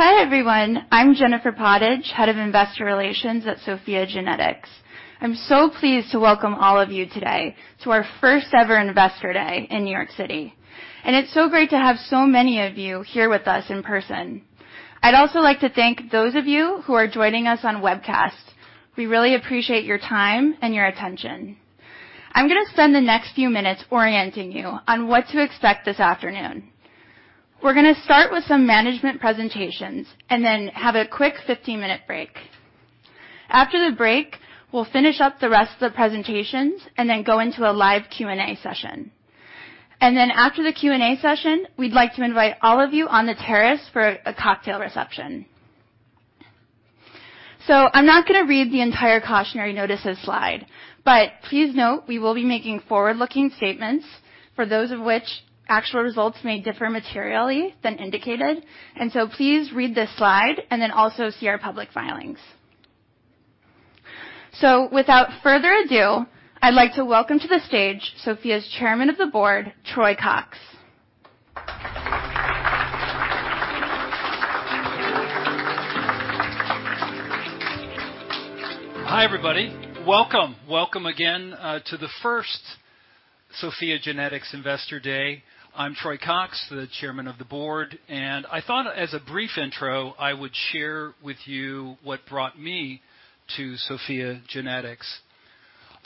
Hi, everyone. I'm Jennifer Pottage, Head of Investor Relations at SOPHiA GENETICS. I'm so pleased to welcome all of you today to our first ever Investor Day in New York City. It's so great to have so many of you here with us in person. I'd also like to thank those of you who are joining us on webcast. We really appreciate your time and your attention. I'm gonna spend the next few minutes orienting you on what to expect this afternoon. We're gonna start with some management presentations and then have a quick 15-minute break. After the break, we'll finish up the rest of the presentations and then go into a live Q&A session. Then after the Q&A session, we'd like to invite all of you on the terrace for a cocktail reception. I'm not gonna read the entire cautionary notices slide, but please note, we will be making forward-looking statements for those of which actual results may differ materially than indicated. Please read this slide and then also see our public filings. Without further ado, I'd like to welcome to the stage SOPHiA's Chairman of the Board, Troy Cox. Hi, everybody. Welcome. Welcome again to the first SOPHiA GENETICS Investor Day. I'm Troy Cox, the Chairman of the Board, and I thought as a brief intro, I would share with you what brought me to SOPHiA GENETICS.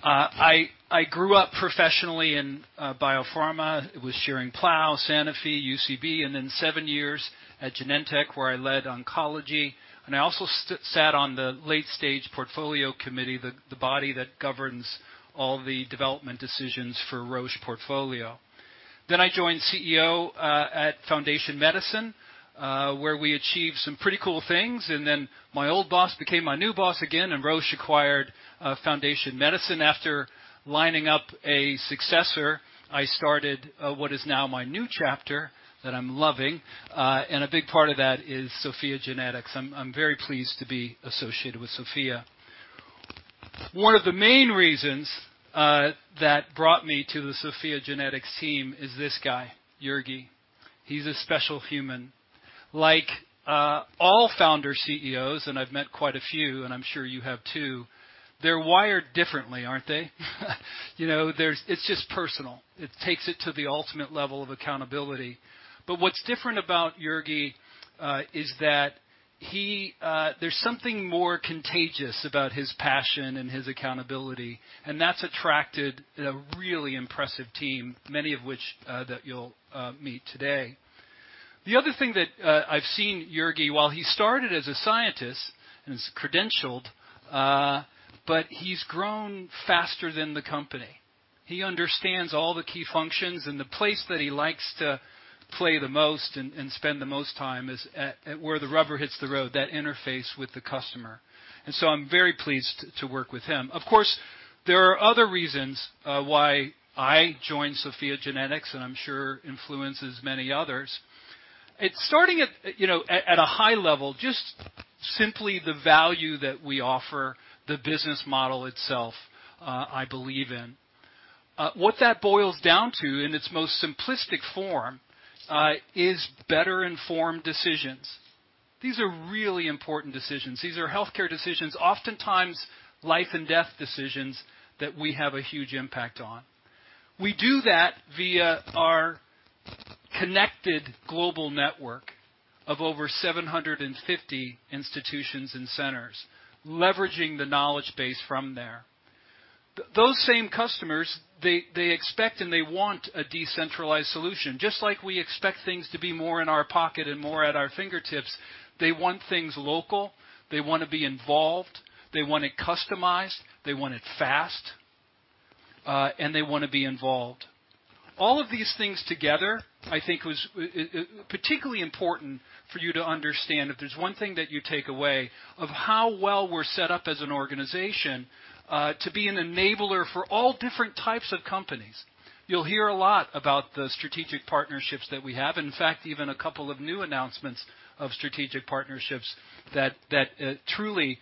I grew up professionally in biopharma with Schering-Plough, Sanofi, UCB, and then seven years at Genentech, where I led oncology. I also sat on the late-stage portfolio committee, the body that governs all the development decisions for Roche portfolio. I joined as CEO at Foundation Medicine, where we achieved some pretty cool things. My old boss became my new boss again, and Roche acquired Foundation Medicine. After lining up a successor, I started what is now my new chapter that I'm loving, and a big part of that is SOPHiA GENETICS. I'm very pleased to be associated with SOPHiA. One of the main reasons that brought me to the SOPHiA GENETICS team is this guy, Jurgi. He's a special human. Like, all founder CEOs, and I've met quite a few, and I'm sure you have too, they're wired differently, aren't they? You know, it's just personal. It takes it to the ultimate level of accountability. But what's different about Jurgi is that he, there's something more contagious about his passion and his accountability, and that's attracted a really impressive team, many of which that you'll meet today. The other thing that I've seen Jurgi, while he started as a scientist, and is credentialed, but he's grown faster than the company. He understands all the key functions and the place that he likes to play the most and spend the most time is at where the rubber hits the road, that interface with the customer. I'm very pleased to work with him. Of course, there are other reasons why I joined SOPHiA GENETICS, and I'm sure influences many others. It's starting at, you know, at a high level, just simply the value that we offer, the business model itself, I believe in. What that boils down to in its most simplistic form is better informed decisions. These are really important decisions. These are healthcare decisions, oftentimes life and death decisions, that we have a huge impact on. We do that via our connected global network of over 750 institutions and centers, leveraging the knowledge base from there. Those same customers, they expect and they want a decentralized solution. Just like we expect things to be more in our pocket and more at our fingertips, they want things local, they wanna be involved, they want it customized, they want it fast, and they wanna be involved. All of these things together, I think was particularly important for you to understand, if there's one thing that you take away, of how well we're set up as an organization, to be an enabler for all different types of companies. You'll hear a lot about the strategic partnerships that we have, in fact, even a couple of new announcements of strategic partnerships that truly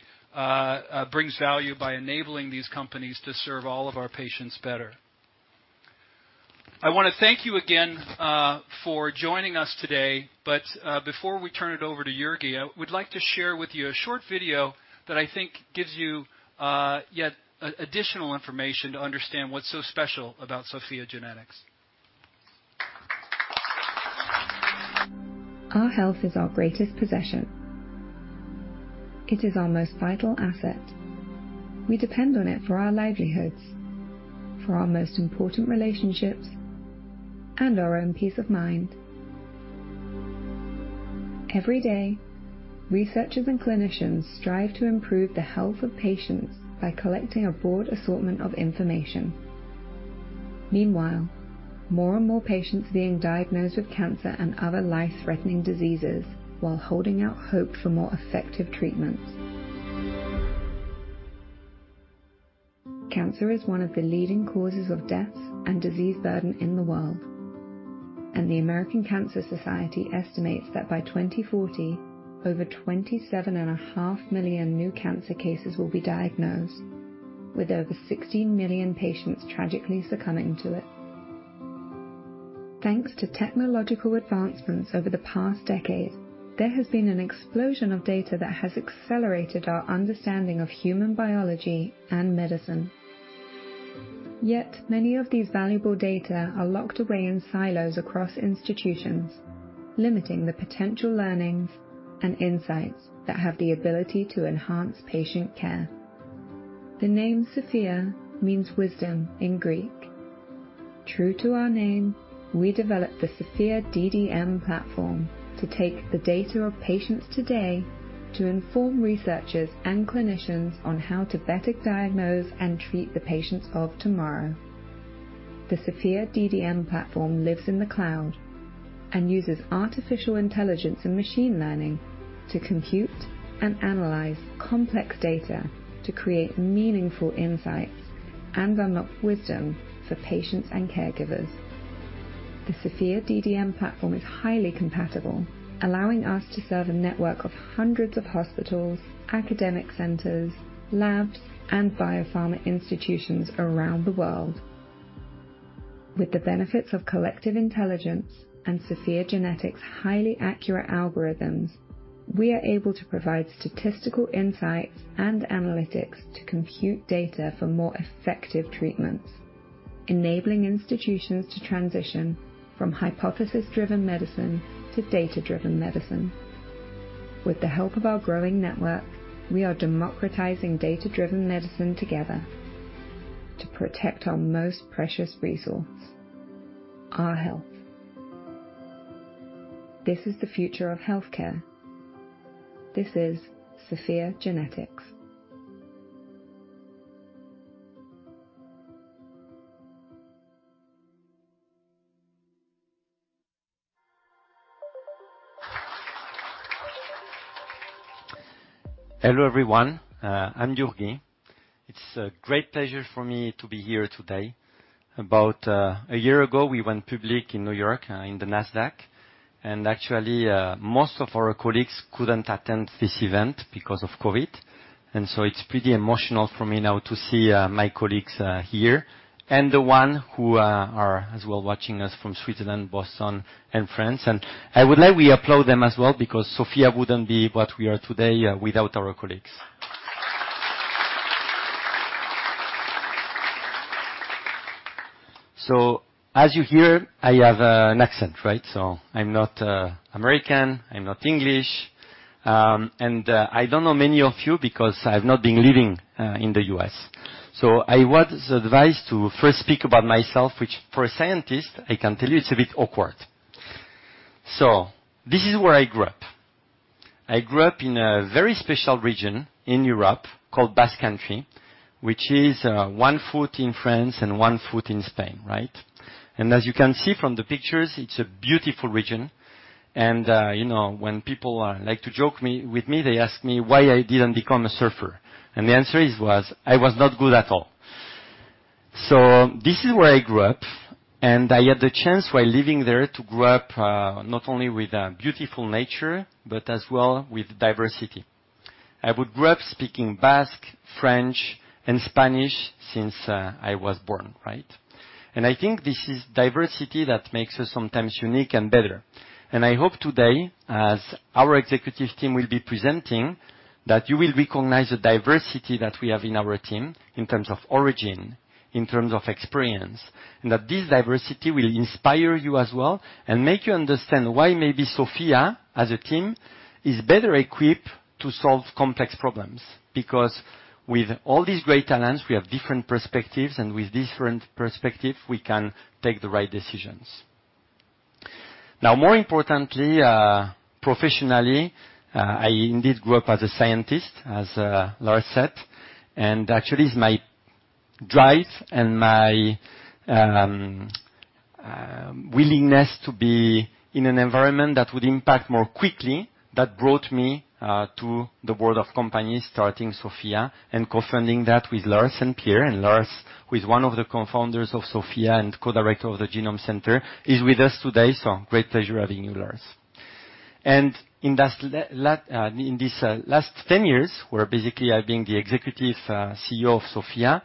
brings value by enabling these companies to serve all of our patients better. I wanna thank you again for joining us today, but before we turn it over to Jurgi, I would like to share with you a short video that I think gives you yet additional information to understand what's so special about SOPHiA GENETICS. Our health is our greatest possession. It is our most vital asset. We depend on it for our livelihoods, for our most important relationships, and our own peace of mind. Every day, researchers and clinicians strive to improve the health of patients by collecting a broad assortment of information. Meanwhile, more and more patients are being diagnosed with cancer and other life-threatening diseases while holding out hope for more effective treatments. Cancer is one of the leading causes of deaths and disease burden in the world, and the American Cancer Society estimates that by 2040, over 27.5 million new cancer cases will be diagnosed. With over 16 million patients tragically succumbing to it. Thanks to technological advancements over the past decade, there has been an explosion of data that has accelerated our understanding of human biology and medicine. Yet many of these valuable data are locked away in silos across institutions, limiting the potential learnings and insights that have the ability to enhance patient care. The name SOPHiA means wisdom in Greek. True to our name, we developed the SOPHiA DDM platform to take the data of patients today to inform researchers and clinicians on how to better diagnose and treat the patients of tomorrow. The SOPHiA DDM platform lives in the cloud and uses artificial intelligence and machine learning to compute and analyze complex data to create meaningful insights and unlock wisdom for patients and caregivers. The SOPHiA DDM platform is highly compatible, allowing us to serve a network of hundreds of hospitals, academic centers, labs, and biopharma institutions around the world. With the benefits of collective intelligence and SOPHiA GENETICS' highly accurate algorithms, we are able to provide statistical insights and analytics to compute data for more effective treatments. Enabling institutions to transition from hypothesis-driven medicine to data-driven medicine. With the help of our growing network, we are democratizing data-driven medicine together to protect our most precious resource, our health. This is the future of healthcare. This is SOPHiA GENETICS. Hello, everyone. I'm Jurgi. It's a great pleasure for me to be here today. About a year ago, we went public in New York, in the Nasdaq. Most of our colleagues couldn't attend this event because of COVID, and so it's pretty emotional for me now to see my colleagues here and the one who are as well watching us from Switzerland, Boston and France. I would like we applaud them as well because SOPHiA wouldn't be what we are today without our colleagues. As you hear, I have an accent, right? I'm not American, I'm not English, and I don't know many of you because I've not been living in the U.S. I was advised to first speak about myself, which for a scientist, I can tell you, it's a bit awkward. This is where I grew up. I grew up in a very special region in Europe called Basque Country, which is one foot in France and one foot in Spain, right? As you can see from the pictures, it's a beautiful region. You know, when people like to joke with me, they ask me why I didn't become a surfer. The answer is I was not good at all. This is where I grew up, and I had the chance while living there to grow up not only with beautiful nature but as well with diversity. I would grow up speaking Basque, French and Spanish since I was born, right? I think this is diversity that makes us sometimes unique and better. I hope today, as our executive team will be presenting, that you will recognize the diversity that we have in our team in terms of origin, in terms of experience, and that this diversity will inspire you as well and make you understand why maybe SOPHiA as a team is better equipped to solve complex problems. Because with all these great talents, we have different perspectives, and with different perspective, we can take the right decisions. Now, more importantly, professionally, I indeed grew up as a scientist, as Lars said, and actually is my drive and my willingness to be in an environment that would impact more quickly that brought me to the world of companies starting SOPHiA and co-founding that with Lars and Pierre. Lars, who is one of the co-founders of SOPHiA and co-director of the Stanford Genome Technology Center, is with us today. Great pleasure having you, Lars. In this last 10 years, where basically I've been the executive CEO of SOPHiA.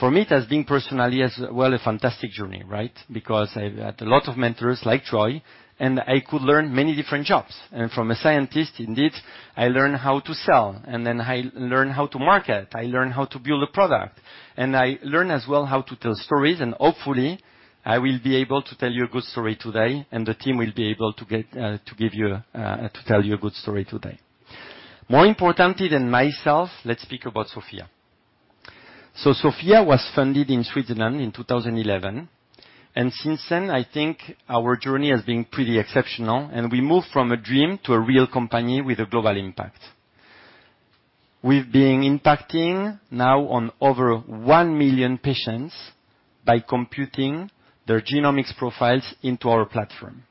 For me, it has been personally as well, a fantastic journey, right? Because I've had a lot of mentors like Troy, and I could learn many different jobs. From a scientist, indeed, I learned how to sell, and then I learned how to market, I learned how to build a product, and I learned as well how to tell stories. Hopefully, I will be able to tell you a good story today, and the team will be able to tell you a good story today. More importantly than myself, let's speak about SOPHiA. SOPHiA GENETICS was founded in Switzerland in 2011, and since then, I think our journey has been pretty exceptional, and we moved from a dream to a real company with a global impact. We've been impacting now on over 1 million patients by computing their genomics profiles into our platform.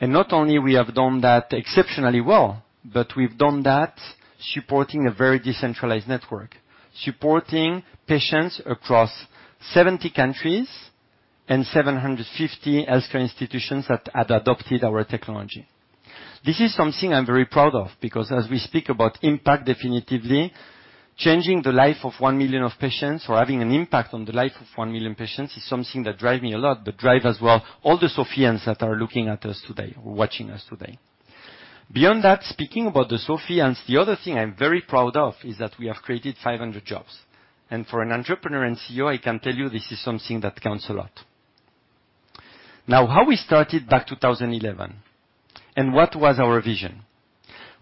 Not only we have done that exceptionally well, but we've done that supporting a very decentralized network. Supporting patients across 70 countries and 750 healthcare institutions that had adopted our technology. This is something I'm very proud of because as we speak about impact, definitely changing the life of 1 million of patients or having an impact on the life of 1 million patients is something that drives me a lot. Drive as well all the SOPHiANs that are looking at us today or watching us today. Beyond that, speaking about the SOPHiANs, the other thing I'm very proud of is that we have created 500 jobs. For an entrepreneur and CEO, I can tell you this is something that counts a lot. Now, how we started back 2011 and what was our vision?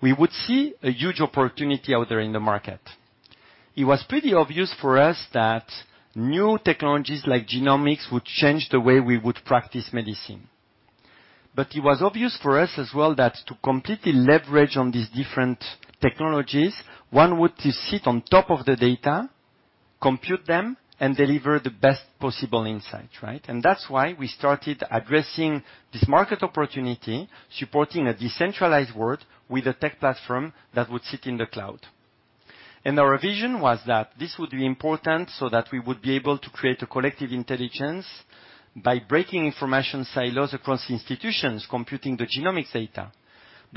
We would see a huge opportunity out there in the market. It was pretty obvious for us that new technologies like genomics would change the way we would practice medicine. It was obvious for us as well that to completely leverage on these different technologies, one would sit on top of the data, compute them, and deliver the best possible insight, right? That's why we started addressing this market opportunity, supporting a decentralized world with a tech platform that would sit in the cloud. Our vision was that this would be important so that we would be able to create a collective intelligence by breaking information silos across institutions, computing the genomics data.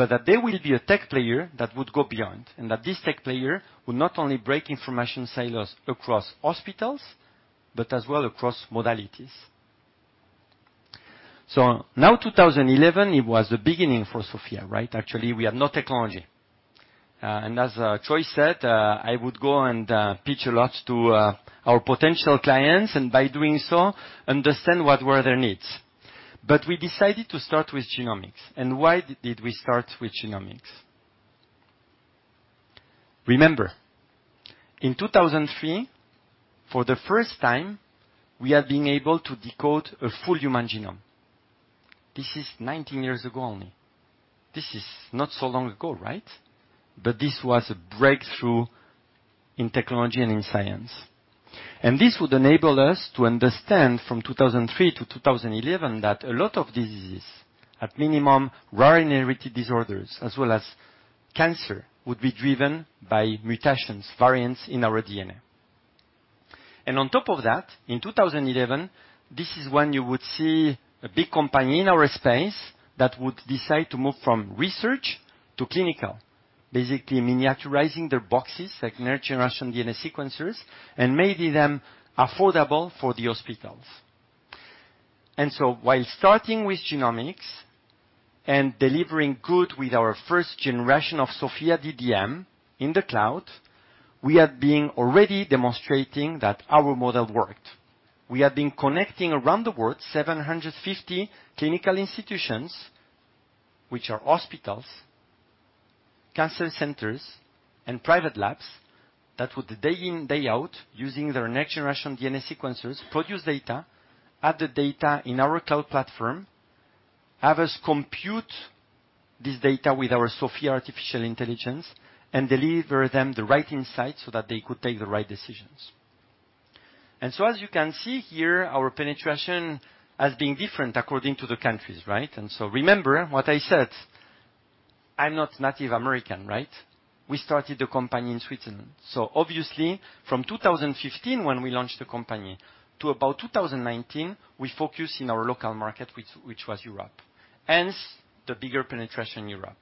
That there will be a tech player that would go beyond, and that this tech player will not only break information silos across hospitals, but as well across modalities. Now, 2011, it was the beginning for SOPHiA, right? Actually, we had no technology. As Troy said, I would go and pitch a lot to our potential clients, and by doing so, understand what were their needs. We decided to start with genomics. Why did we start with genomics? Remember, in 2003, for the first time, we are being able to decode a full human genome. This is 19 years ago only. This is not so long ago, right? This was a breakthrough in technology and in science. This would enable us to understand from 2003 to 2011 that a lot of diseases, at minimum, rare inherited disorders as well as cancer, would be driven by mutations, variants in our DNA. On top of that, in 2011, this is when you would see a big company in our space that would decide to move from research to clinical. Basically miniaturizing their boxes, like next generation DNA sequencers, and making them affordable for the hospitals. While starting with genomics and delivering good with our first generation of SOPHiA DDM in the cloud, we are being already demonstrating that our model worked. We have been connecting around the world 750 clinical institutions, which are hospitals, cancer centers, and private labs, that would day in, day out, using their next generation DNA sequencers, produce data, add the data in our cloud platform, have us compute this data with our SOPHiA artificial intelligence, and deliver them the right insights so that they could take the right decisions. As you can see here, our penetration has been different according to the countries, right? Remember what I said, I'm not Native American, right? We started the company in Switzerland. Obviously from 2015 when we launched the company to about 2019, we focus in our local market, which was Europe, hence the bigger penetration in Europe.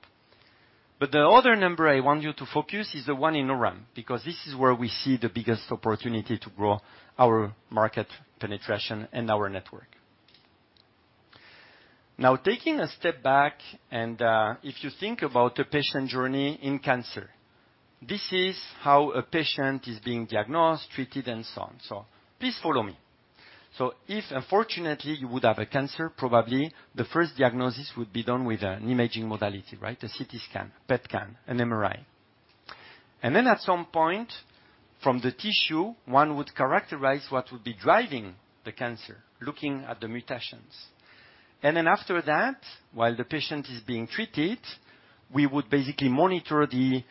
The other number I want you to focus is the one in orange, because this is where we see the biggest opportunity to grow our market penetration and our network. Now taking a step back and if you think about the patient journey in cancer, this is how a patient is being diagnosed, treated and so on. Please follow me. If unfortunately you would have a cancer, probably the first diagnosis would be done with an imaging modality, right? A CT scan, PET scan, an MRI. Then at some point from the tissue, one would characterize what would be driving the cancer, looking at the mutations. Then after that, while the patient is being treated, we would basically monitor the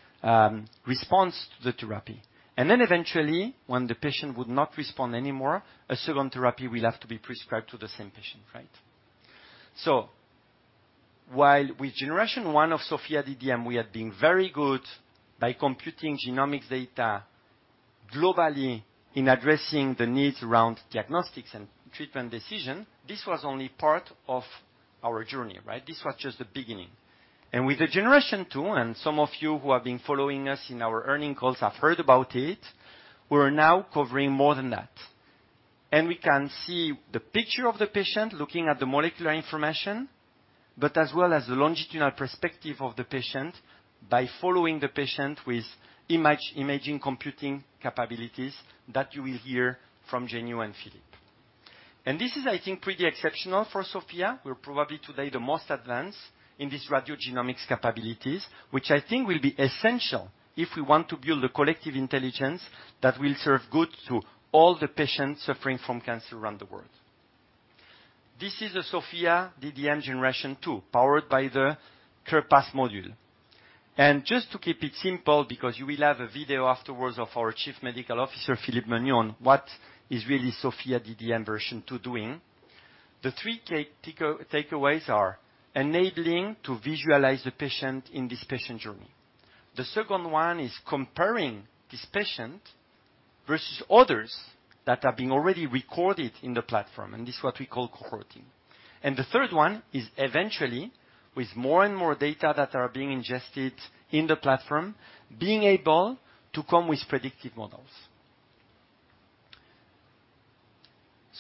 response to the therapy. Then eventually when the patient would not respond anymore, a second therapy will have to be prescribed to the same patient, right? While with generation one of SOPHiA DDM, we have been very good by computing genomics data globally in addressing the needs around diagnostics and treatment decision. This was only part of our journey, right? This was just the beginning. With the generation two, and some of you who have been following us in our earnings calls have heard about it, we're now covering more than that. We can see the picture of the patient looking at the molecular information, but as well as the longitudinal perspective of the patient by following the patient with imaging computing capabilities that you will hear from Zhenyu Xu and Philippe Menu. This is, I think, pretty exceptional for SOPHiA. We're probably today the most advanced in this radiogenomics capabilities, which I think will be essential if we want to build a collective intelligence that will serve good to all the patients suffering from cancer around the world. This is a SOPHiA DDM Gen 2 powered by the CarePath module. Just to keep it simple, because you will have a video afterwards of our Chief Medical Officer, Philippe Menu, what is really SOPHiA DDM version two doing. The three takeaways are enabling to visualize the patient in this patient journey. The second one is comparing this patient versus others that are being already recorded in the platform, and this is what we call cohorting. The third one is eventually, with more and more data that are being ingested in the platform, being able to come with predictive models.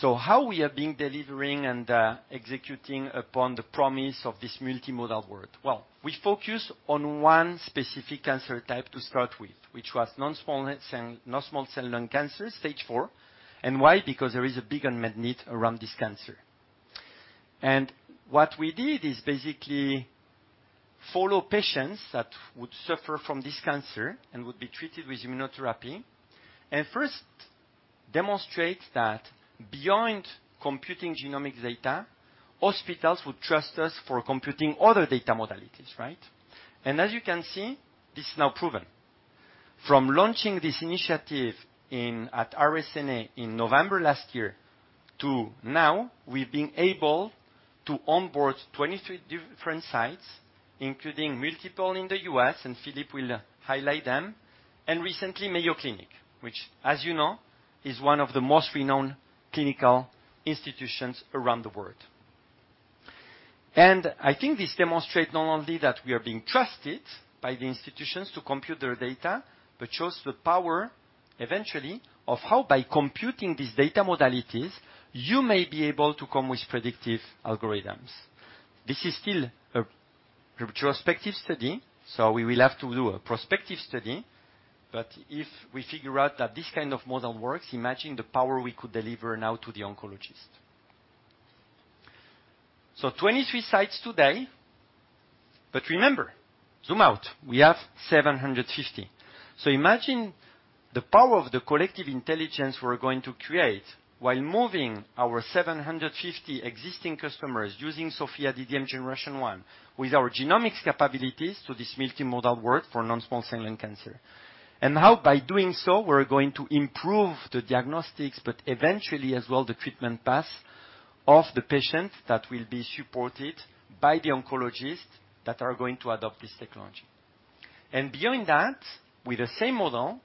How we are being delivering and, executing upon the promise of this multimodal world? Well, we focus on one specific cancer type to start with, which was non-small cell lung cancer, stage four. Why? Because there is a big unmet need around this cancer. What we did is basically follow patients that would suffer from this cancer and would be treated with immunotherapy, and first demonstrate that beyond computing genomic data, hospitals would trust us for computing other data modalities, right? As you can see, this is now proven. From launching this initiative in at RSNA in November last year to now, we've been able to onboard 23 different sites, including multiple in the U.S., and Philippe will highlight them. Recently Mayo Clinic, which as you know, is one of the most renowned clinical institutions around the world. I think this demonstrates not only that we are being trusted by the institutions to compute their data, but shows the power eventually of how by computing these data modalities, you may be able to come with predictive algorithms. This is still a retrospective study, so we will have to do a prospective study. If we figure out that this kind of model works, imagine the power we could deliver now to the oncologist. 23 sites today. Remember, zoom out, we have 750. Imagine the power of the collective intelligence we're going to create while moving our 750 existing customers using SOPHiA DDM Gen 1 with our genomics capabilities to this multimodal world for non-small cell lung cancer. How by doing so, we're going to improve the diagnostics, but eventually as well, the treatment path of the patient that will be supported by the oncologists that are going to adopt this technology. Beyond that, with the same model,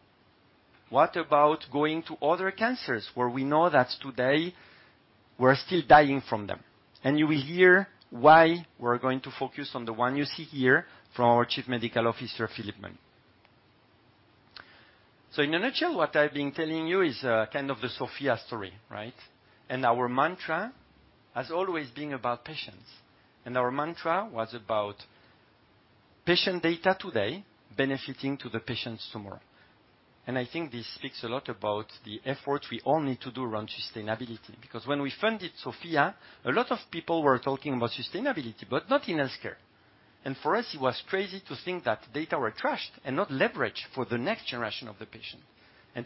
what about going to other cancers where we know that today we're still dying from them? You will hear why we're going to focus on the one you see here from our Chief Medical Officer, Philippe Menu. In a nutshell, what I've been telling you is, kind of the SOPHiA story, right? Our mantra has always been about patients, and our mantra was about patient data today benefiting to the patients tomorrow. I think this speaks a lot about the effort we all need to do around sustainability. Because when we founded SOPHiA, a lot of people were talking about sustainability, but not in healthcare. For us, it was crazy to think that data were trashed and not leveraged for the next generation of the patient.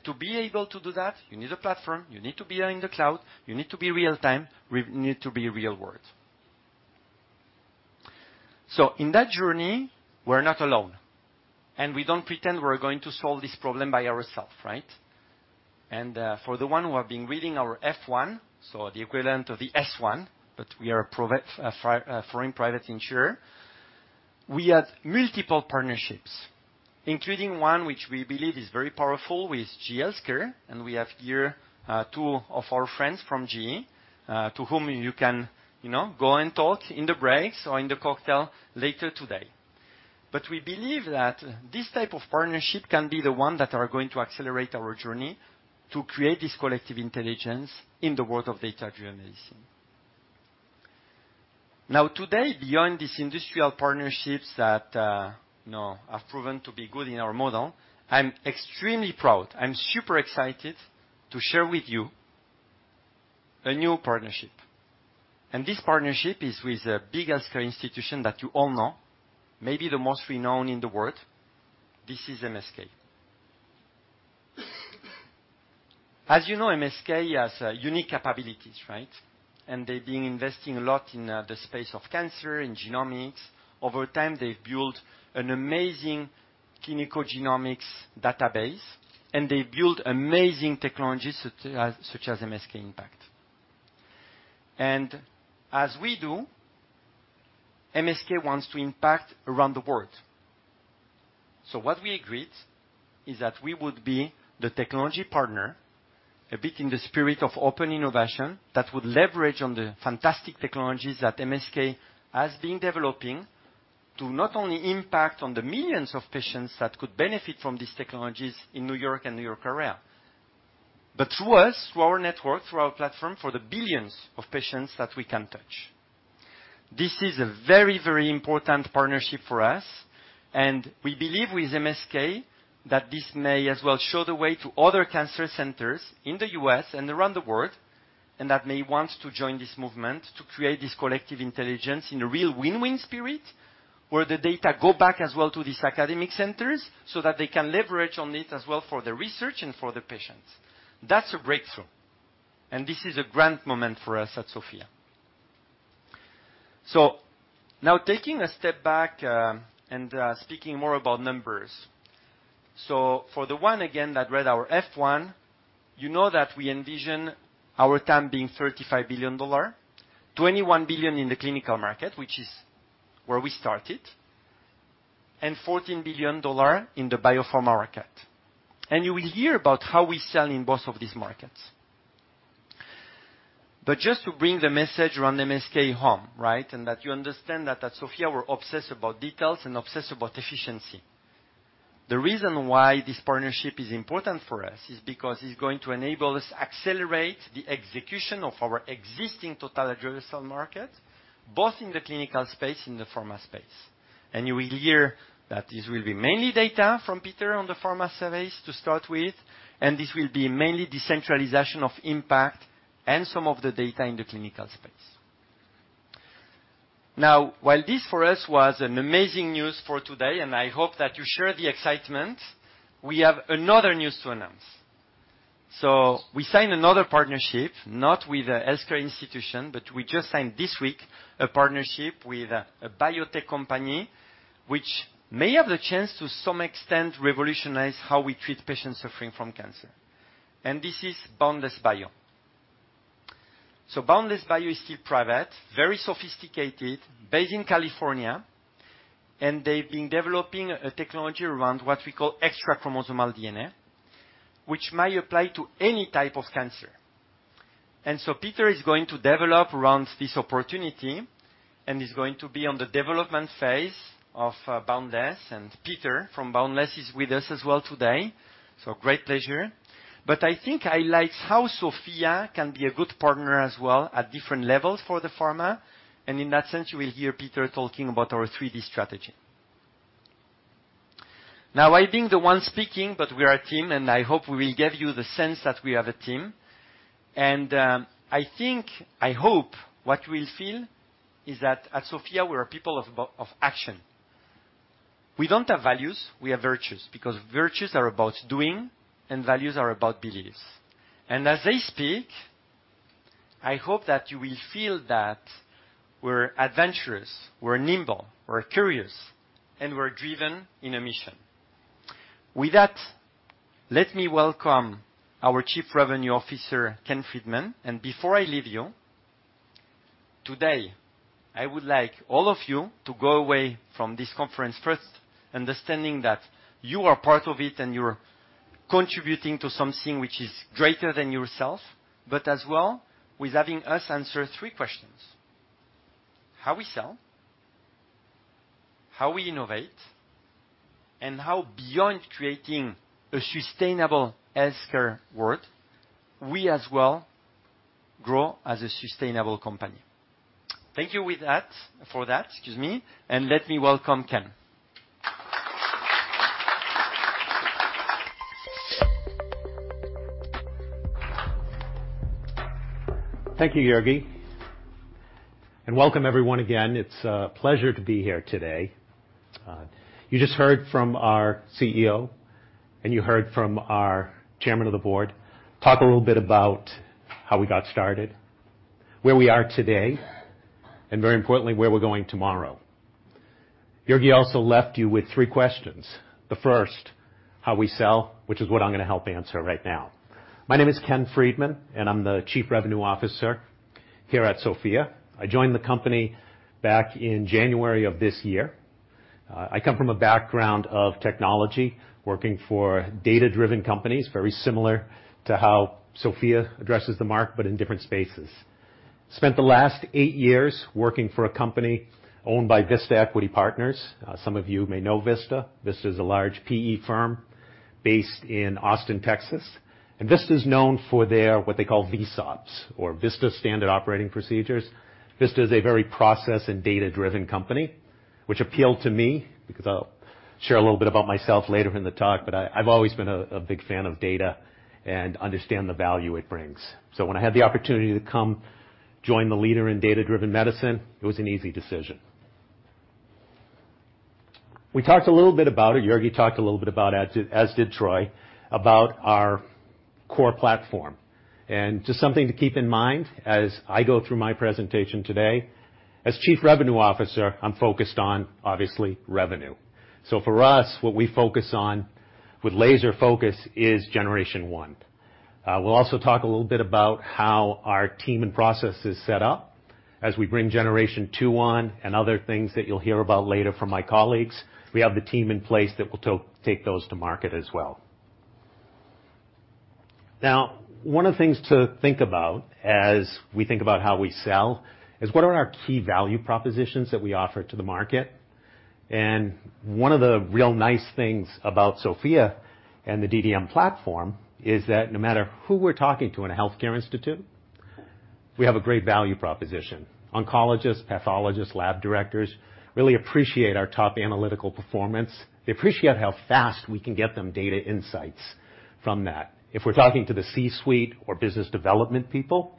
To be able to do that, you need a platform, you need to be in the cloud, you need to be real time, we need to be real world. In that journey, we're not alone, and we don't pretend we're going to solve this problem by ourself, right? For the one who have been reading our F-1, so the equivalent of the S-1, but we are a foreign private issuer. We have multiple partnerships, including one which we believe is very powerful with GE HealthCare, and we have here, two of our friends from GE, to whom you can, you know, go and talk in the breaks or in the cocktail later today. We believe that this type of partnership can be the one that are going to accelerate our journey to create this collective intelligence in the world of data-driven medicine. Now, today, beyond these industrial partnerships that, you know, have proven to be good in our model, I'm extremely proud, I'm super excited to share with you a new partnership. This partnership is with the biggest healthcare institution that you all know, maybe the most renowned in the world. This is MSK. As you know, MSK has unique capabilities, right? They've been investing a lot in the space of cancer and genomics. Over time, they've built an amazing clinical genomics database, and they've built amazing technologies such as MSK-IMPACT. As we do, MSK wants to impact around the world. What we agreed is that we would be the technology partner, a bit in the spirit of open innovation, that would leverage on the fantastic technologies that MSK has been developing to not only impact on the millions of patients that could benefit from these technologies in New York and New York area. Through us, through our network, through our platform, for the billions of patients that we can. This is a very, very important partnership for us, and we believe with MSK that this may as well show the way to other cancer centers in the US and around the world, and that may want to join this movement to create this collective intelligence in a real win-win spirit, where the data go back as well to these academic centers so that they can leverage on it as well for the research and for the patients. That's a breakthrough, and this is a grand moment for us at SOPHiA. Now taking a step back, speaking more about numbers. For those again that read our F-1, you know that we envision our TAM being $35 billion, $21 billion in the clinical market, which is where we started. $14 billion in the biopharma market. You will hear about how we sell in both of these markets. Just to bring the message around MSK home, right? That you understand that at SOPHiA we're obsessed about details and obsessed about efficiency. The reason why this partnership is important for us is because it's going to enable us accelerate the execution of our existing total addressable market, both in the clinical space and the pharma space. You will hear that this will be mainly data from Peter on the pharma surveys to start with, and this will be mainly decentralization of MSK-IMPACT and some of the data in the clinical space. Now, while this for us was an amazing news for today, and I hope that you share the excitement, we have another news to announce. We signed another partnership, not with a healthcare institution, but we just signed this week a partnership with a biotech company which may have the chance to some extent revolutionize how we treat patients suffering from cancer. This is Boundless Bio. Boundless Bio is still private, very sophisticated, based in California, and they've been developing a technology around what we call extrachromosomal DNA, which may apply to any type of cancer. Peter is going to develop around this opportunity and is going to be on the development phase of Boundless. Peter from Boundless is with us as well today, so great pleasure. I think I like how SOPHiA can be a good partner as well at different levels for the pharma. In that sense, you will hear Peter talking about our 3D strategy. Now, I being the one speaking, but we are a team, and I hope we will give you the sense that we are a team. I think, I hope what we'll feel is that at SOPHiA we are people of action. We don't have values, we have virtues, because virtues are about doing, and values are about beliefs. As I speak, I hope that you will feel that we're adventurous, we're nimble, we're curious, and we're driven in a mission. With that, let me welcome our Chief Revenue Officer, Ken Freedman. Before I leave you, today, I would like all of you to go away from this conference first understanding that you are part of it and you're contributing to something which is greater than yourself, but as well with having us answer three questions. How we sell, how we innovate, and how beyond creating a sustainable healthcare world, we as well grow as a sustainable company. Thank you with that, for that, excuse me, and let me welcome Ken. Thank you, Jurgi. Welcome everyone again. It's a pleasure to be here today. You just heard from our CEO, and you heard from our chairman of the board, talk a little bit about how we got started, where we are today, and very importantly, where we're going tomorrow. Jurgi also left you with three questions. The first, how we sell, which is what I'm gonna help answer right now. My name is Ken Freedman, and I'm the Chief Revenue Officer here at SOPHiA. I joined the company back in January of this year. I come from a background of technology, working for data-driven companies, very similar to how SOPHiA addresses the market, but in different spaces. Spent the last eight years working for a company owned by Vista Equity Partners. Some of you may know Vista. Vista is a large PE firm based in Austin, Texas. Vista's known for their what they call VSOPs or Vista Standard Operating Procedures. Vista is a very process and data-driven company, which appealed to me, because I'll share a little bit about myself later in the talk, but I've always been a big fan of data and understand the value it brings. When I had the opportunity to come join the leader in data-driven medicine, it was an easy decision. We talked a little bit about it, Jurgi talked a little bit about it, as did Troy, about our core platform. Just something to keep in mind as I go through my presentation today, as Chief Revenue Officer, I'm focused on, obviously, revenue. For us, what we focus on with laser focus is generation one. We'll also talk a little bit about how our team and process is set up as we bring Gen 2 on and other things that you'll hear about later from my colleagues. We have the team in place that will take those to market as well. Now, one of the things to think about as we think about how we sell is what are our key value propositions that we offer to the market. One of the real nice things about SOPHiA and the DDM platform is that no matter who we're talking to in a healthcare institute, we have a great value proposition. Oncologists, pathologists, lab directors really appreciate our top analytical performance. They appreciate how fast we can get them data insights from that. If we're talking to the C-suite or business development people,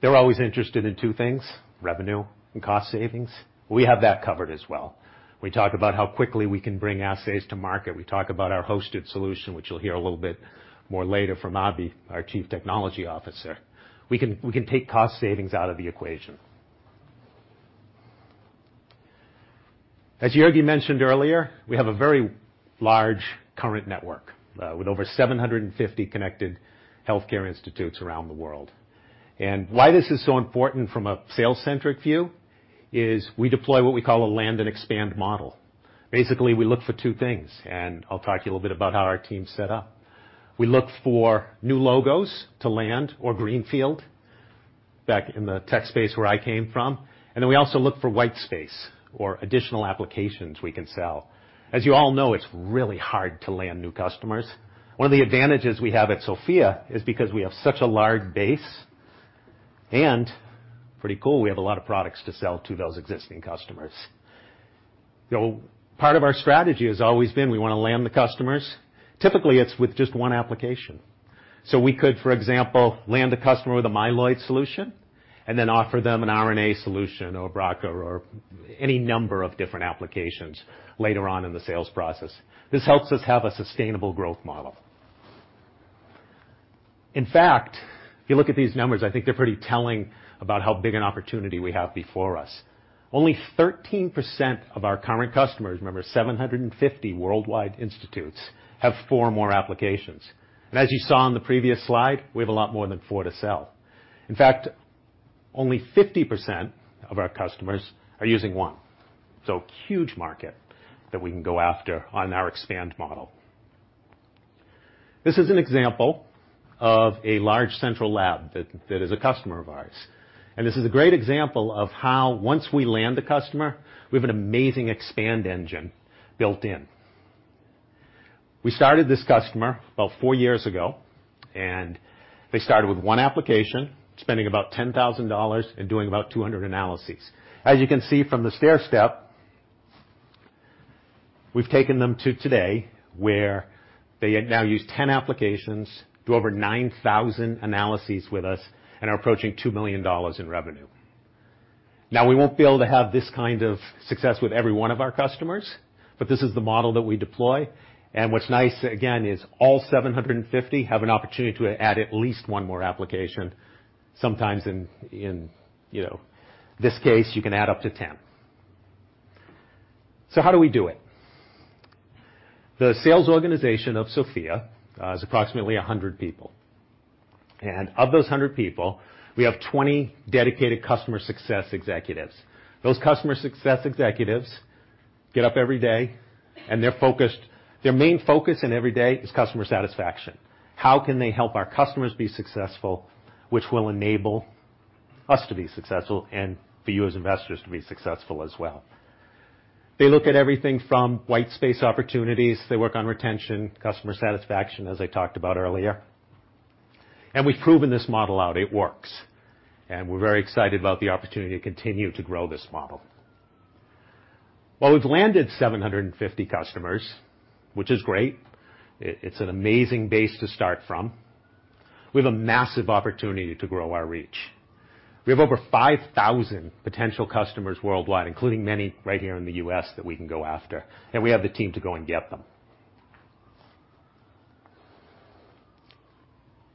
they're always interested in two things, revenue and cost savings. We have that covered as well. We talk about how quickly we can bring assays to market. We talk about our hosted solution, which you'll hear a little bit more later from Abhi, our Chief Technology Officer. We can take cost savings out of the equation. As Jurgi mentioned earlier, we have a very large current network with over 750 connected healthcare institutes around the world. Why this is so important from a sales-centric view is we deploy what we call a land and expand model. Basically, we look for two things, and I'll talk to you a little bit about how our team's set up. We look for new logos to land or greenfield, back in the tech space where I came from, and then we also look for white space or additional applications we can sell. As you all know, it's really hard to land new customers. One of the advantages we have at SOPHiA is because we have such a large base and, pretty cool, we have a lot of products to sell to those existing customers. You know, part of our strategy has always been we wanna land the customers. Typically, it's with just one application. We could, for example, land a customer with a Myeloid Solution and then offer them an RNA solution or BRCA or any number of different applications later on in the sales process. This helps us have a sustainable growth model. In fact, if you look at these numbers, I think they're pretty telling about how big an opportunity we have before us. Only 13% of our current customers, remember, 750 worldwide institutes, have four or more applications. As you saw on the previous slide, we have a lot more than four to sell. In fact, only 50% of our customers are using one. Huge market that we can go after on our expand model. This is an example of a large central lab that is a customer of ours, and this is a great example of how once we land the customer, we have an amazing expand engine built in. We started this customer about four years ago, and they started with one application, spending about $10,000 and doing about 200 analyses. As you can see from the stairstep, we've taken them to today, where they now use 10 applications, do over 9,000 analyses with us, and are approaching $2 million in revenue. Now, we won't be able to have this kind of success with every one of our customers, but this is the model that we deploy. What's nice, again, is all 750 have an opportunity to add at least one more application, sometimes in, you know, this case, you can add up to 10. How do we do it? The sales organization of SOPHiA is approximately 100 people. Of those 100 people, we have 20 dedicated customer success executives. Those customer success executives get up every day, and they're focused. Their main focus every day is customer satisfaction. How can they help our customers be successful, which will enable us to be successful and for you as investors to be successful as well? They look at everything from white space opportunities. They work on retention, customer satisfaction, as I talked about earlier. We've proven this model out. It works. We're very excited about the opportunity to continue to grow this model. While we've landed 750 customers, which is great, it's an amazing base to start from, we have a massive opportunity to grow our reach. We have over 5,000 potential customers worldwide, including many right here in the U.S., that we can go after, and we have the team to go and get them.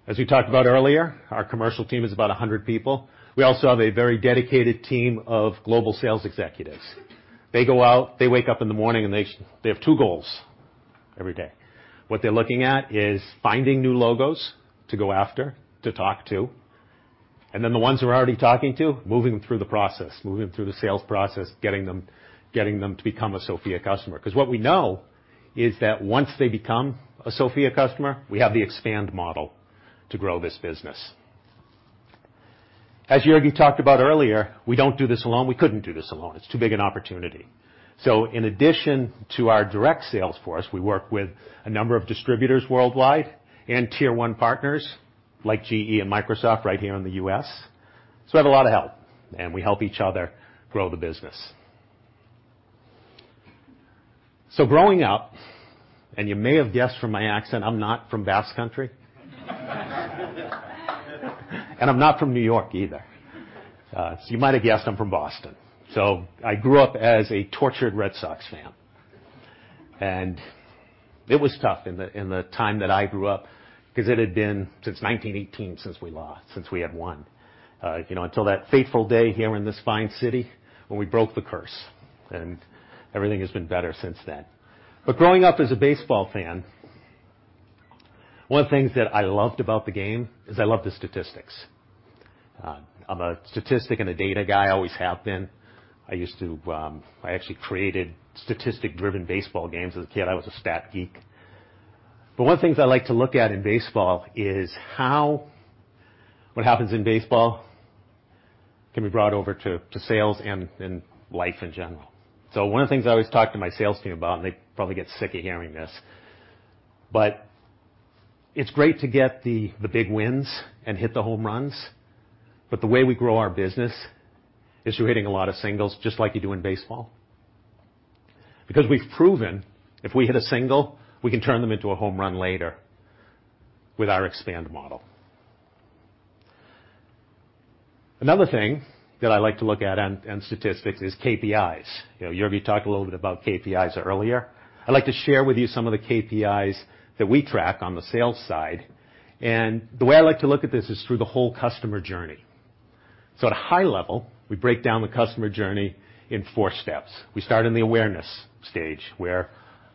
As we talked about earlier, our commercial team is about 100 people. We also have a very dedicated team of global sales executives. They go out, they wake up in the morning, and they have two goals every day. What they're looking at is finding new logos to go after, to talk to, and then the ones we're already talking to, moving them through the process, moving them through the sales process, getting them to become a SOPHiA customer. 'Cause what we know is that once they become a SOPHiA customer, we have the expand model to grow this business. As Jurgen talked about earlier, we don't do this alone. We couldn't do this alone. It's too big an opportunity. In addition to our direct sales force, we work with a number of distributors worldwide and tier one partners like GE and Microsoft right here in the U.S. We have a lot of help, and we help each other grow the business. Growing up, and you may have guessed from my accent, I'm not from Basque Country. I'm not from New York either. You might have guessed I'm from Boston. I grew up as a tortured Red Sox fan. It was tough in the time that I grew up 'cause it had been since 1918 since we had won. You know, until that fateful day here in this fine city when we broke the curse, and everything has been better since then. Growing up as a baseball fan, one of the things that I loved about the game is I loved the statistics. I'm a statistic and a data guy, always have been. I used to, I actually created statistic-driven baseball games as a kid. I was a stat geek. One of the things I like to look at in baseball is how what happens in baseball can be brought over to sales and life in general. One of the things I always talk to my sales team about, and they probably get sick of hearing this, but it's great to get the big wins and hit the home runs, but the way we grow our business is through hitting a lot of singles, just like you do in baseball. Because we've proven if we hit a single, we can turn them into a home run later with our expand model. Another thing that I like to look at in statistics is KPIs. You know, Jurgen talked a little bit about KPIs earlier. I'd like to share with you some of the KPIs that we track on the sales side, and the way I like to look at this is through the whole customer journey. At a high level, we break down the customer journey in four steps. We start in the awareness stage, where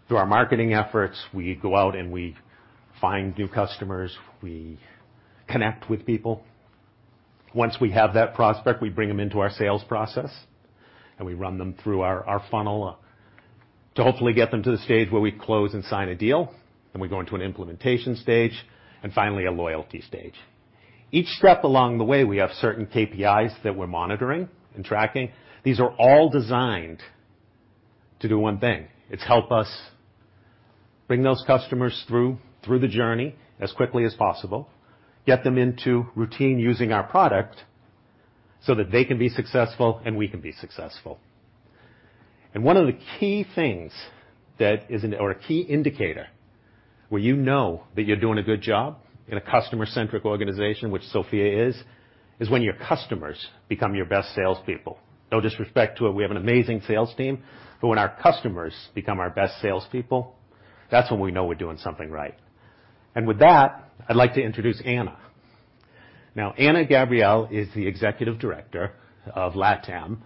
through our marketing efforts, we go out and we find new customers, we connect with people. Once we have that prospect, we bring them into our sales process, and we run them through our funnel to hopefully get them to the stage where we close and sign a deal. Then we go into an implementation stage, and finally a loyalty stage. Each step along the way, we have certain KPIs that we're monitoring and tracking. These are all designed to do one thing. It helps us bring those customers through the journey as quickly as possible, get them into routine using our product so that they can be successful and we can be successful. One of the key things that is or a key indicator where you know that you're doing a good job in a customer-centric organization, which SOPHiA is when your customers become your best salespeople. No disrespect to it. We have an amazing sales team, but when our customers become our best salespeople, that's when we know we're doing something right. With that, I'd like to introduce Ana. Now, Ana Gabriela is the Executive Director of LATAM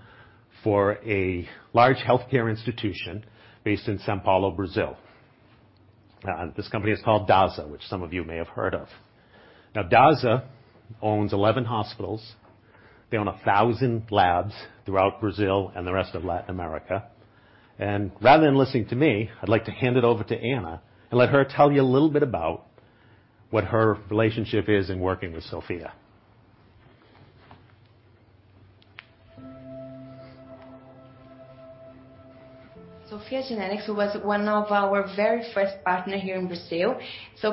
for a large healthcare institution based in São Paulo, Brazil. This company is called Dasa, which some of you may have heard of. Now, Dasa owns 11 hospitals. They own 1,000 labs throughout Brazil and the rest of Latin America. Rather than listening to me, I'd like to hand it over to Ana and let her tell you a little bit about what her relationship is in working with SOPHiA. SOPHiA GENETICS was one of our very first partner here in Brazil.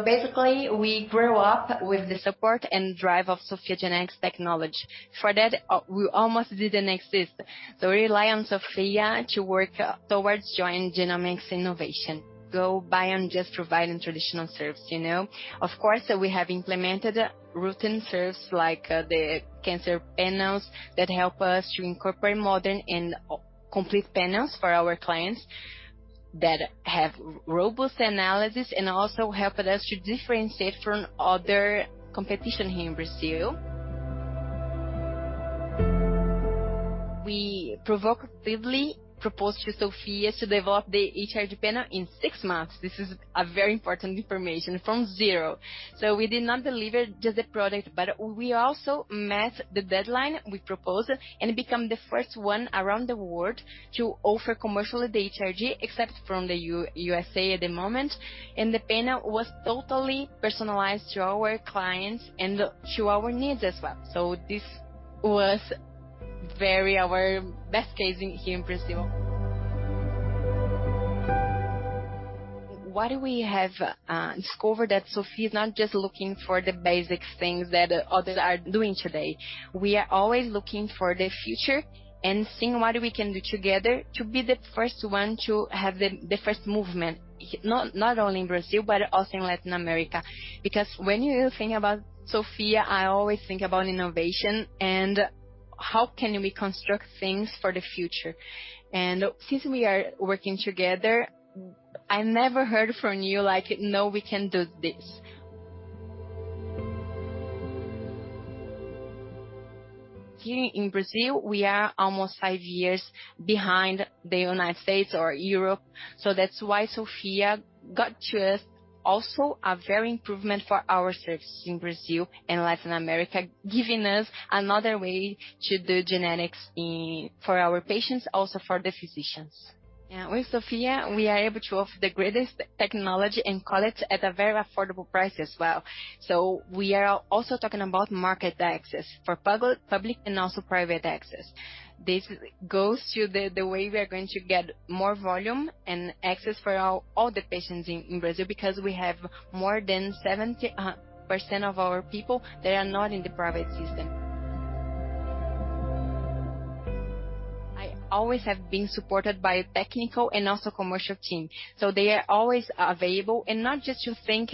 Basically, we grow up with the support and drive of SOPHiA GENETICS technology. For that, we almost didn't exist. We rely on SOPHiA to work towards joint genomics innovation. Not by just providing traditional service, you know? Of course, we have implemented routine service like, the cancer panels that help us to incorporate modern and complete panels for our clients that have robust analysis and also helped us to differentiate from other competition here in Brazil. We proactively proposed to SOPHiA to develop the HRD panel in 6 months. This is a very important information from zero. We did not deliver just the product, but we also met the deadline we proposed and become the first one around the world to offer commercially the HRD, except from the U.S.A at the moment. The panel was totally personalized to our clients and to our needs as well. This was very our best case here in Brazil. What we have discovered that SOPHiA is not just looking for the basic things that others are doing today. We are always looking for the future and seeing what we can do together to be the first one to have the first movement, not only in Brazil, but also in Latin America. Because when you think about SOPHiA, I always think about innovation and how can we construct things for the future. Since we are working together, I never heard from you like, "No, we can do this." Here in Brazil, we are almost five years behind the United States or Europe, so that's why SOPHiA got to us also a very improvement for our service in Brazil and Latin America, giving us another way to do genetics for our patients, also for the physicians. Yeah, with SOPHiA, we are able to offer the greatest technology and call it at a very affordable price as well. We are also talking about market access for public and also private access. This goes to the way we are going to get more volume and access for all the patients in Brazil, because we have more than 70% of our people that are not in the private system. I always have been supported by technical and also commercial team, so they are always available and not just to think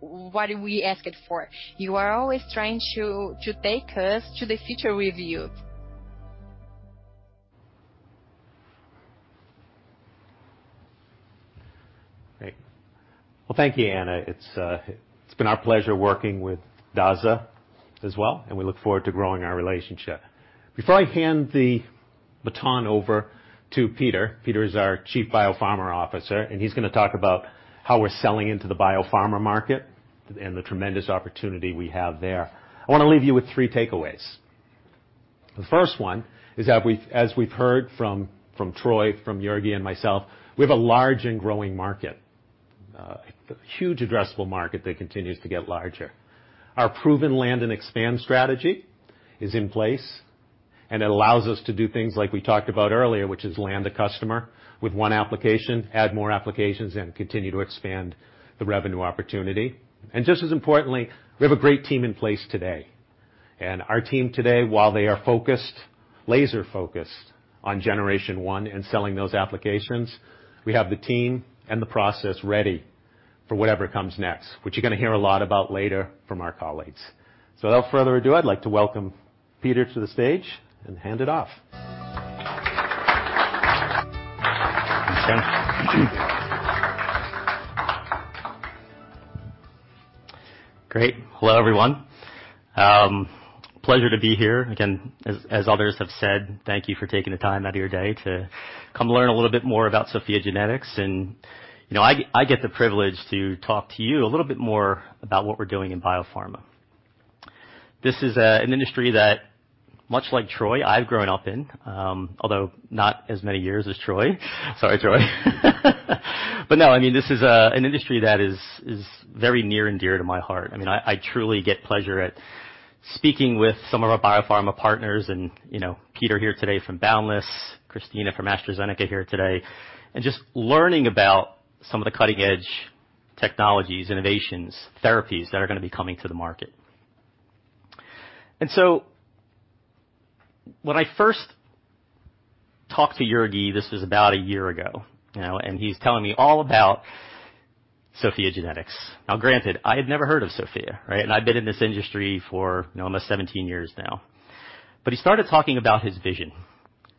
what we asked for. You are always trying to take us to the future with you. Great. Well, thank you, Ana. It's been our pleasure working with Dasa as well, and we look forward to growing our relationship. Before I hand the baton over to Peter is our Chief Biopharma Officer, and he's gonna talk about how we're selling into the biopharma market and the tremendous opportunity we have there. I wanna leave you with three takeaways. The first one is that we've, as we've heard from Troy, Jurg and myself, we have a large and growing market, a huge addressable market that continues to get larger. Our proven land and expand strategy is in place, and it allows us to do things like we talked about earlier, which is land a customer with one application, add more applications, and continue to expand the revenue opportunity. Just as importantly, we have a great team in place today. Our team today, while they are focused, laser-focused on generation one and selling those applications, we have the team and the process ready for whatever comes next, which you're gonna hear a lot about later from our colleagues. Without further ado, I'd like to welcome Peter to the stage and hand it off. Great. Hello, everyone. Pleasure to be here. Again, as others have said, thank you for taking the time out of your day to come learn a little bit more about SOPHiA GENETICS. You know, I get the privilege to talk to you a little bit more about what we're doing in biopharma. This is an industry that much like Troy, I've grown up in, although not as many years as Troy. Sorry, Troy. I mean, this is an industry that is very near and dear to my heart. I mean, I truly get pleasure at speaking with some of our biopharma partners and, you know, Peter here today from Boundless Bio, Christina from AstraZeneca here today, and just learning about some of the cutting-edge technologies, innovations, therapies that are gonna be coming to the market. When I first talked to Jurgen, this was about a year ago, you know, and he's telling me all about SOPHiA GENETICS. Now, granted, I had never heard of SOPHiA, right? I've been in this industry for almost 17 years now. He started talking about his vision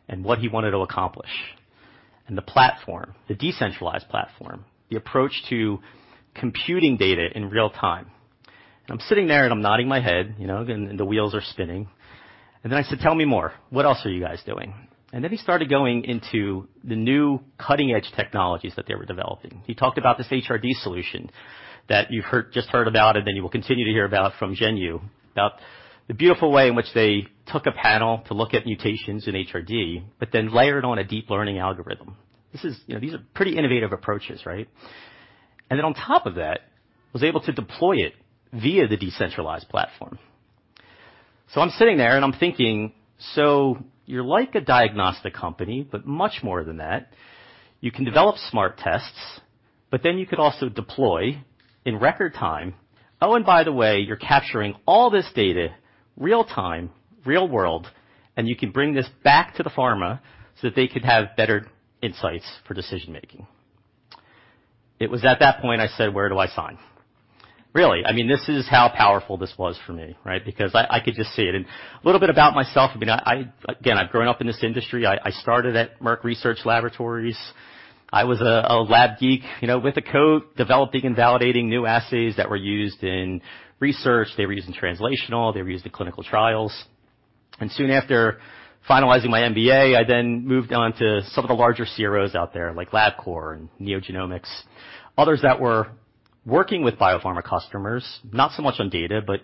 and what he wanted to accomplish, and the platform, the decentralized platform, the approach to computing data in real time. I'm sitting there, and I'm nodding my head, you know, and the wheels are spinning. Then I said, "Tell me more. What else are you guys doing?" Then he started going into the new cutting-edge technologies that they were developing. He talked about this HRD solution that you've just heard about, and then you will continue to hear about from Zhenyu, about the beautiful way in which they took a panel to look at mutations in HRD, but then layered on a deep learning algorithm. This is. You know, these are pretty innovative approaches, right? Then on top of that, was able to deploy it via the decentralized platform. I'm sitting there, and I'm thinking, so you're like a diagnostic company, but much more than that. You can develop smart tests, but then you could also deploy in record time. Oh, and by the way, you're capturing all this data, real-time, real-world, and you can bring this back to the pharma so that they could have better insights for decision-making. It was at that point I said, "Where do I sign?" Really? I mean, this is how powerful this was for me, right? Because I could just see it. A little bit about myself. I mean, again, I've grown up in this industry. I started at Merck Research Laboratories. I was a lab geek, you know, with the code, developing and validating new assays that were used in research. They were used in translational, they were used in clinical trials. Soon after finalizing my MBA, I then moved on to some of the larger CROs out there, like Labcorp and NeoGenomics, others that were working with biopharma customers, not so much on data, but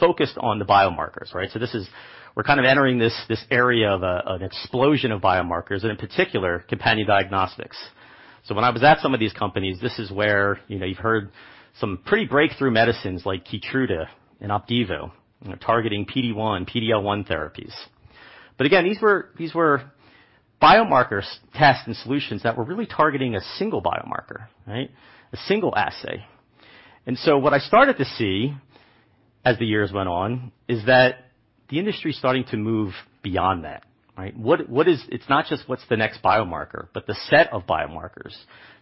focused on the biomarkers, right? This is. We're kind of entering this area of an explosion of biomarkers and, in particular, companion diagnostics. When I was at some of these companies, this is where, you know, you've heard some pretty breakthrough medicines like KEYTRUDA and OPDIVO, you know, targeting PD-1, PD-L1 therapies. Again, these were biomarkers tests and solutions that were really targeting a single biomarker, right? A single assay. What I started to see as the years went on is that the industry is starting to move beyond that, right? It's not just what's the next biomarker, but the set of biomarkers,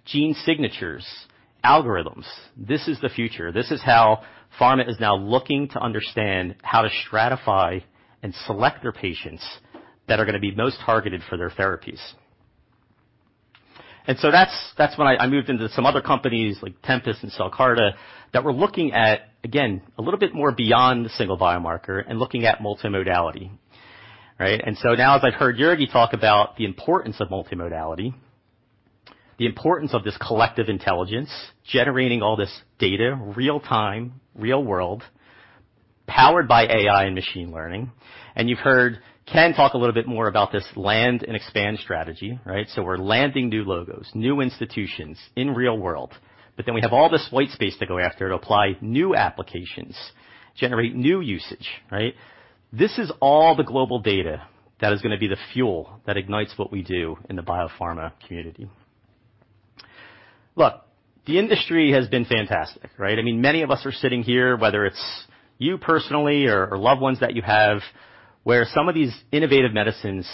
gene signatures, algorithms. This is the future. This is how pharma is now looking to understand how to stratify and select their patients that are gonna be most targeted for their therapies. That's when I moved into some other companies like Tempus and CellCarta that were looking at, again, a little bit more beyond the single biomarker and looking at multimodality, right? Now as I've heard Jurgi talk about the importance of multimodality, the importance of this collective intelligence, generating all this data, real-time, real-world, powered by AI and machine learning. You've heard Ken talk a little bit more about this land and expand strategy, right? We're landing new logos, new institutions in real world, but then we have all this white space to go after to apply new applications, generate new usage, right? This is all the global data that is gonna be the fuel that ignites what we do in the biopharma community. Look, the industry has been fantastic, right? I mean, many of us are sitting here, whether it's you personally or loved ones that you have, where some of these innovative medicines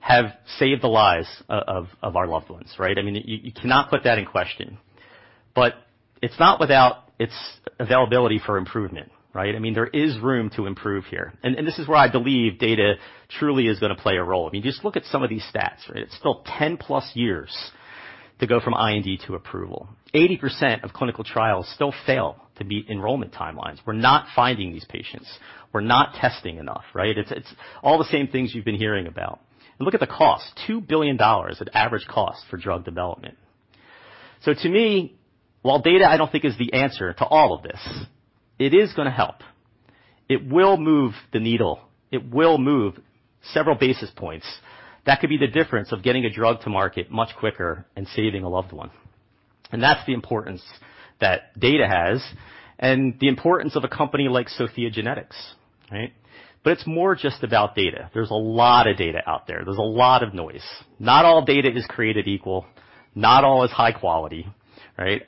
have saved the lives of our loved ones, right? I mean, you cannot put that in question. It's not without its availability for improvement, right? I mean, there is room to improve here. This is where I believe data truly is gonna play a role. I mean, just look at some of these stats, right? It's still 10+ years to go from IND to approval. 80% of clinical trials still fail to meet enrollment timelines. We're not finding these patients. We're not testing enough, right? It's all the same things you've been hearing about. Look at the cost, $2 billion average cost for drug development. To me, while data I don't think is the answer to all of this, it is gonna help. It will move the needle. It will move several basis points. That could be the difference of getting a drug to market much quicker and saving a loved one. That's the importance that data has and the importance of a company like SOPHiA GENETICS, right? It's more just about data. There's a lot of data out there. There's a lot of noise. Not all data is created equal, not all is high quality, right?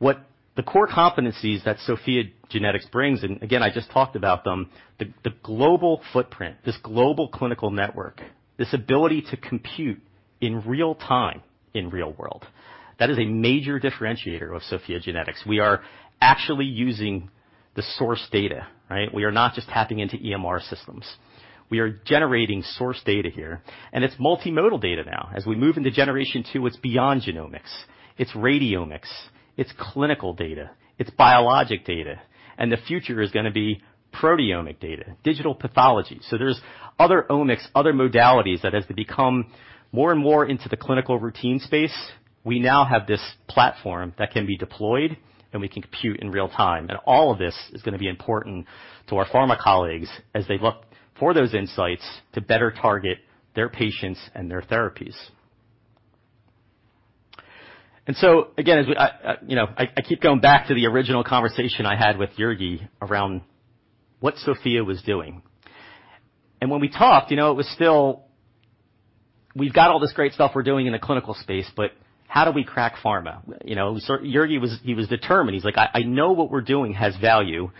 What the core competencies that SOPHiA GENETICS brings, and again, I just talked about them, the global footprint, this global clinical network, this ability to compute in real-time, in real world. That is a major differentiator of SOPHiA GENETICS. We are actually using the source data, right? We are not just tapping into EMR systems. We are generating source data here, and it's multimodal data now. As we move into generation two, it's beyond genomics. It's radiomics, it's clinical data, it's biologic data, and the future is gonna be proteomic data, digital pathology. There's other omics, other modalities that as they become more and more into the clinical routine space, we now have this platform that can be deployed, and we can compute in real time. All of this is gonna be important to our pharma colleagues as they look for those insights to better target their patients and their therapies. I, you know, keep going back to the original conversation I had with Jurgi around what SOPHiA was doing. When we talked, you know, it was still. We've got all this great stuff we're doing in the clinical space, but how do we crack pharma? You know, Jurgi was determined. He's like, "I know what we're doing has value.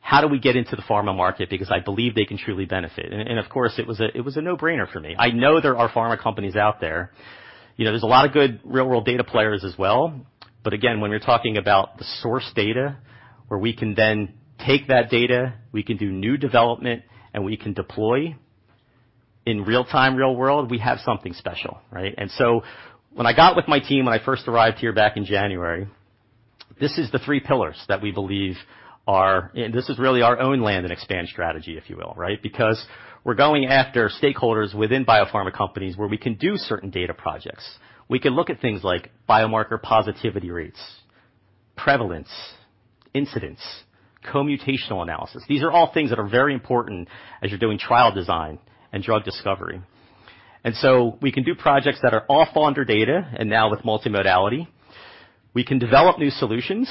How do we get into the pharma market because I believe they can truly benefit?" Of course it was a no-brainer for me. I know there are pharma companies out there. You know, there's a lot of good real-world data players as well. Again, when you're talking about the source data, where we can then take that data, we can do new development, and we can deploy in real time, real world, we have something special, right? When I got with my team when I first arrived here back in January, this is the three pillars that we believe are. This is really our own land and expand strategy, if you will, right? Because we're going after stakeholders within biopharma companies where we can do certain data projects. We can look at things like biomarker positivity rates, prevalence, incidence, co-mutational analysis. These are all things that are very important as you're doing trial design and drug discovery. We can do projects that are all founded on data, and now with multimodality. We can develop new solutions,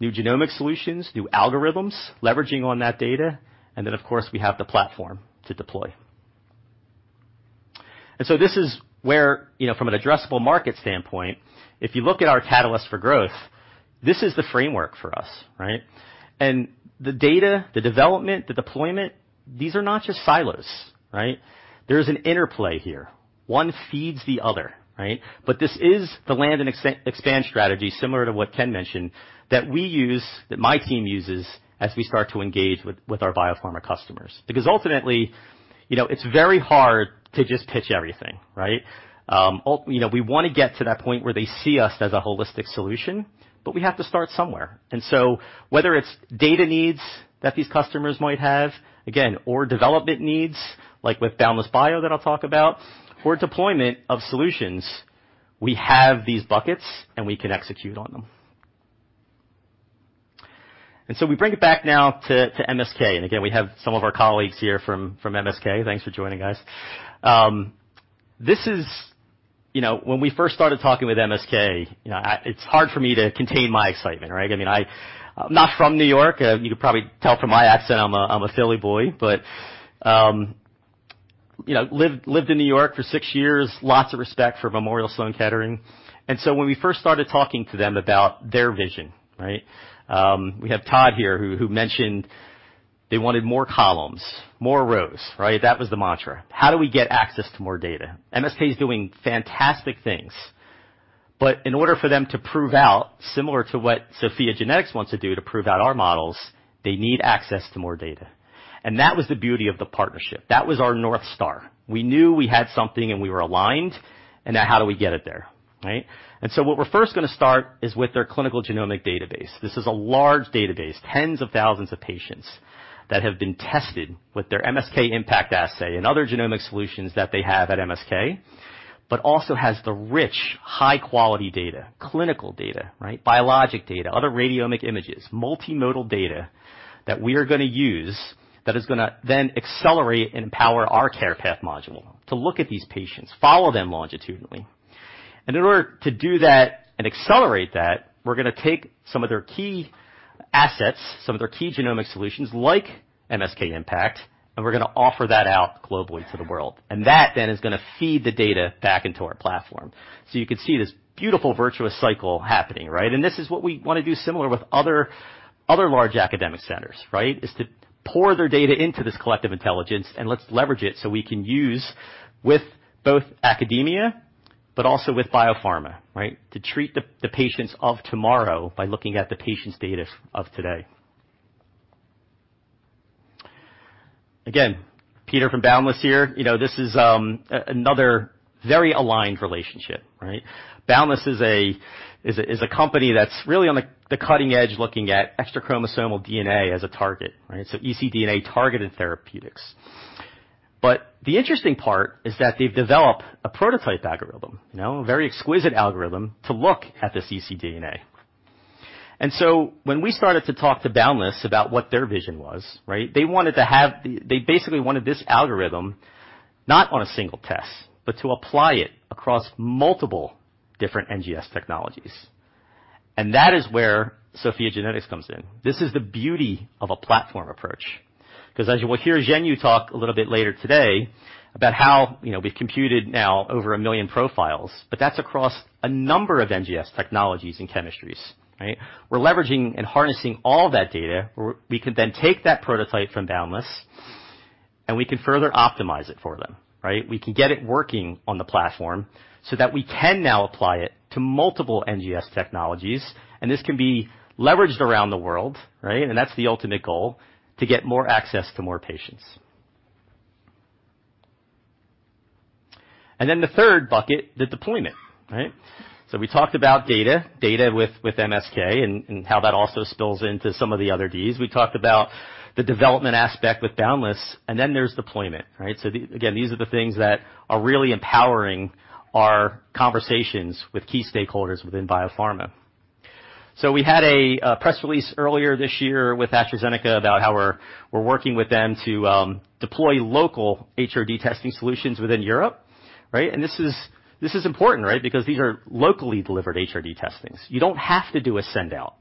new genomic solutions, new algorithms leveraging on that data. Of course, we have the platform to deploy. This is where, you know, from an addressable market standpoint, if you look at our catalyst for growth, this is the framework for us, right? The data, the development, the deployment, these are not just silos, right? There's an interplay here. One feeds the other, right? This is the land and expand strategy, similar to what Ken mentioned, that we use, that my team uses as we start to engage with our biopharma customers. Because ultimately, you know, it's very hard to just pitch everything, right? We wanna get to that point where they see us as a holistic solution, but we have to start somewhere. Whether it's data needs that these customers might have, again, or development needs, like with Boundless Bio that I'll talk about, or deployment of solutions, we have these buckets and we can execute on them. We bring it back now to MSK. Again, we have some of our colleagues here from MSK. Thanks for joining, guys. This is. You know, when we first started talking with MSK, you know, I... It's hard for me to contain my excitement, right? I mean, I'm not from New York. You can probably tell from my accent I'm a Philly boy, but you know, lived in New York for six years. Lots of respect for Memorial Sloan Kettering. When we first started talking to them about their vision, right? We have Todd here who mentioned they wanted more columns, more rows, right? That was the mantra. How do we get access to more data? MSK is doing fantastic things. In order for them to prove out, similar to what SOPHiA GENETICS wants to do to prove out our models, they need access to more data. That was the beauty of the partnership. That was our North Star. We knew we had something and we were aligned, and now how do we get it there, right? What we're first gonna start is with their clinical genomic database. This is a large database, tens of thousands of patients that have been tested with their MSK-IMPACT assay and other genomic solutions that they have at MSK, but also has the rich, high-quality data, clinical data, right, biologic data, other radiomic images, multimodal data that we are gonna use that is gonna then accelerate and power our CarePath module to look at these patients, follow them longitudinally. In order to do that and accelerate that, we're gonna take some of their key assets, some of their key genomic solutions like MSK-IMPACT, and we're gonna offer that out globally to the world. That then is gonna feed the data back into our platform. You can see this beautiful virtuous cycle happening, right? This is what we wanna do similar with other large academic centers, right? To pour their data into this collective intelligence, and let's leverage it so we can use with both academia but also with biopharma, right? To treat the patients of tomorrow by looking at the patients' data of today. Again, Peter from Boundless Bio here. You know, this is another very aligned relationship, right? Boundless Bio is a company that's really on the cutting edge looking at extrachromosomal DNA as a target, right? So ecDNA-targeted therapeutics. But the interesting part is that they've developed a prototype algorithm, you know, a very exquisite algorithm to look at this ecDNA. When we started to talk to Boundless Bio about what their vision was, right? They wanted to have the. They basically wanted this algorithm not on a single test, but to apply it across multiple different NGS technologies. That is where SOPHiA GENETICS comes in. This is the beauty of a platform approach, 'cause as you will hear Zhenyu talk a little bit later today about how, you know, we've computed now over 1 million profiles, but that's across a number of NGS technologies and chemistries, right? We're leveraging and harnessing all that data. We can then take that prototype from Boundless Bio. And we can further optimize it for them, right? We can get it working on the platform so that we can now apply it to multiple NGS technologies, and this can be leveraged around the world, right? That's the ultimate goal, to get more access to more patients. Then the third bucket, the deployment, right? We talked about data with MSK and how that also spills into some of the other Ds. We talked about the development aspect with Boundless, and then there's deployment, right? Again, these are the things that are really empowering our conversations with key stakeholders within biopharma. We had a press release earlier this year with AstraZeneca about how we're working with them to deploy local HRD testing solutions within Europe, right? This is important, right? Because these are locally delivered HRD testing. You don't have to do a send-out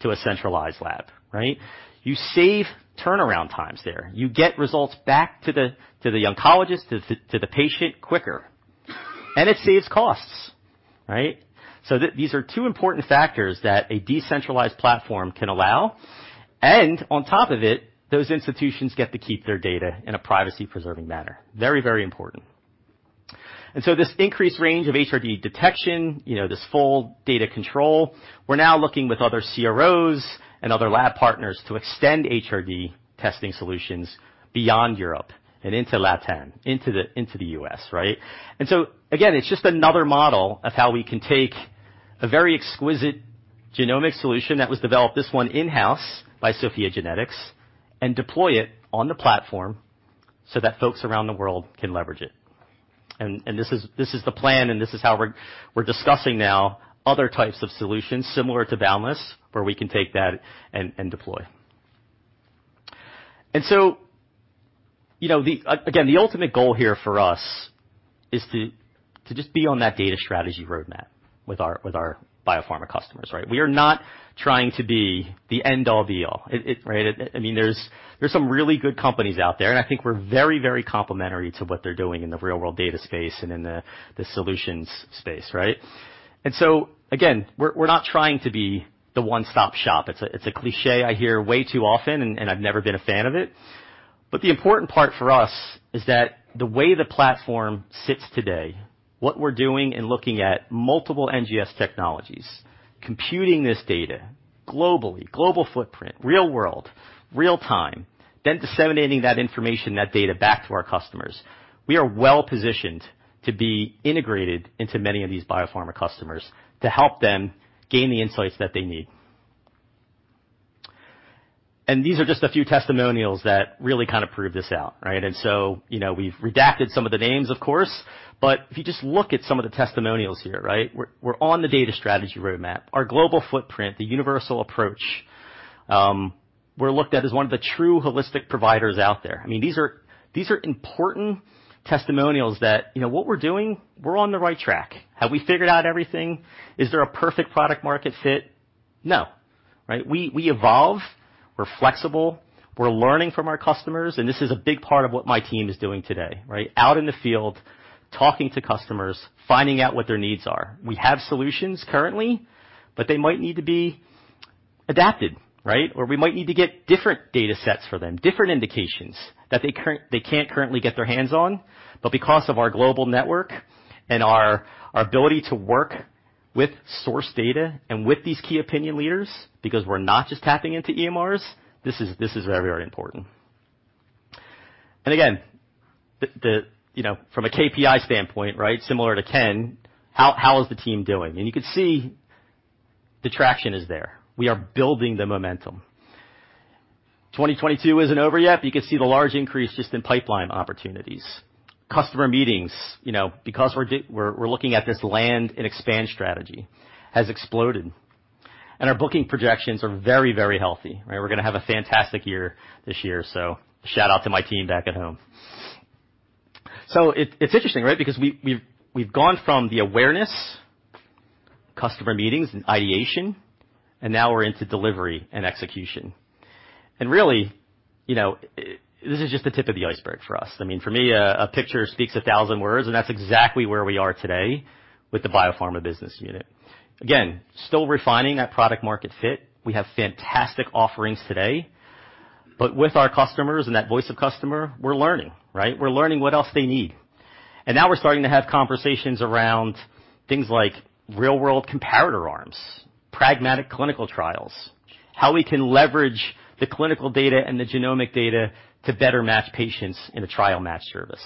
to a centralized lab, right? You save turnaround times there. You get results back to the oncologist to the patient quicker, and it saves costs, right? These are two important factors that a decentralized platform can allow. On top of it, those institutions get to keep their data in a privacy-preserving manner. Very, very important. This increased range of HRD detection, you know, this full data control, we're now looking with other CROs and other lab partners to extend HRD testing solutions beyond Europe and into LATAM, into the US, right? Again, it's just another model of how we can take a very exquisite genomic solution that was developed, this one in-house by SOPHiA GENETICS, and deploy it on the platform so that folks around the world can leverage it. This is the plan, and this is how we're discussing now other types of solutions similar to Boundless, where we can take that and deploy. You know, the... Again, the ultimate goal here for us is to just be on that data strategy roadmap with our biopharma customers, right? We are not trying to be the end-all be-all. Right? I mean, there's some really good companies out there, and I think we're very complementary to what they're doing in the real-world data space and in the solutions space, right? Again, we're not trying to be the one-stop shop. It's a cliché I hear way too often, and I've never been a fan of it. The important part for us is that the way the platform sits today, what we're doing in looking at multiple NGS technologies, computing this data globally, global footprint, real world, real time, then disseminating that information, that data back to our customers. We are well-positioned to be integrated into many of these biopharma customers to help them gain the insights that they need. These are just a few testimonials that really kind of prove this out, right? You know, we've redacted some of the names, of course, but if you just look at some of the testimonials here, right? We're on the data strategy roadmap. Our global footprint, the universal approach, we're looked at as one of the true holistic providers out there. I mean, these are important testimonials that, you know, what we're doing, we're on the right track. Have we figured out everything? Is there a perfect product-market fit? No. Right? We evolve, we're flexible, we're learning from our customers, and this is a big part of what my team is doing today, right? Out in the field, talking to customers, finding out what their needs are. We have solutions currently, but they might need to be adapted, right? Or we might need to get different datasets for them, different indications that they can't currently get their hands on. Because of our global network and our ability to work with source data and with these key opinion leaders, because we're not just tapping into EMRs, this is very, very important. You know, from a KPI standpoint, right, similar to Ken, how is the team doing? You can see the traction is there. We are building the momentum. 2022 isn't over yet, but you can see the large increase just in pipeline opportunities. Customer meetings, you know, because we're looking at this land and expand strategy, has exploded. Our booking projections are very, very healthy. Right? We're gonna have a fantastic year this year, so shout out to my team back at home. It's interesting, right? Because we've gone from the awareness, customer meetings and ideation, and now we're into delivery and execution. Really, you know, this is just the tip of the iceberg for us. I mean, for me, a picture speaks a thousand words, and that's exactly where we are today with the biopharma business unit. Again, still refining that product-market fit. We have fantastic offerings today. With our customers and that voice of customer, we're learning, right? We're learning what else they need. Now we're starting to have conversations around things like real-world comparator arms, pragmatic clinical trials, how we can leverage the clinical data and the genomic data to better match patients in a trial match service.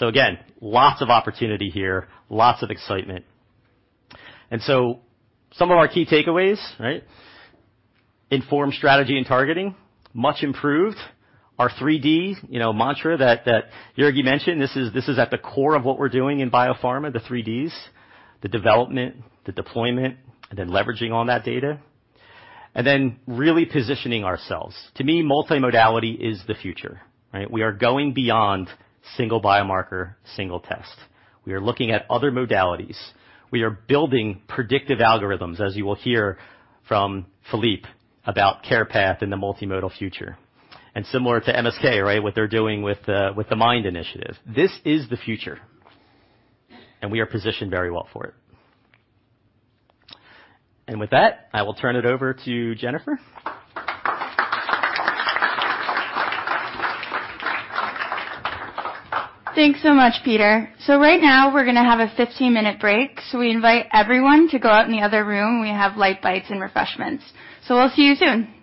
Again, lots of opportunity here, lots of excitement. Some of our key takeaways, right? Informed strategy and targeting, much improved. Our 3D, you know, mantra that Jurgi mentioned, this is at the core of what we're doing in biopharma, the 3Ds, the development, the deployment, and then leveraging on that data. Then really positioning ourselves. To me, multimodality is the future, right? We are going beyond single biomarker, single test. We are looking at other modalities. We are building predictive algorithms, as you will hear from Philippe about CarePath and the multimodal future. Similar to MSK, right, what they're doing with the Mind Initiative. This is the future, and we are positioned very well for it. With that, I will turn it over to Jennifer. Thanks so much, Peter. Right now we're gonna have a 15-minute break. We invite everyone to go out in the other room. We have light bites and refreshments. We'll see you soon.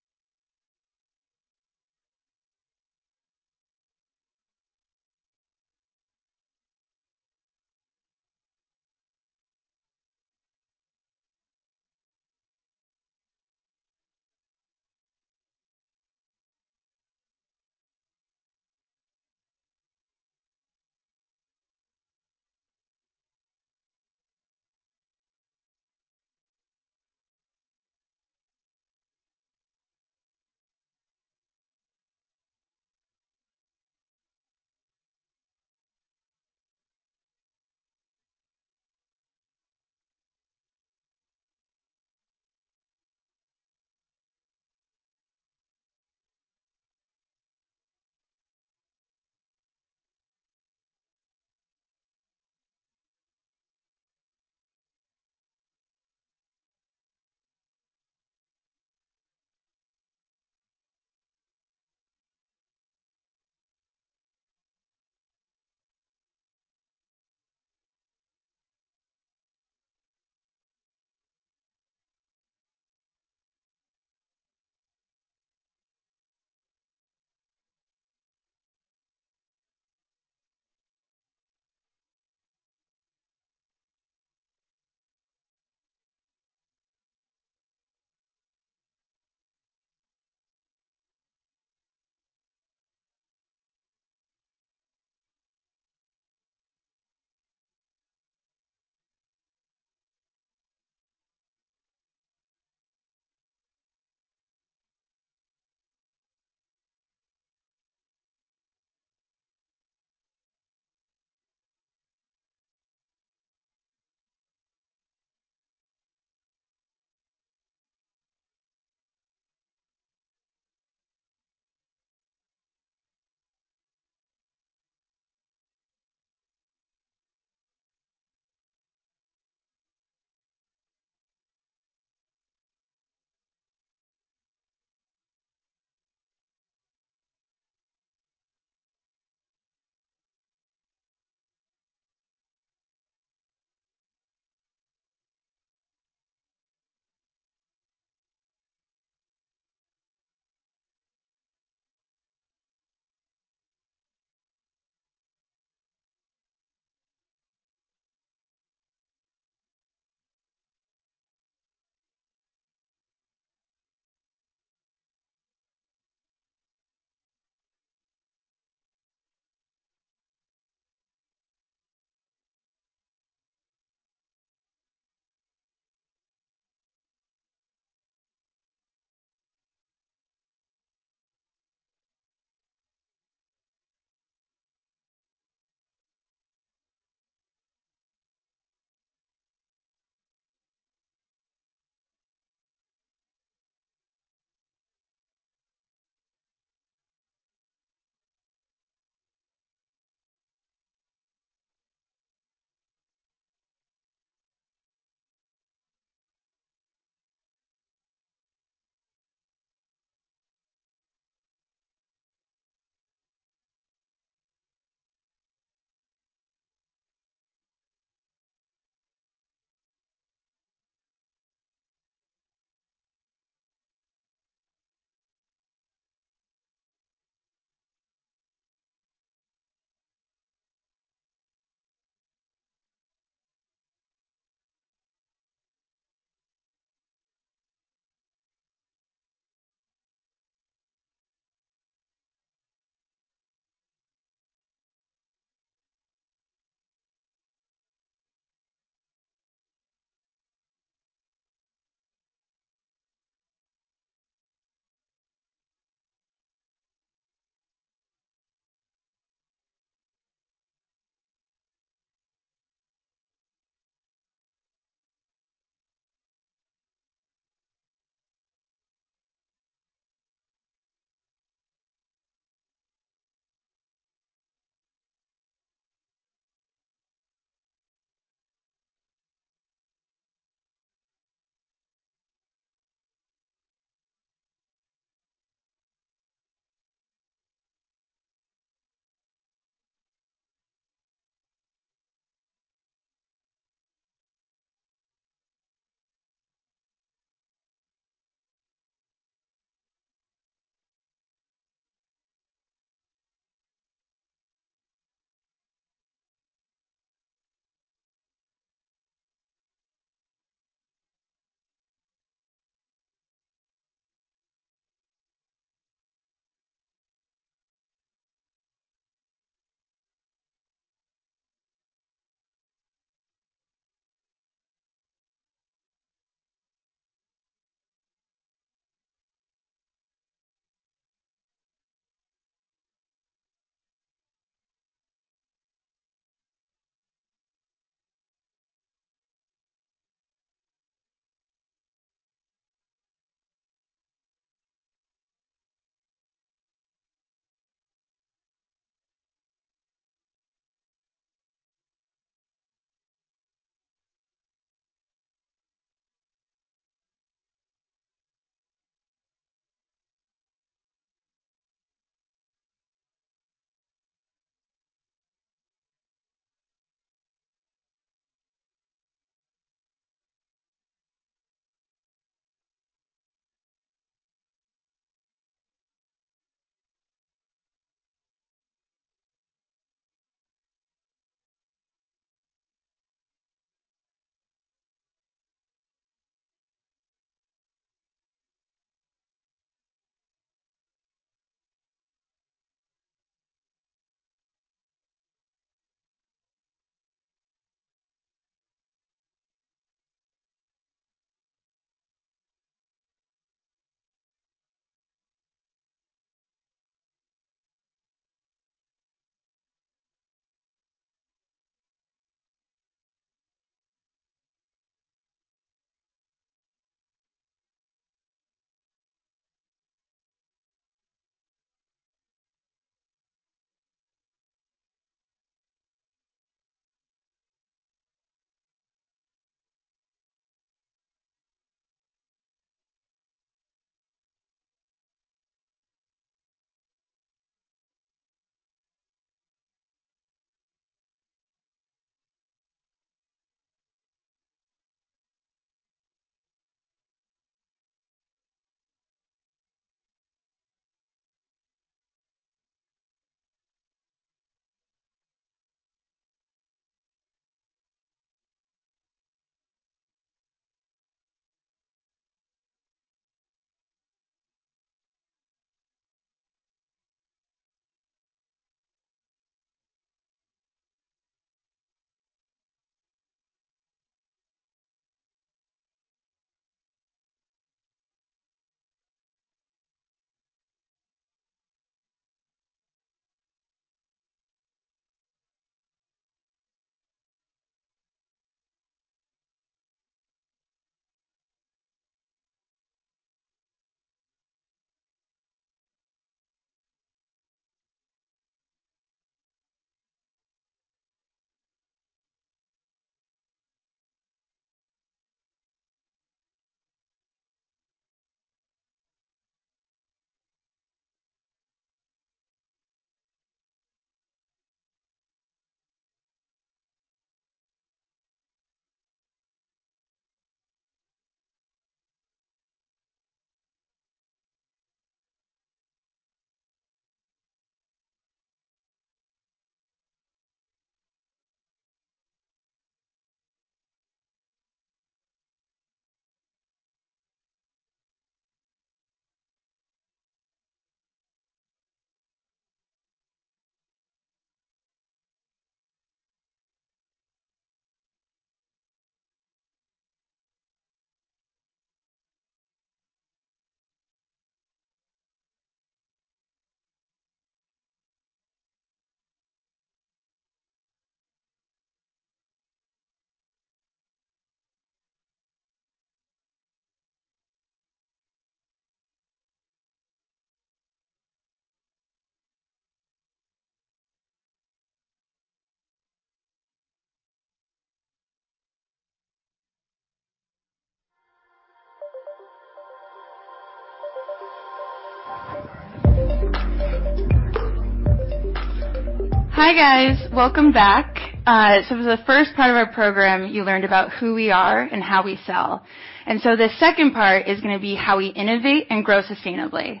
Hi, guys. Welcome back. For the first part of our program, you learned about who we are and how we sell. The second part is gonna be how we innovate and grow sustainably.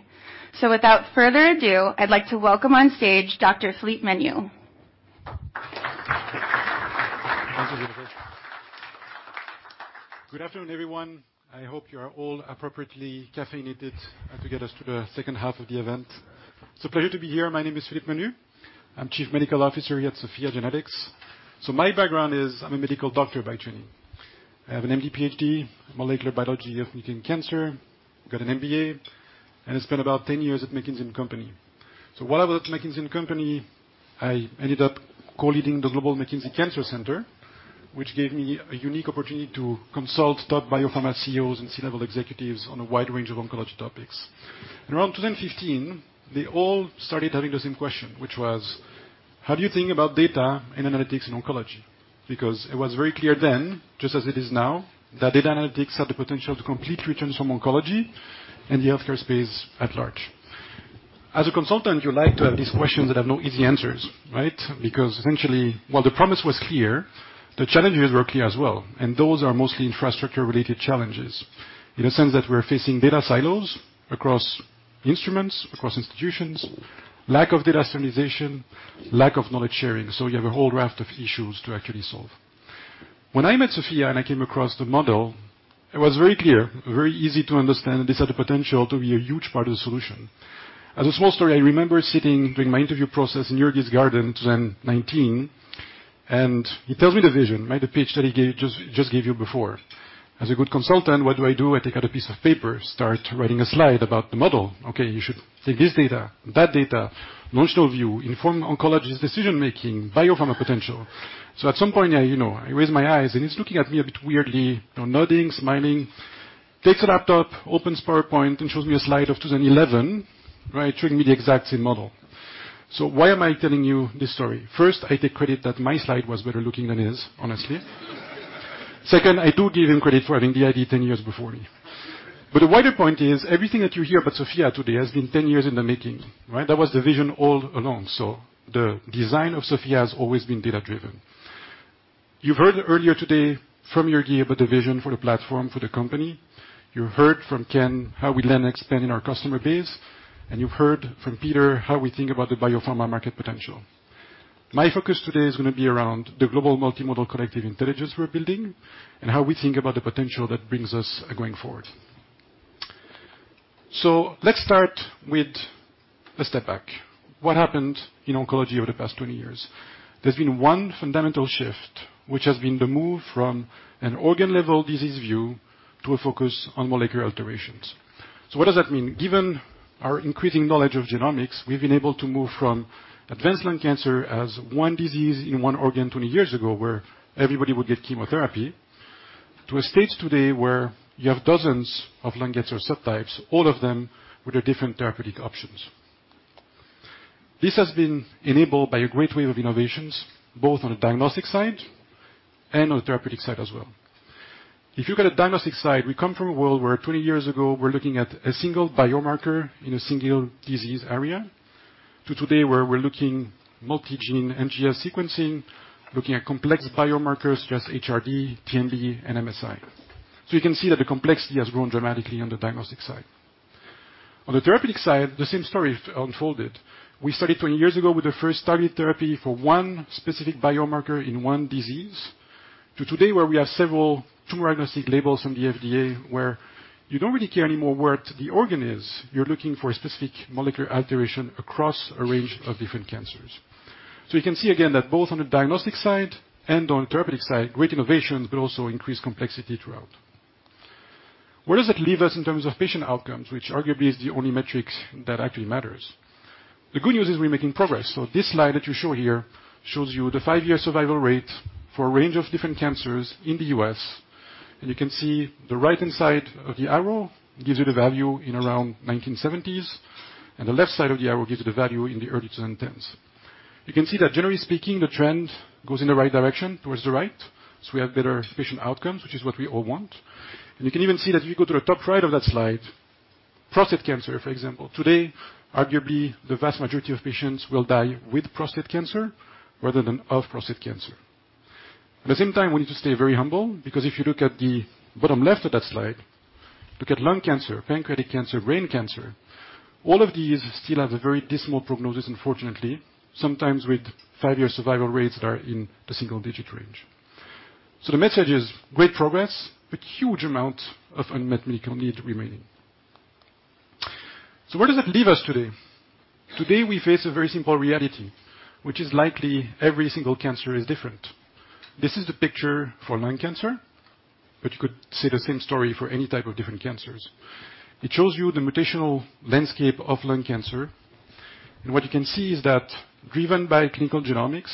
Without further ado, I'd like to welcome on stage Dr. Philippe Menu. Good afternoon, everyone. I hope you are all appropriately caffeinated to get us through the second half of the event. It's a pleasure to be here. My name is Philippe Menu. I'm Chief Medical Officer here at SOPHiA GENETICS. My background is I'm a medical doctor by training. I have an MD PhD, molecular biology of mutant cancer, got an MBA, and I spent about 10 years at McKinsey & Company. While I was at McKinsey & Company, I ended up co-leading the Global McKinsey Cancer Center, which gave me a unique opportunity to consult top biopharma CEOs and C-level executives on a wide range of oncology topics. Around 2015, they all started having the same question, which was, How do you think about data and analytics in oncology? Because it was very clear then, just as it is now, that data analytics had the potential to complete returns from oncology and the healthcare space at large. As a consultant, you like to have these questions that have no easy answers, right? Because essentially, while the promise was clear, the challenges were clear as well, and those are mostly infrastructure-related challenges in a sense that we're facing data silos across instruments, across institutions, lack of data standardization, lack of knowledge sharing. You have a whole raft of issues to actually solve. When I met SOPHiA and I came across the model, it was very clear, very easy to understand, and this had the potential to be a huge part of the solution. As a small story, I remember sitting during my interview process in Jurgi's garden, 2019, and he tells me the vision, made the pitch that he gave, just gave you before. As a good consultant, what do I do? I take out a piece of paper, start writing a slide about the model. Okay, you should take this data, that data, notional view, inform oncologist decision-making, biopharma potential. At some point, I, you know, I raise my eyes, and he's looking at me a bit weirdly, nodding, smiling, takes a laptop, opens PowerPoint, and shows me a slide of 2011, right? Showing me the exact same model. Why am I telling you this story? First, I take credit that my slide was better looking than his, honestly. Second, I do give him credit for having the idea 10 years before me. The wider point is everything that you hear about SOPHiA today has been 10 years in the making, right? That was the vision all along. The design of SOPHiA has always been data-driven. You've heard earlier today from Jurgi about the vision for the platform for the company. You heard from Ken how we plan expanding our customer base, and you've heard from Peter how we think about the biopharma market potential. My focus today is gonna be around the global multimodal collective intelligence we're building and how we think about the potential that brings us going forward. Let's start with a step back. What happened in oncology over the past 20 years? There's been one fundamental shift, which has been the move from an organ-level disease view to a focus on molecular alterations. What does that mean? Given our increasing knowledge of genomics, we've been able to move from advanced lung cancer as one disease in one organ 20 years ago, where everybody would get chemotherapy, to a stage today where you have dozens of lung cancer subtypes, all of them with their different therapeutic options. This has been enabled by a great wave of innovations, both on the diagnostic side and on the therapeutic side as well. If you look at the diagnostic side, we come from a world where 20 years ago, we're looking at a single biomarker in a single disease area to today, where we're looking multigene NGS sequencing, looking at complex biomarkers such as HRD, TMB, and MSI. You can see that the complexity has grown dramatically on the diagnostic side. On the therapeutic side, the same story has unfolded. We started 20 years ago with the first targeted therapy for one specific biomarker in one disease to today, where we have several tumor diagnostic labels from the FDA, where you don't really care anymore what the organ is. You're looking for a specific molecular alteration across a range of different cancers. We can see again that both on the diagnostic side and on the therapeutic side, great innovations, but also increased complexity throughout. Where does that leave us in terms of patient outcomes, which arguably is the only metric that actually matters? The good news is we're making progress. This slide that you show here shows you the five-year survival rate for a range of different cancers in the U.S. You can see the right-hand side of the arrow gives you the value in around 1970s, and the left side of the arrow gives you the value in the early 2010s. You can see that generally speaking, the trend goes in the right direction towards the right. We have better patient outcomes, which is what we all want. You can even see that if you go to the top right of that slide, prostate cancer, for example. Today, arguably the vast majority of patients will die with prostate cancer rather than of prostate cancer. At the same time, we need to stay very humble because if you look at the bottom left of that slide, look at lung cancer, pancreatic cancer, brain cancer. All of these still have a very dismal prognosis, unfortunately, sometimes with five-year survival rates that are in the single-digit range. The message is great progress, but huge amount of unmet medical need remaining. Where does that leave us today? Today, we face a very simple reality, which is likely every single cancer is different. This is the picture for lung cancer, but you could say the same story for any type of different cancers. It shows you the mutational landscape of lung cancer. What you can see is that driven by clinical genomics,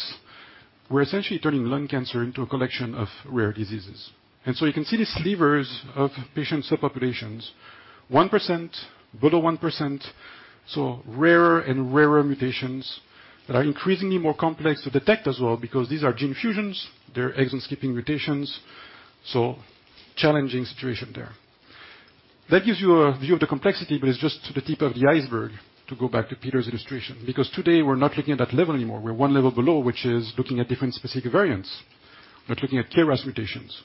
we're essentially turning lung cancer into a collection of rare diseases. You can see the slivers of patient subpopulations, 1%, below 1%, so rarer and rarer mutations that are increasingly more complex to detect as well because these are gene fusions, they're exon-skipping mutations. Challenging situation there. That gives you a view of the complexity, but it's just the tip of the iceberg to go back to Peter's illustration, because today we're not looking at that level anymore. We're one level below, which is looking at different specific variants. We're looking at KRAS mutations.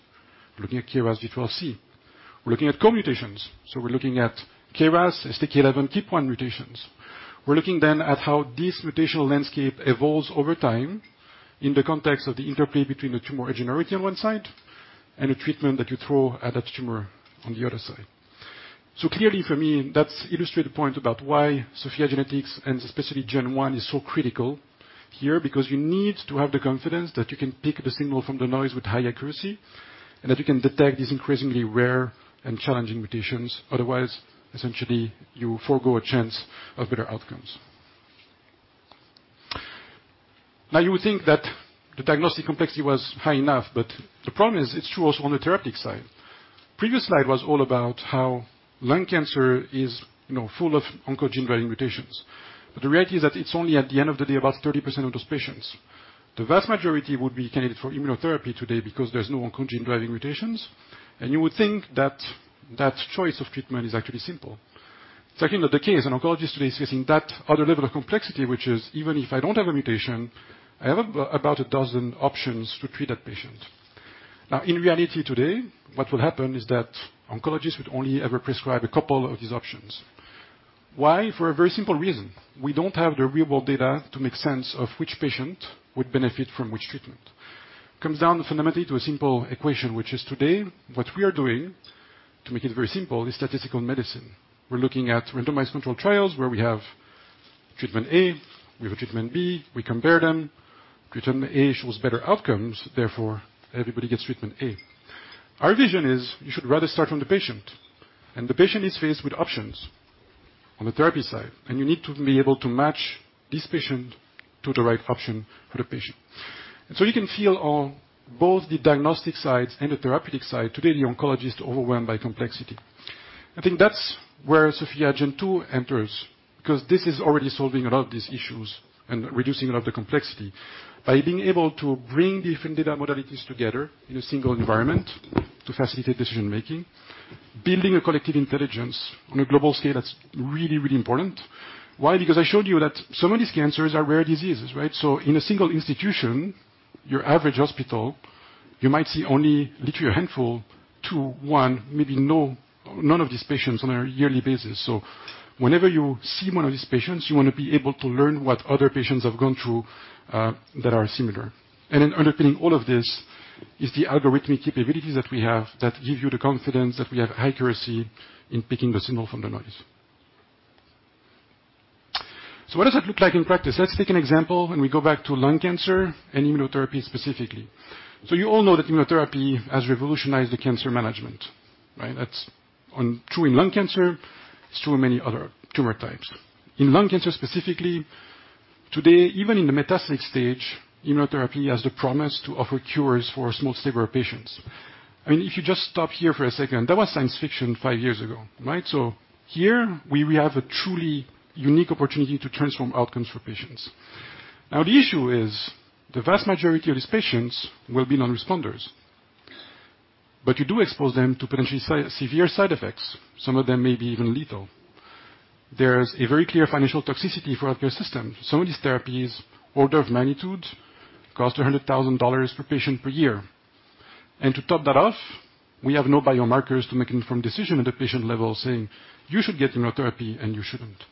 We're looking at KRAS G12C. We're looking at co-mutations. We're looking at KRAS, STK11, TP53 mutations. We're looking then at how this mutational landscape evolves over time in the context of the interplay between the tumor heterogeneity on one side and the treatment that you throw at that tumor on the other side. Clearly, for me, that illustrates the point about why SOPHiA GENETICS, and specifically Gen 1, is so critical here because you need to have the confidence that you can pick the signal from the noise with high accuracy and that you can detect these increasingly rare and challenging mutations. Otherwise, essentially, you forego a chance of better outcomes. Now, you would think that the diagnostic complexity was high enough, but the problem is it's true also on the therapeutic side. Previous slide was all about how lung cancer is, you know, full of oncogene-driving mutations. The reality is that it's only at the end of the day, about 30% of those patients. The vast majority would be candidate for immunotherapy today because there's no oncogene-driving mutations. You would think that that choice of treatment is actually simple. It's actually not the case. An oncologist today is facing that other level of complexity, which is even if I don't have a mutation, I have about a dozen options to treat that patient. Now, in reality today, what will happen is that oncologists would only ever prescribe a couple of these options. Why? For a very simple reason. We don't have the real world data to make sense of which patient would benefit from which treatment. Comes down fundamentally to a simple equation, which is today what we are doing to make it very simple, is statistical medicine. We're looking at randomized controlled trials where we have treatment A, we have a treatment B, we compare them. Treatment A shows better outcomes, therefore everybody gets treatment A. Our vision is you should rather start from the patient, and the patient is faced with options on the therapy side, and you need to be able to match this patient to the right option for the patient. You can deal with both the diagnostic side and the therapeutic side. Today, the oncologist is overwhelmed by complexity. I think that's where SOPHiA Gen 2 enters, because this is already solving a lot of these issues and reducing a lot of the complexity by being able to bring different data modalities together in a single environment to facilitate decision making. Building a collective intelligence on a global scale, that's really, really important. Why? Because I showed you that some of these cancers are rare diseases, right? In a single institution, your average hospital, you might see only literally a handful to one, maybe none of these patients on a yearly basis. Whenever you see one of these patients, you want to be able to learn what other patients have gone through, that are similar. Underpinning all of this is the algorithmic capabilities that we have that give you the confidence that we have high accuracy in picking the signal from the noise. What does that look like in practice? Let's take an example, and we go back to lung cancer and immunotherapy specifically. You all know that immunotherapy has revolutionized the cancer management, right? That's true in lung cancer, it's true in many other tumor types. In lung cancer, specifically today, even in the metastatic stage, immunotherapy has the promise to offer cures for small severe patients. I mean, if you just stop here for a second, that was science fiction five years ago, right? Here we have a truly unique opportunity to transform outcomes for patients. Now, the issue is the vast majority of these patients will be non-responders, but you do expose them to potentially severe side effects. Some of them may be even lethal. There's a very clear financial toxicity for our care system. Some of these therapies, order of magnitude, cost $100,000 per patient per year. To top that off, we have no biomarkers to make informed decision at a patient level, saying, "You should get immunotherapy and you shouldn't."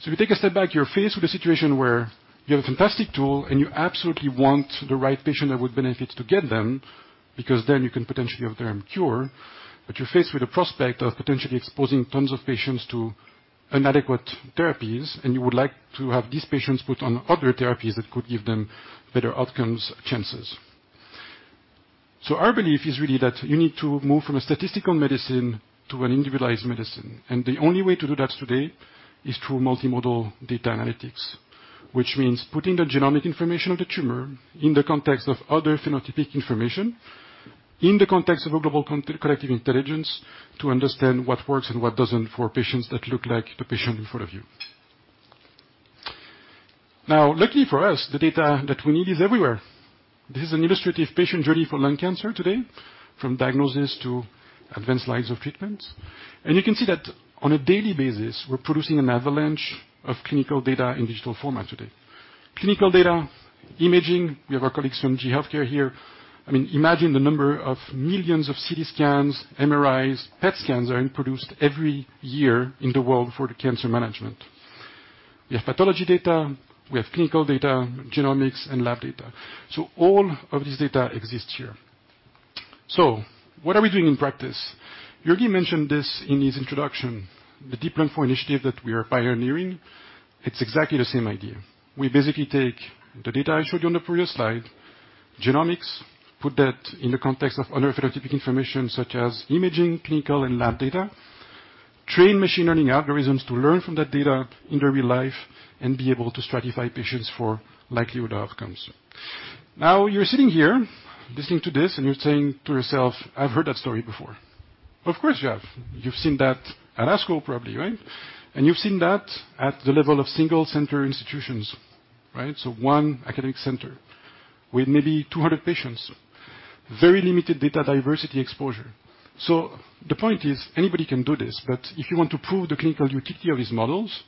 If you take a step back, you're faced with a situation where you have a fantastic tool and you absolutely want the right patient that would benefit to get them, because then you can potentially have them cure. But you're faced with the prospect of potentially exposing tons of patients to inadequate therapies, and you would like to have these patients put on other therapies that could give them better outcomes chances. Our belief is really that you need to move from a statistical medicine to an individualized medicine. The only way to do that today is through multimodal data analytics, which means putting the genomic information of the tumor in the context of other phenotypic information, in the context of a global collective intelligence, to understand what works and what doesn't for patients that look like the patient in front of you. Now, luckily for us, the data that we need is everywhere. This is an illustrative patient journey for lung cancer today, from diagnosis to advanced lines of treatment. You can see that on a daily basis, we're producing an avalanche of clinical data in digital format today. Clinical data imaging. We have our colleagues from GE HealthCare here. I mean, imagine the number of millions of CT scans, MRIs, PET scans are introduced every year in the world for the cancer management. We have pathology data, we have clinical data, genomics and lab data. All of this data exists here. What are we doing in practice? Jurgi mentioned this in his introduction. The DEEP-Lung-IV initiative that we are pioneering, it's exactly the same idea. We basically take the data I showed you on the previous slide, genomics, put that in the context of other phenotypic information such as imaging, clinical and lab data. Train machine learning algorithms to learn from that data in their real life and be able to stratify patients for likelihood outcomes. Now, you're sitting here listening to this and you're saying to yourself, "I've heard that story before." Of course you have. You've seen that at ASCO probably, right? You've seen that at the level of single center institutions, right? One academic center with maybe 200 patients, very limited data diversity exposure. The point is, anybody can do this, but if you want to prove the clinical utility of these models,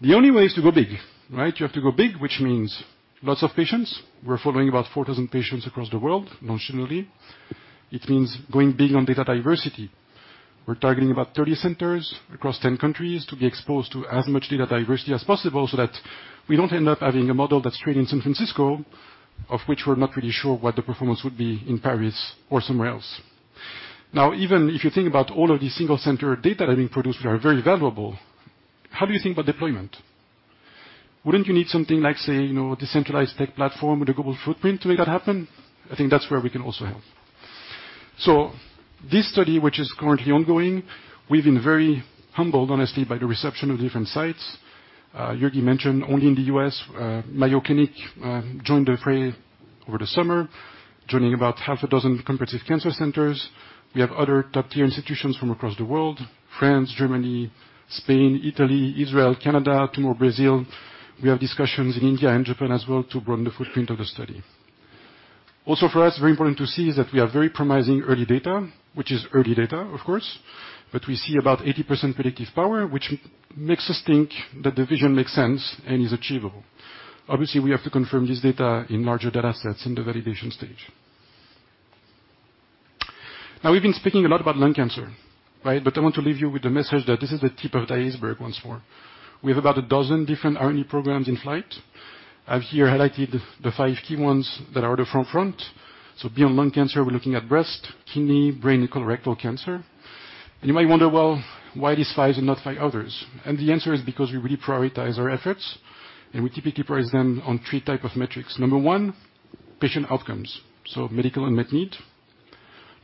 the only way is to go big, right? You have to go big, which means lots of patients. We're following about 4,000 patients across the world notionally. It means going big on data diversity. We're targeting about 30 centers across 10 countries to be exposed to as much data diversity as possible so that we don't end up having a model that's trained in San Francisco, of which we're not really sure what the performance would be in Paris or somewhere else. Now, even if you think about all of these single center data that are being produced, which are very valuable, how do you think about deployment? Wouldn't you need something like, say, decentralized tech platform with a global footprint to make that happen? I think that's where we can also help. This study, which is currently ongoing, we've been very humbled, honestly, by the reception of different sites. Jurgi mentioned only in the U.S. Mayo Clinic joined the fray over the summer, joining about half a dozen competitive cancer centers. We have other top-tier institutions from across the world, France, Germany, Spain, Italy, Israel, Canada, two more Brazil. We have discussions in India and Japan as well to broaden the footprint of the study. Also for us, very important to see is that we are very promising early data. Which is early data of course, but we see about 80% predictive power, which makes us think that the vision makes sense and is achievable. Obviously, we have to confirm this data in larger data sets in the validation stage. Now we've been speaking a lot about lung cancer, right? I want to leave you with the message that this is the tip of the iceberg once more. We have about a dozen different RNA programs in flight. I've here highlighted the five key ones that are the front. Beyond lung cancer, we're looking at breast, kidney, brain, and colorectal cancer. You might wonder, well, why these five and not five others? The answer is because we really prioritize our efforts, and we typically prioritize them on three type of metrics. Number one, patient outcomes, so medical and met need.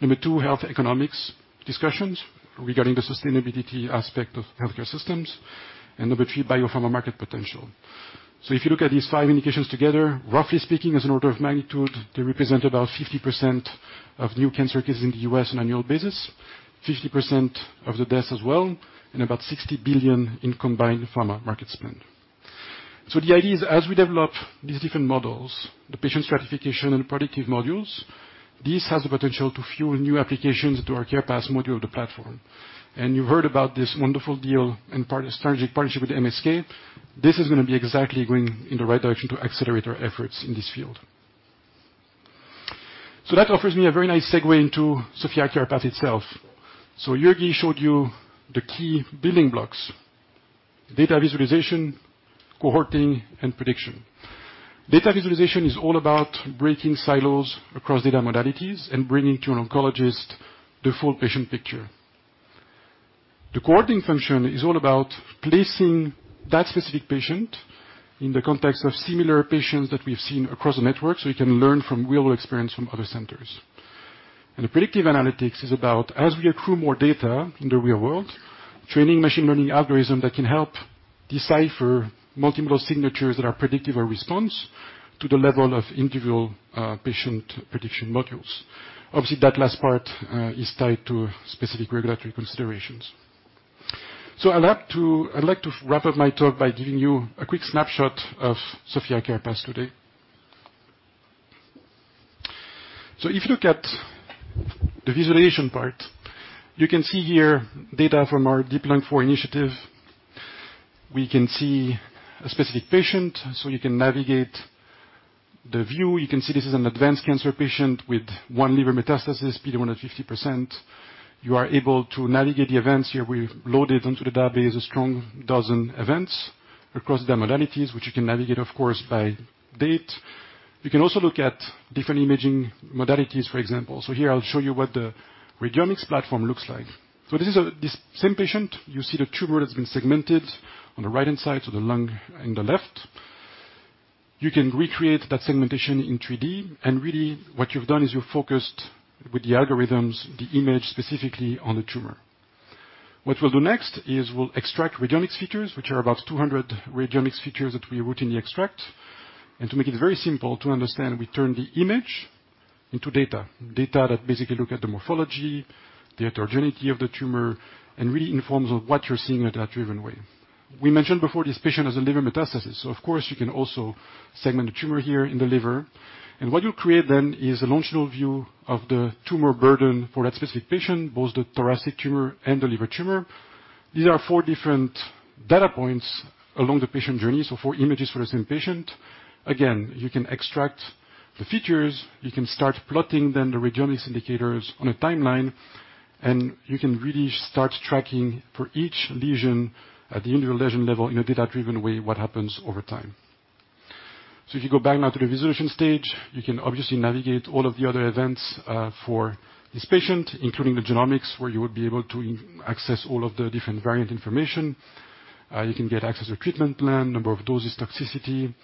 Number two, health economics discussions regarding the sustainability aspect of healthcare systems. Number three, biopharma market potential. If you look at these five indications together, roughly speaking, as an order of magnitude, they represent about 50% of new cancer cases in the U.S. on an annual basis, 50% of the deaths as well, and about $60 billion in combined pharma market spend. The idea is, as we develop these different models, the patient stratification and predictive modules, this has the potential to fuel new applications into our SOPHiA CarePath module of the platform. You've heard about this wonderful deal and strategic partnership with MSK. This is gonna be exactly going in the right direction to accelerate our efforts in this field. That offers me a very nice segue into SOPHiA CarePath itself. Jurgi showed you the key building blocks, data visualization, cohorting, and prediction. Data visualization is all about breaking silos across data modalities and bringing to an oncologist the full patient picture. The cohorting function is all about placing that specific patient in the context of similar patients that we've seen across the network, so we can learn from real experience from other centers. The predictive analytics is about, as we accrue more data in the real world, training machine learning algorithm that can help decipher multiple signatures that are predictive of response to the level of individual patient prediction modules. Obviously, that last part is tied to specific regulatory considerations. I'd like to wrap up my talk by giving you a quick snapshot of SOPHiA CarePath today. If you look at the visualization part, you can see here data from our DEEP-Lung-IV initiative. We can see a specific patient, so you can navigate the view. You can see this is an advanced cancer patient with one liver metastasis, PD-1 at 50%. You are able to navigate the events. Here we've loaded onto the database a strong dozen events across the modalities, which you can navigate, of course, by date. You can also look at different imaging modalities, for example. Here I'll show you what the radiomics platform looks like. This is this same patient. You see the tumor that's been segmented on the right-hand side, so the lung on the left. You can recreate that segmentation in 3D, and really what you've done is you focused with the algorithms, the image specifically on the tumor. What we'll do next is we'll extract radiomics features, which are about 200 radiomics features that we routinely extract. To make it very simple to understand, we turn the image into data. Data that basically look at the morphology, the heterogeneity of the tumor, and really informs of what you're seeing in a data-driven way. We mentioned before this patient has a liver metastasis, so of course, you can also segment the tumor here in the liver. What you create then is a longitudinal view of the tumor burden for that specific patient, both the thoracic tumor and the liver tumor. These are four different data points along the patient journey, so four images for the same patient. Again, you can extract the features, you can start plotting then the radiomics indicators on a timeline, and you can really start tracking for each lesion at the individual lesion level in a data-driven way what happens over time. If you go back now to the visualization stage, you can obviously navigate all of the other events for this patient, including the genomics, where you would be able to access all of the different variant information. You can get access to treatment plan, number of doses, toxicity.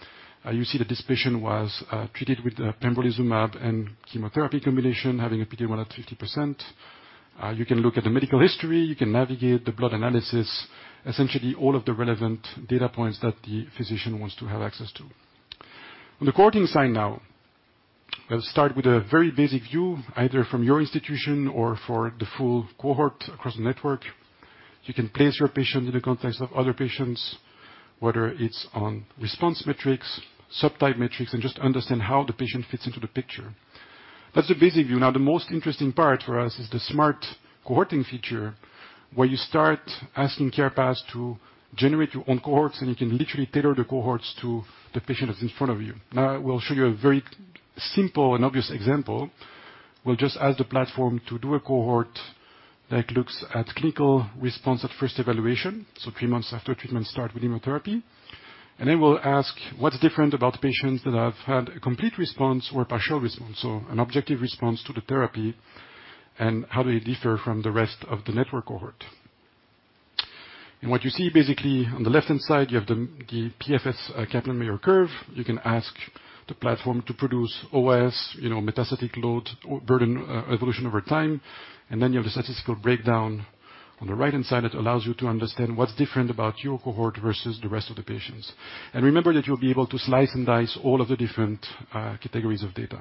You see that this patient was treated with pembrolizumab and chemotherapy combination, having a PD-1 at 50%. You can look at the medical history, you can navigate the blood analysis, essentially all of the relevant data points that the physician wants to have access to. On the cohorting side now, I'll start with a very basic view, either from your institution or for the full cohort across the network. You can place your patient in the context of other patients, whether it's on response metrics, subtype metrics, and just understand how the patient fits into the picture. That's a basic view. Now, the most interesting part for us is the smart cohorting feature, where you start asking CarePath to generate your own cohorts, and you can literally tailor the cohorts to the patient that's in front of you. Now I will show you a very simple and obvious example. We'll just ask the platform to do a cohort that looks at clinical response at first evaluation, so three months after treatment start with immunotherapy. Then we'll ask what's different about patients that have had a complete response or a partial response, so an objective response to the therapy, and how do they differ from the rest of the network cohort. What you see basically on the left-hand side, you have the PFS Kaplan-Meier curve. You can ask the platform to produce OS, you know, metastatic load or burden, evolution over time. Then you have the statistical breakdown on the right-hand side that allows you to understand what's different about your cohort versus the rest of the patients. Remember that you'll be able to slice and dice all of the different categories of data.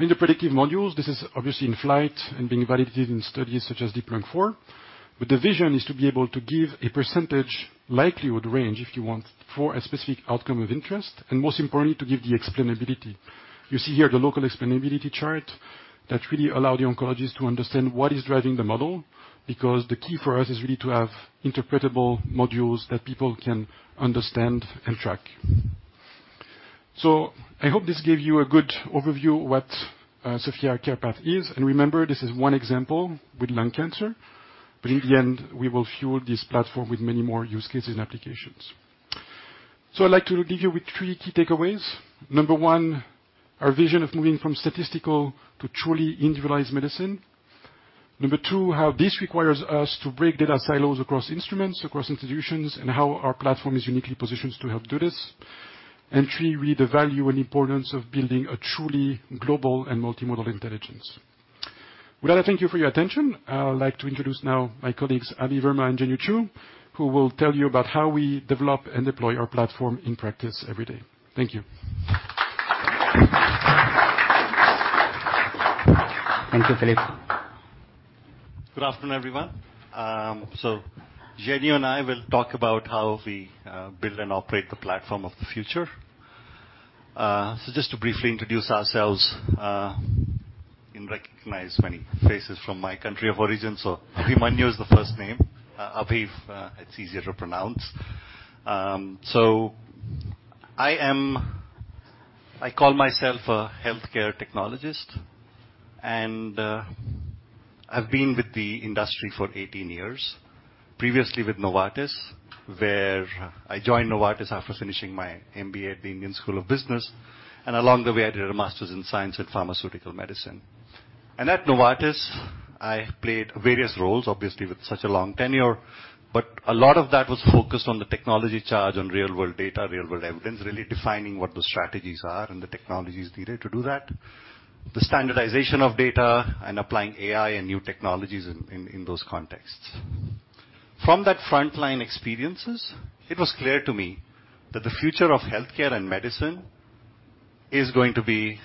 In the predictive modules, this is obviously in flight and being validated in studies such as DEEP-Lung-IV. The vision is to be able to give a percentage likelihood range, if you want, for a specific outcome of interest, and most importantly, to give the explainability. You see here the local explainability chart that really allow the oncologist to understand what is driving the model, because the key for us is really to have interpretable modules that people can understand and track. I hope this gave you a good overview what SOPHiA CarePath is. Remember, this is one example with lung cancer, but in the end, we will fuel this platform with many more use cases and applications. I'd like to leave you with three key takeaways. Number one, our vision of moving from statistical to truly individualized medicine. Number two, how this requires us to break data silos across instruments, across institutions, and how our platform is uniquely positioned to help do this. Three, really the value and importance of building a truly global and multimodal intelligence. With that, I thank you for your attention. I would like to introduce now my colleagues, Abhimanyu Verma and Zhenyu Xu, who will tell you about how we develop and deploy our platform in practice every day. Thank you. Thank you, Philippe. Good afternoon, everyone. Zhenyu and I will talk about how we build and operate the platform of the future. Just to briefly introduce ourselves, and recognize many faces from my country of origin. Abhimanyu is the first name. Abhi, it's easier to pronounce. I call myself a healthcare technologist, and I've been with the industry for 18 years, previously with Novartis, where I joined Novartis after finishing my MBA at the Indian School of Business. Along the way, I did a Master's in Science and Pharmaceutical Medicine. At Novartis, I played various roles, obviously, with such a long tenure, but a lot of that was focused on the technology charge, on real-world data, real-world evidence, really defining what the strategies are and the technologies needed to do that, the standardization of data and applying AI and new technologies in those contexts. From that frontline experiences, it was clear to me that the future of healthcare and medicine is going to be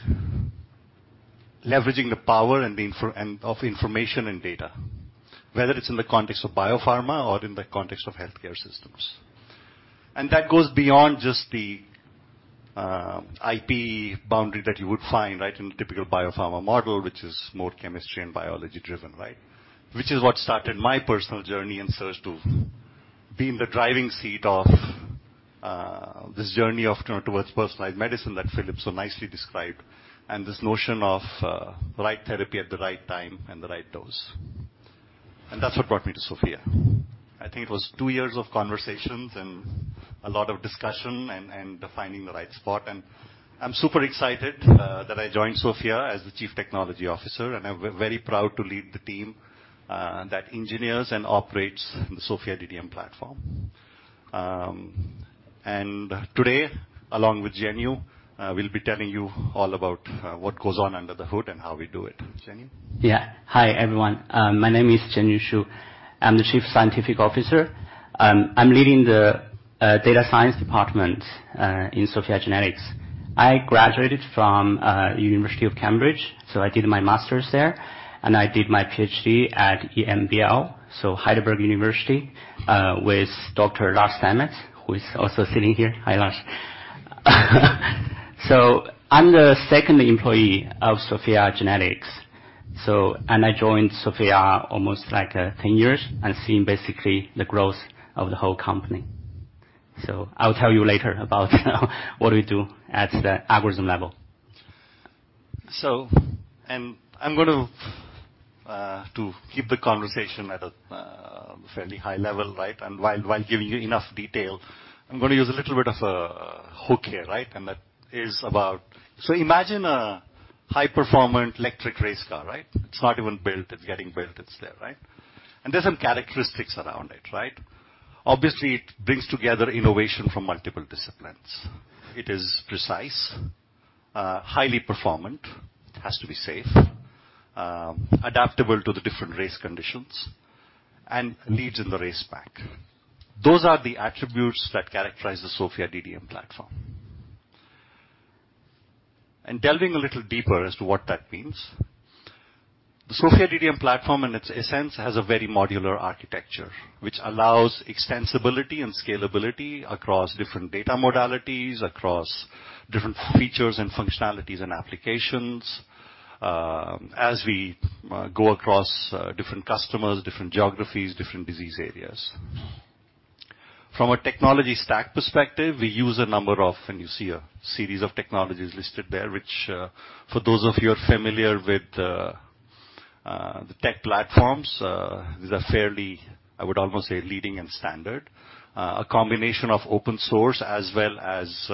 leveraging the power and the information and data. Whether it's in the context of biopharma or in the context of healthcare systems. That goes beyond just the IP boundary that you would find, right, in a typical biopharma model, which is more chemistry and biology-driven, right? Which is what started my personal journey in search to be in the driving seat of this journey towards personalized medicine that Philippe so nicely described, and this notion of right therapy at the right time and the right dose. That's what brought me to SOPHiA. I think it was two years of conversations and a lot of discussion and finding the right spot. I'm super excited that I joined SOPHiAs the chief technology officer, and I'm very proud to lead the team that engineers and operates the SOPHiA DDM platform. Today, along with Zhenyu, we'll be telling you all about what goes on under the hood and how we do it. Zhenyu. Yeah. Hi, everyone. My name is Zhenyu Xu. I'm the Chief Scientific Officer. I'm leading the data science department in SOPHiA GENETICS. I graduated from University of Cambridge, so I did my master's there, and I did my PhD at EMBL, so Heidelberg University, with Dr. Lars Steinmetz, who is also sitting here. Hi, Lars. I'm the second employee of SOPHiA GENETICS. I joined SOPHiA GENETICS almost like 10 years and seen basically the growth of the whole company. I'll tell you later about what we do at the algorithm level. I'm going to keep the conversation at a fairly high level, right? While giving you enough detail, I'm gonna use a little bit of a hook here, right? That is, imagine a high-performant electric race car, right? It's not even built. It's getting built. It's there, right? There's some characteristics around it, right? Obviously, it brings together innovation from multiple disciplines. It is precise, highly performant, it has to be safe, adaptable to the different race conditions and leads in the race pack. Those are the attributes that characterize the SOPHiA DDM platform. Delving a little deeper as to what that means. The SOPHiA DDM platform, in its essence, has a very modular architecture, which allows extensibility and scalability across different data modalities, across different features and functionalities and applications, as we go across different customers, different geographies, different disease areas. From a technology stack perspective, we use a number of technologies listed there, which, for those of you who are familiar with the tech platforms, these are fairly, I would almost say, leading and standard. A combination of open source as well as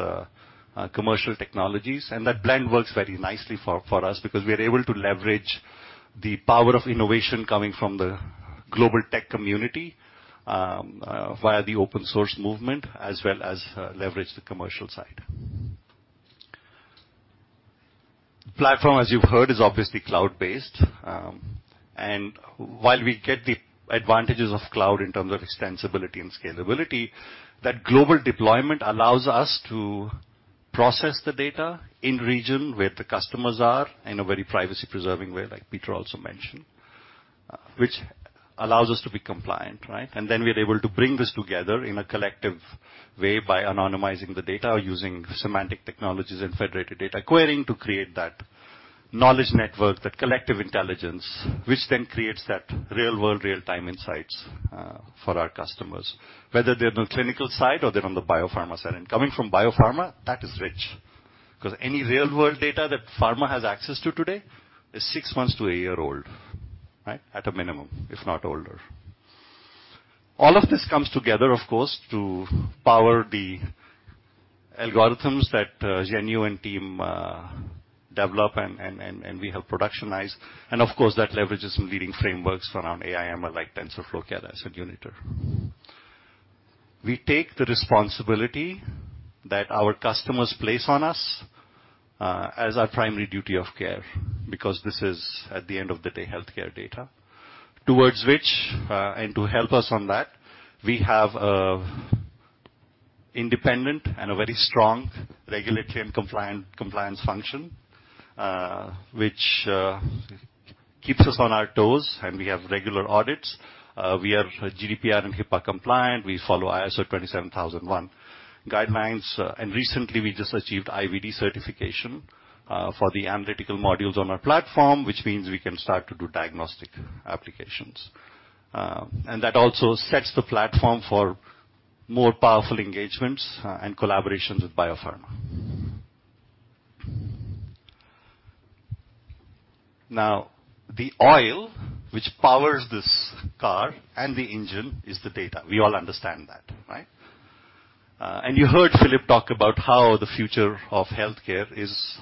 commercial technologies. That blend works very nicely for us because we are able to leverage the power of innovation coming from the global tech community via the open source movement, as well as leverage the commercial side. Platform, as you've heard, is obviously cloud-based. While we get the advantages of cloud in terms of extensibility and scalability, that global deployment allows us to process the data in region where the customers are in a very privacy-preserving way, like Peter also mentioned. Which allows us to be compliant, right? Then we are able to bring this together in a collective way by anonymizing the data or using semantic technologies and federated data querying to create that knowledge network, that collective intelligence, which then creates that real-world, real-time insights for our customers, whether they're on the clinical side or they're on the biopharma side. Coming from biopharma, that is rich, 'cause any real world data that pharma has access to today is six months to a year old, right? At a minimum, if not older. All of this comes together, of course, to power the algorithms that Zhenyu and team develop and we help productionize. Of course, that leverages some leading frameworks around AI, ML like TensorFlow, Keras, and UNITER. We take the responsibility that our customers place on us as our primary duty of care because this is, at the end of the day, healthcare data. Towards which, and to help us on that, we have an independent and a very strong regulatory and compliance function, which keeps us on our toes, and we have regular audits. We are GDPR and HIPAA compliant. We follow ISO 27001 guidelines. Recently we just achieved IVD certification for the analytical modules on our platform, which means we can start to do diagnostic applications. That also sets the platform for more powerful engagements and collaborations with biopharma. Now, the oil which powers this car and the engine is the data. We all understand that, right? You heard Philippe talk about how the future of healthcare is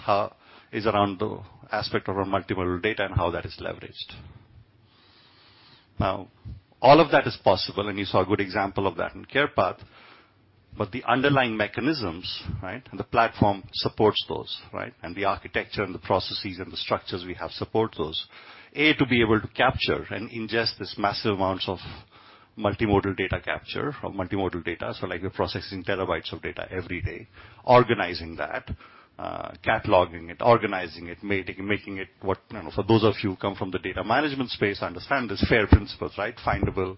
around the aspect of our multimodal data and how that is leveraged. Now, all of that is possible, and you saw a good example of that in CarePath, but the underlying mechanisms, right? The platform supports those, right? The architecture and the processes and the structures we have support those. To be able to capture and ingest this massive amounts of multimodal data capture from multimodal data, so like we're processing terabytes of data every day, organizing that, cataloging it, organizing it, making it what. You know, for those of you who come from the data management space understand this FAIR principles, right? Findable,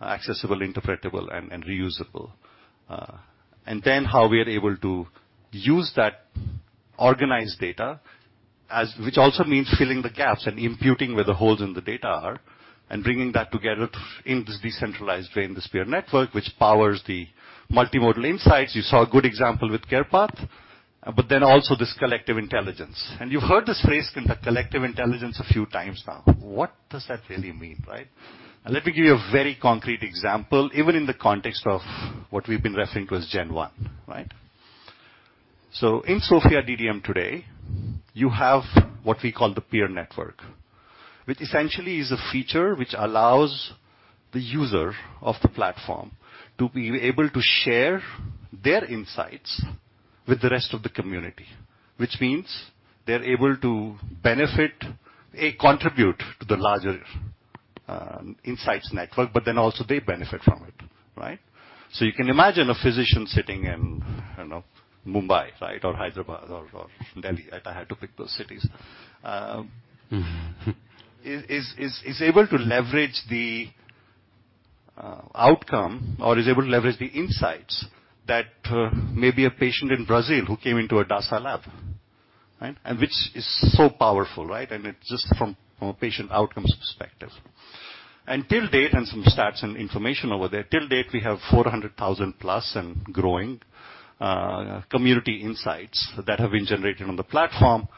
accessible, interpretable, and reusable. How we are able to use that organized data which also means filling the gaps and imputing where the holes in the data are and bringing that together in this decentralized way in this peer network which powers the multimodal insights. You saw a good example with CarePath, but then also this collective intelligence. You've heard this phrase, collective intelligence, a few times now. What does that really mean, right? Let me give you a very concrete example, even in the context of what we've been referring to as Gen 1, right? In SOPHiA DDM today, you have what we call the peer network, which essentially is a feature which allows the user of the platform to be able to share their insights with the rest of the community, which means they're able to benefit and contribute to the larger insights network, but then also they benefit from it, right? You can imagine a physician sitting in, I don't know, Mumbai, right? Or Hyderabad or Delhi, I had to pick those cities, is able to leverage the insights that maybe a patient in Brazil who came into a Dasa lab, right? Which is so powerful, right? It's just from a patient outcomes perspective. Till date, and some stats and information over there, till date, we have 400,000+ and growing community insights that have been generated on the platform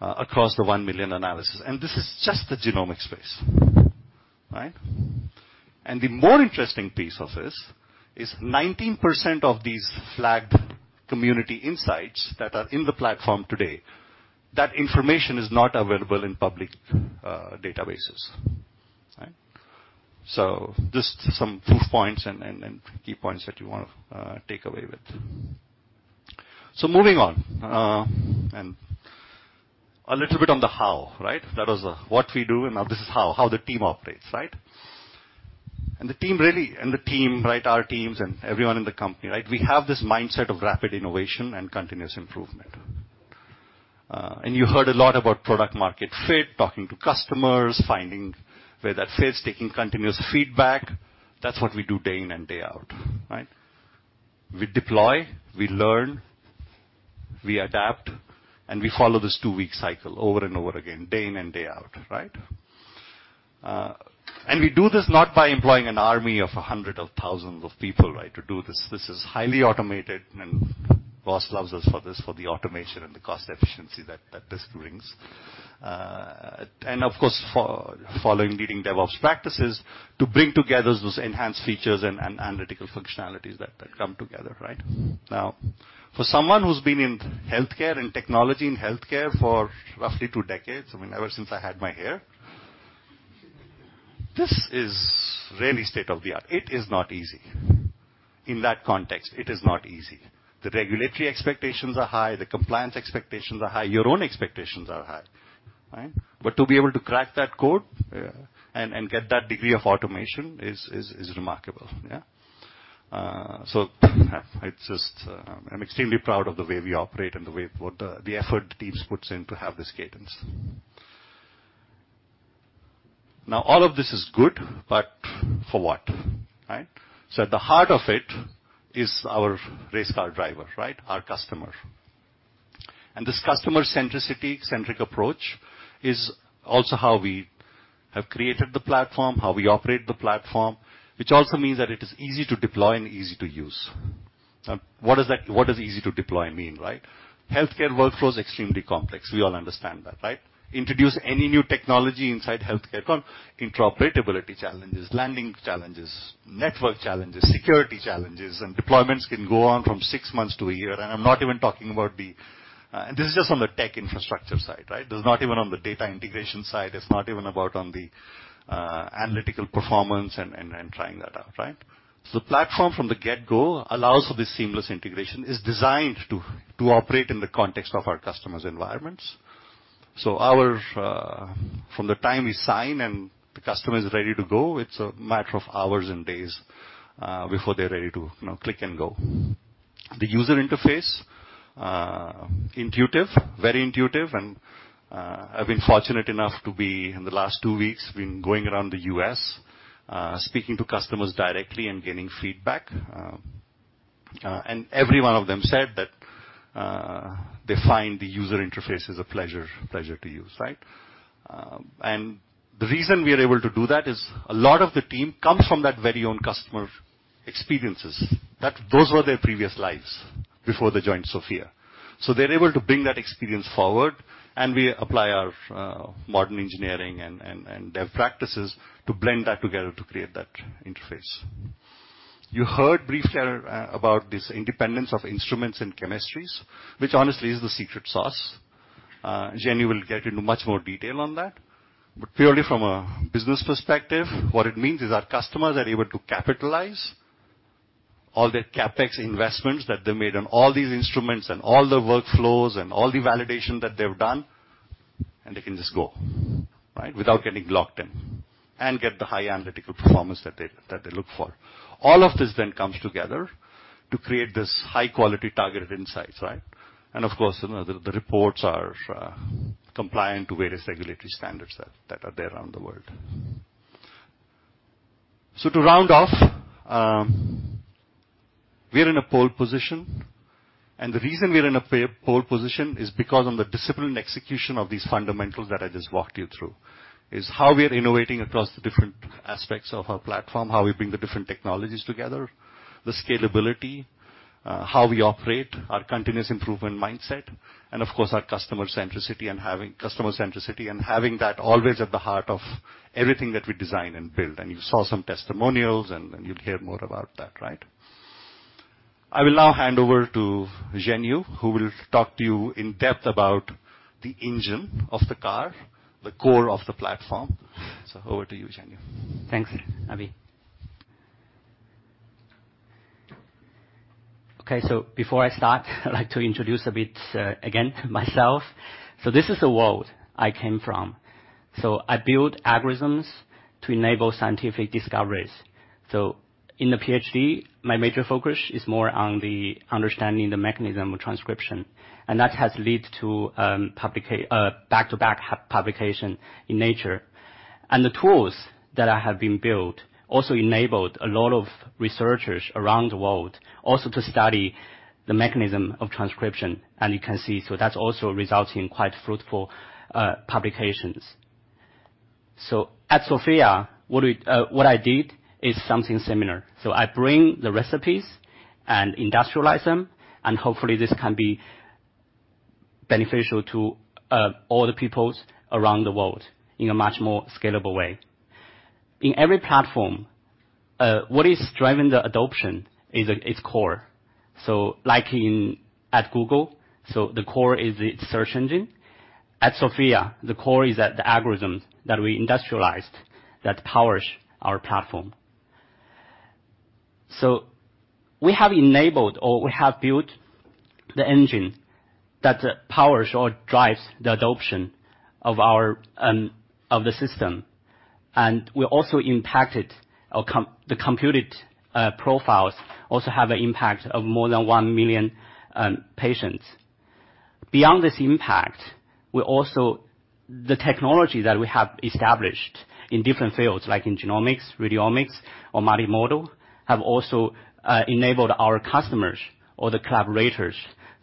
across the 1 million analyses, and this is just the genomic space. Right? The more interesting piece of this is 19% of these flagged community insights that are in the platform today, that information is not available in public databases. Right? Just some proof points and key points that you wanna take away with. Moving on, and a little bit on the how, right? That was what we do, and now this is how the team operates, right? The team, right, our teams and everyone in the company, right, we have this mindset of rapid innovation and continuous improvement. You heard a lot about product market fit, talking to customers, finding where that fits, taking continuous feedback. That's what we do day in and day out, right? We deploy, we learn, we adapt, and we follow this two-week cycle over and over again, day in and day out, right? We do this not by employing an army of hundreds of thousands of people, right? To do this. This is highly automated, and boss loves us for this, for the automation and the cost efficiency that this brings. Of course, following leading DevOps practices to bring together those enhanced features and analytical functionalities that come together, right? Now, for someone who's been in healthcare and technology and healthcare for roughly two decades, I mean, ever since I had my hair, this is really state-of-the-art. It is not easy. In that context, it is not easy. The regulatory expectations are high, the compliance expectations are high, your own expectations are high, right? To be able to crack that code. Yeah. Getting that degree of automation is remarkable, yeah? I'm extremely proud of the way we operate and the effort the teams puts in to have this cadence. Now all of this is good, but for what, right? At the heart of it is our race car driver, right? Our customer. This customer-centric approach is also how we have created the platform, how we operate the platform. Which also means that it is easy to deploy and easy to use. What does easy to deploy mean, right? Healthcare workflows are extremely complex. We all understand that, right? Introduce any new technology inside healthcare, come interoperability challenges, landing challenges, network challenges, security challenges, and deployments can go on from six months to a year. I'm not even talking about the This is just on the tech infrastructure side, right? This is not even on the data integration side. It's not even about the analytical performance and trying that out, right? The platform from the get-go allows for this seamless integration. It's designed to operate in the context of our customers' environments. From the time we sign and the customer is ready to go, it's a matter of hours and days before they're ready to, you know, click and go. The user interface intuitive, very intuitive and I've been fortunate enough to be in the last two weeks going around the U.S. speaking to customers directly and gaining feedback and every one of them said that they find the user interface is a pleasure to use, right? The reason we are able to do that is a lot of the team comes from that very own customer experiences, that those were their previous lives before they joined SOPHiA. They're able to bring that experience forward, and we apply our modern engineering and dev practices to blend that together to create that interface. You heard briefly about this independence of instruments and chemistries, which honestly is the secret sauce. Zhenyu will get into much more detail on that. Purely from a business perspective, what it means is our customers are able to capitalize all their CapEx investments that they made on all these instruments and all the workflows and all the validation that they've done, and they can just go, right? Without getting locked in and get the high analytical performance that they look for. All of this comes together to create this high-quality targeted insights, right? Of course, the reports are compliant to various regulatory standards that are there around the world. To round off, we are in a pole position, and the reason we are in a pole position is because of the disciplined execution of these fundamentals that I just walked you through. That is how we are innovating across the different aspects of our platform, how we bring the different technologies together, the scalability, how we operate, our continuous improvement mindset, and of course, our customer centricity and having that always at the heart of everything that we design and build. You .some testimonials and you'll hear more about that, right? I will now hand over to Zhenyu, who will talk to you in depth about the engine of the car, the core of the platform. Over to you, Zhenyu. Thanks, Abhi. Okay. Before I start, I'd like to introduce a bit, again, myself. This is the world I came from. I build algorithms to enable scientific discoveries. In the PhD, my major focus is more on understanding the mechanism of transcription, and that has lead to, back-to-back publication in Nature. The tools that I have built also enabled a lot of researchers around the world to study the mechanism of transcription. You can see, that's also resulting in quite fruitful publications. At SOPHiA, what I did is something similar. I bring the recipes and industrialize them, and hopefully, this can be beneficial to all the people around the world in a much more scalable way. In every platform, what is driving the adoption is its core. Like at Google, the core is the search engine. At SOPHiA GENETICS, the core is the algorithms that we industrialized that powers our platform. We have enabled, or we have built the engine that powers or drives the adoption of our system. We also impacted the computed profiles also have an impact of more than 1 million patients. Beyond this impact, the technology that we have established in different fields, like in genomics, radiomics or multimodal, have also enabled our customers or the collaborators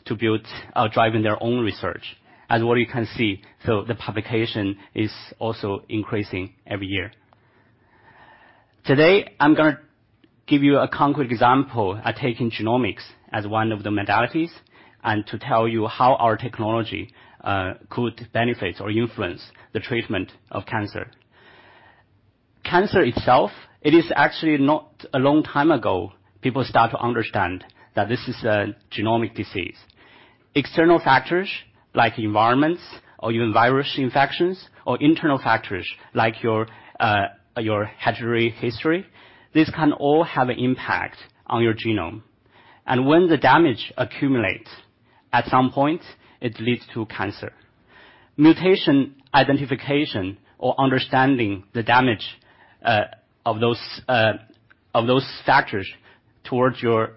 to build driving their own research, as you can see. The publication is also increasing every year. Today, I'm gonna give you a concrete example of taking genomics as one of the modalities, and to tell you how our technology could benefit or influence the treatment of cancer. Cancer itself, it is actually not a long time ago, people start to understand that this is a genomic disease. External factors like environmental or even virus infections or internal factors like your hereditary history, these can all have an impact on your genome. When the damage accumulates, at some point, it leads to cancer. Mutation identification or understanding the damage of those factors towards your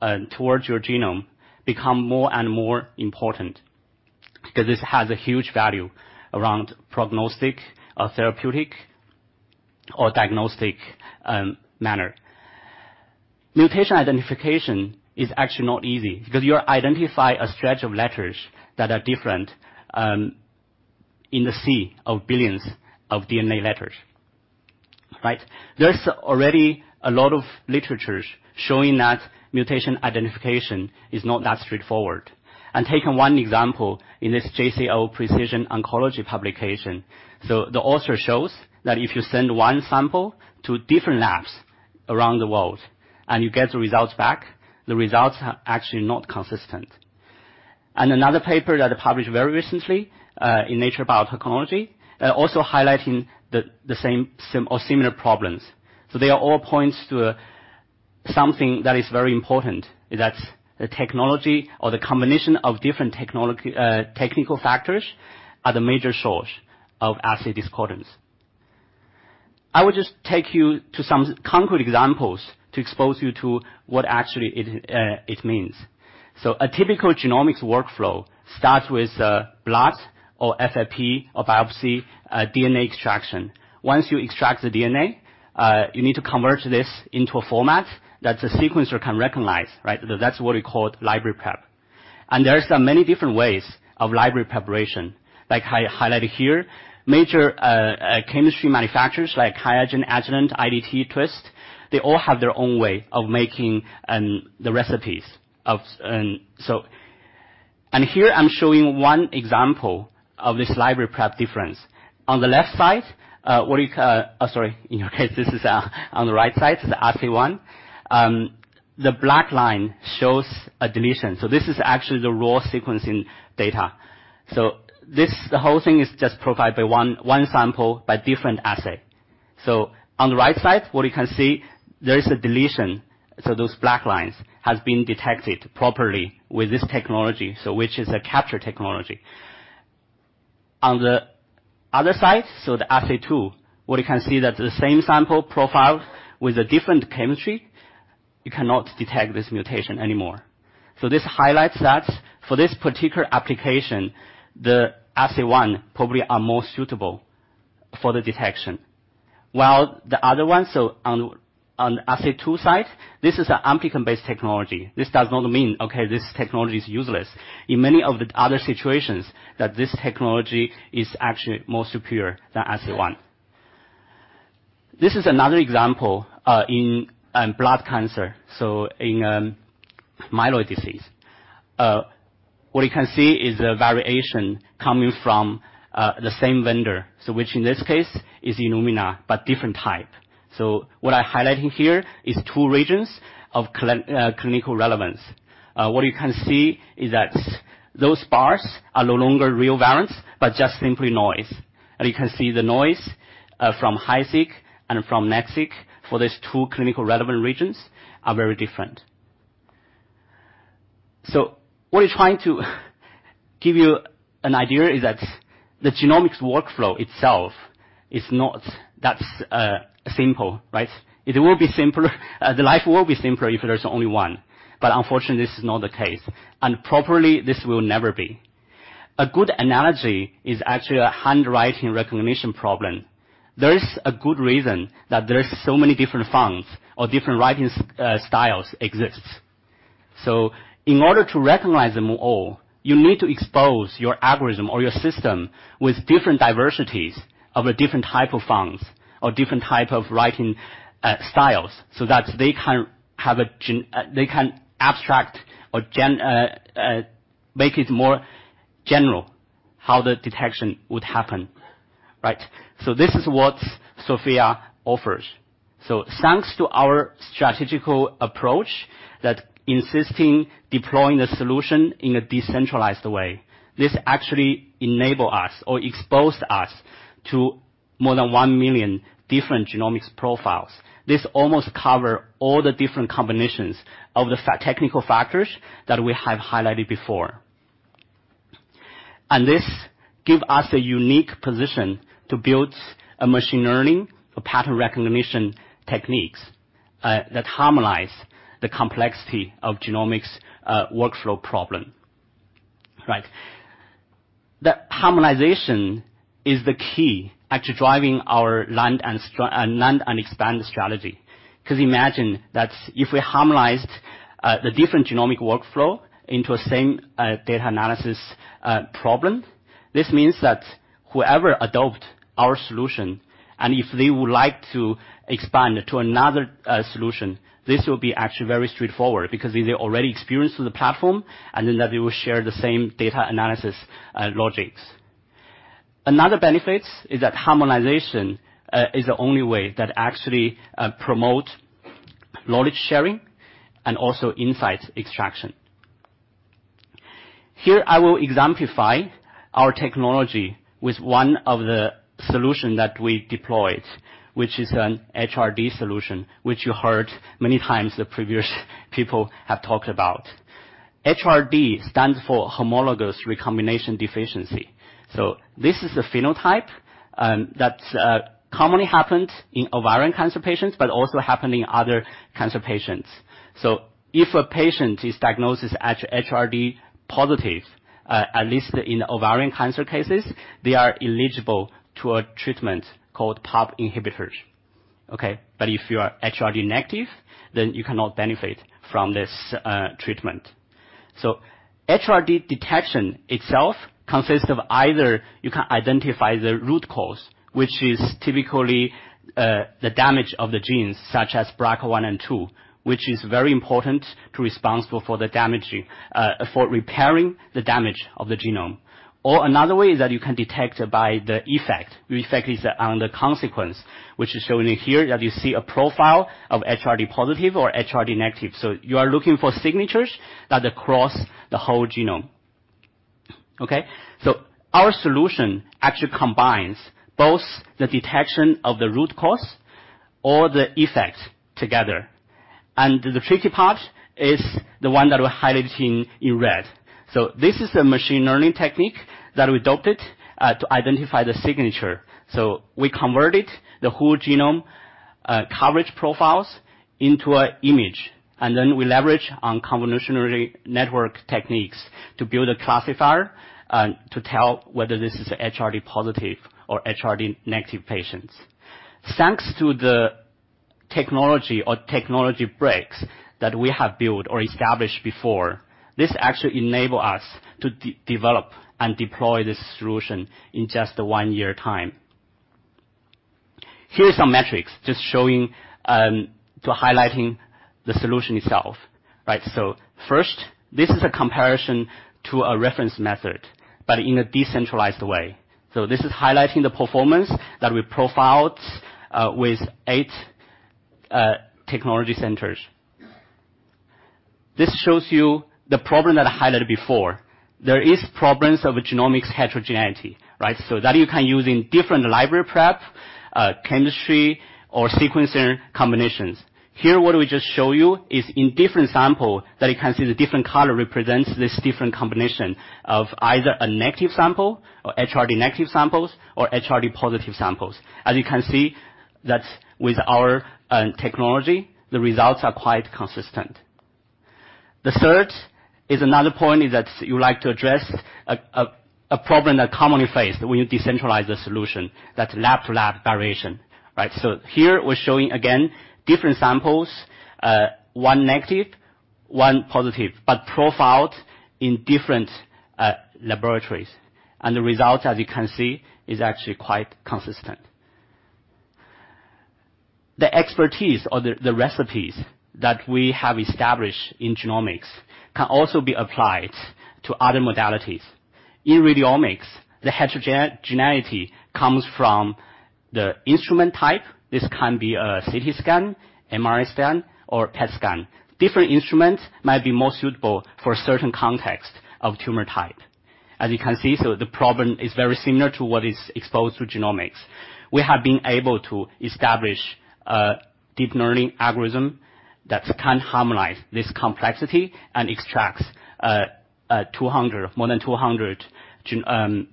genome become more and more important. Because this has a huge value around prognostic or therapeutic or diagnostic manner. Mutation identification is actually not easy because you identify a stretch of letters that are different in the sea of billions of DNA letters, right? There's already a lot of literature showing that mutation identification is not that straightforward. Taking one example in this JCO Precision Oncology publication. The author shows that if you send one sample to different labs around the world and you get the results back, the results are actually not consistent. Another paper that published very recently in Nature Biotechnology also highlighting the same or similar problems. They all point to something that is very important, that the technology or the combination of different technical factors are the major source of assay discordance. I will just take you to some concrete examples to expose you to what actually it means. A typical genomics workflow starts with blood or FFPE or biopsy DNA extraction. Once you extract the DNA, you need to convert this into a format that the sequencer can recognize, right? That's what we call library prep. There are many different ways of library preparation, like highlighted here. Major chemistry manufacturers like QIAGEN, Agilent, IDT, Twist, they all have their own way of making the recipes of. Here I'm showing one example of this library prep difference. On the left side, in your case, this is on the right side, the assay one. The black line shows a deletion. This is actually the raw sequencing data. This, the whole thing is just provided by one sample by different assay. On the right side, what you can see there is a deletion, so those black lines, has been detected properly with this technology, so which is a capture technology. On the other side, so the assay 2, what you can see that the same sample profile with a different chemistry, you cannot detect this mutation anymore. This highlights that for this particular application, the assay 1 probably are more suitable for the detection. While the other one, so on assay 2 side, this is an amplicon-based technology. This does not mean, okay, this technology is useless. In many of the other situations that this technology is actually more superior than assay 1. This is another example, in blood cancer, so in myeloid disease. What you can see is a variation coming from the same vendor, so which in this case is Illumina, but different type. What I'm highlighting here is two regions of clinical relevance. What you can see is that those bars are no longer real variants, but just simply noise. You can see the noise from HiSeq and from NextSeq for these two clinical relevant regions are very different. What we're trying to give you an idea is that the genomics workflow itself is not that simple, right? The life will be simpler if there's only one, but unfortunately, this is not the case. Probably, this will never be. A good analogy is actually a handwriting recognition problem. There is a good reason that there's so many different fonts or different writing styles exists. In order to recognize them all, you need to expose your algorithm or your system with different diversities of a different type of fonts or different type of writing styles, so that they can have a gen. They can abstract or gen. Make it more general, how the detection would happen, right? This is what SOPHiA offers. Thanks to our strategic approach that insisting deploying the solution in a decentralized way, this actually enable us or exposed us to more than 1 million different genomics profiles. This almost cover all the different combinations of the technical factors that we have highlighted before. This gives us a unique position to build a machine learning, a pattern recognition techniques that harmonize the complexity of genomics workflow problem. Right. The harmonization is the key actually driving our land and expand strategy. 'Cause imagine that if we harmonized the different genomic workflow into a same data analysis problem, this means that whoever adopt our solution, and if they would like to expand it to another solution, this will be actually very straightforward because they already experienced the platform, and then that they will share the same data analysis logics. Another benefits is that harmonization is the only way that actually promote knowledge sharing and also insight extraction. Here, I will exemplify our technology with one of the solution that we deployed, which is an HRD solution, which you heard many times the previous people have talked about. HRD stands for homologous recombination deficiency. This is a phenotype that commonly happens in ovarian cancer patients, but also happen in other cancer patients. If a patient is diagnosed as HRD positive, at least in ovarian cancer cases, they are eligible to a treatment called PARP inhibitors. Okay? If you are HRD negative, you cannot benefit from this, treatment. HRD detection itself consists of either you can identify the root cause, which is typically, the damage of the genes such as BRCA1 and BRCA2, which is very important to responsible for repairing the damage of the genome. Another way is that you can detect by the effect. The effect is on the consequence, which is shown here, that you see a profile of HRD positive or HRD negative. You are looking for signatures that cross the whole genome. Okay? Our solution actually combines both the detection of the root cause or the effects together. The tricky part is the one that we're highlighting in red. This is a machine learning technique that we adopted to identify the signature. We converted the whole genome coverage profiles into an image, and then we leverage on convolutional network techniques to build a classifier to tell whether this is HRD positive or HRD negative patients. Thanks to the technology breakthroughs that we have built or established before, this actually enable us to develop and deploy this solution in just one year time. Here are some metrics just showing to highlighting the solution itself. Right. So first, this is a comparison to a reference method, but in a decentralized way. So this is highlighting the performance that we profiled with eight technology centers. This shows you the problem that I highlighted before. There is problems of genomics heterogeneity, right? So that you can use in different library prep chemistry or sequencing combinations. Here, what we just show you is in different sample, that you can see the different color represents this different combination of either a negative sample or HRD negative samples or HRD positive samples. As you can see, with our technology, the results are quite consistent. The third point is that you like to address a problem that commonly faced when you decentralize the solution. That's lab-to-lab variation, right? Here we're showing, again, different samples, one negative, one positive, but profiled in different laboratories. The result, as you can see, is actually quite consistent. The expertise or the recipes that we have established in genomics can also be applied to other modalities. In radiomics, the heterogeneity comes from the instrument type. This can be a CT scan, MRI scan, or PET scan. Different instruments might be more suitable for certain context of tumor type. As you can see, the problem is very similar to what is exposed through genomics. We have been able to establish a deep learning algorithm that can harmonize this complexity and extracts more than 200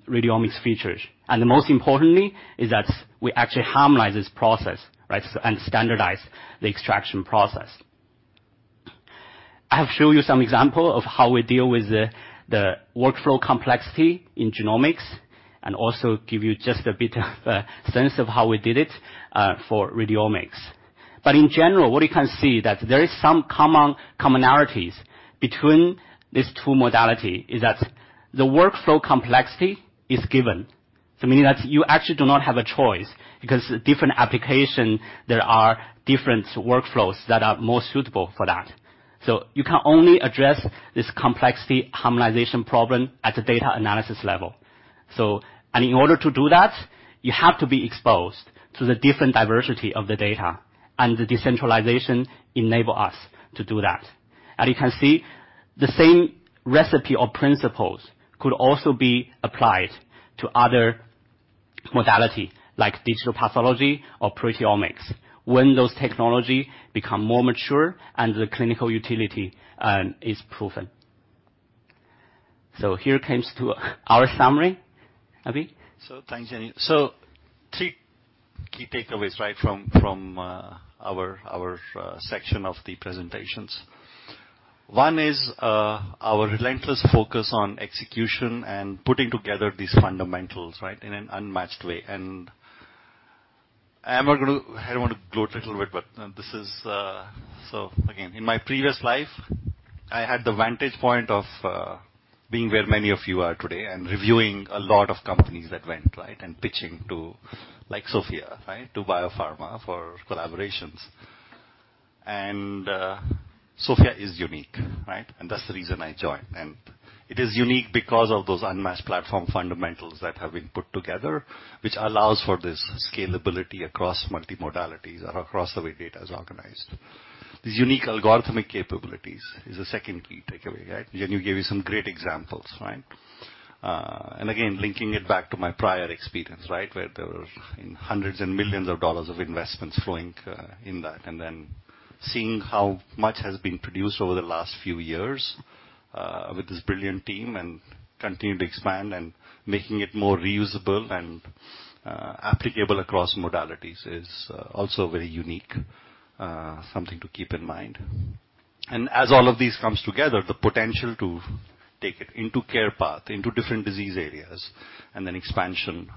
radiomics features. Most importantly is that we actually harmonize this process, right, and standardize the extraction process. I have showed you some example of how we deal with the workflow complexity in genomics, and also give you just a bit of a sense of how we did it for radiomics. But in general, what you can see that there is some commonalities between these two modality, is that the workflow complexity is given. Meaning that you actually do not have a choice, because different application, there are different workflows that are more suitable for that. You can only address this complexity harmonization problem at the data analysis level. In order to do that, you have to be exposed to the different diversity of the data, and the decentralization enable us to do that. As you can see, the same recipe or principles could also be applied to other modality, like digital pathology or proteomics, when those technology become more mature and the clinical utility is proven. Here comes to our summary. Abhi. Thanks, Zhenyu. Three key takeaways, right, from our section of the presentations. One is our relentless focus on execution and putting together these fundamentals, right, in an unmatched way. I'm not gonna. I don't want to gloat a little bit, but this is, so again, in my previous life, I had the vantage point of being where many of you are today and reviewing a lot of companies that went, right, and pitching to, like SOPHiA, right, to biopharma for collaborations. SOPHiA is unique, right? That's the reason I joined. It is unique because of those unmatched platform fundamentals that have been put together, which allows for this scalability across modalities or across the way data is organized. These unique algorithmic capabilities is the second key takeaway, right? Zhenyu gave you some great examples, right? Again, linking it back to my prior experience, right? Where there were hundreds and millions of dollars of investments flowing, in that, and then seeing how much has been produced over the last few years with this brilliant team and continue to expand and making it more reusable and, applicable across modalities is also very unique. Something to keep in mind. As all of these comes together, the potential to take it into CarePath, into different disease areas and then expansion,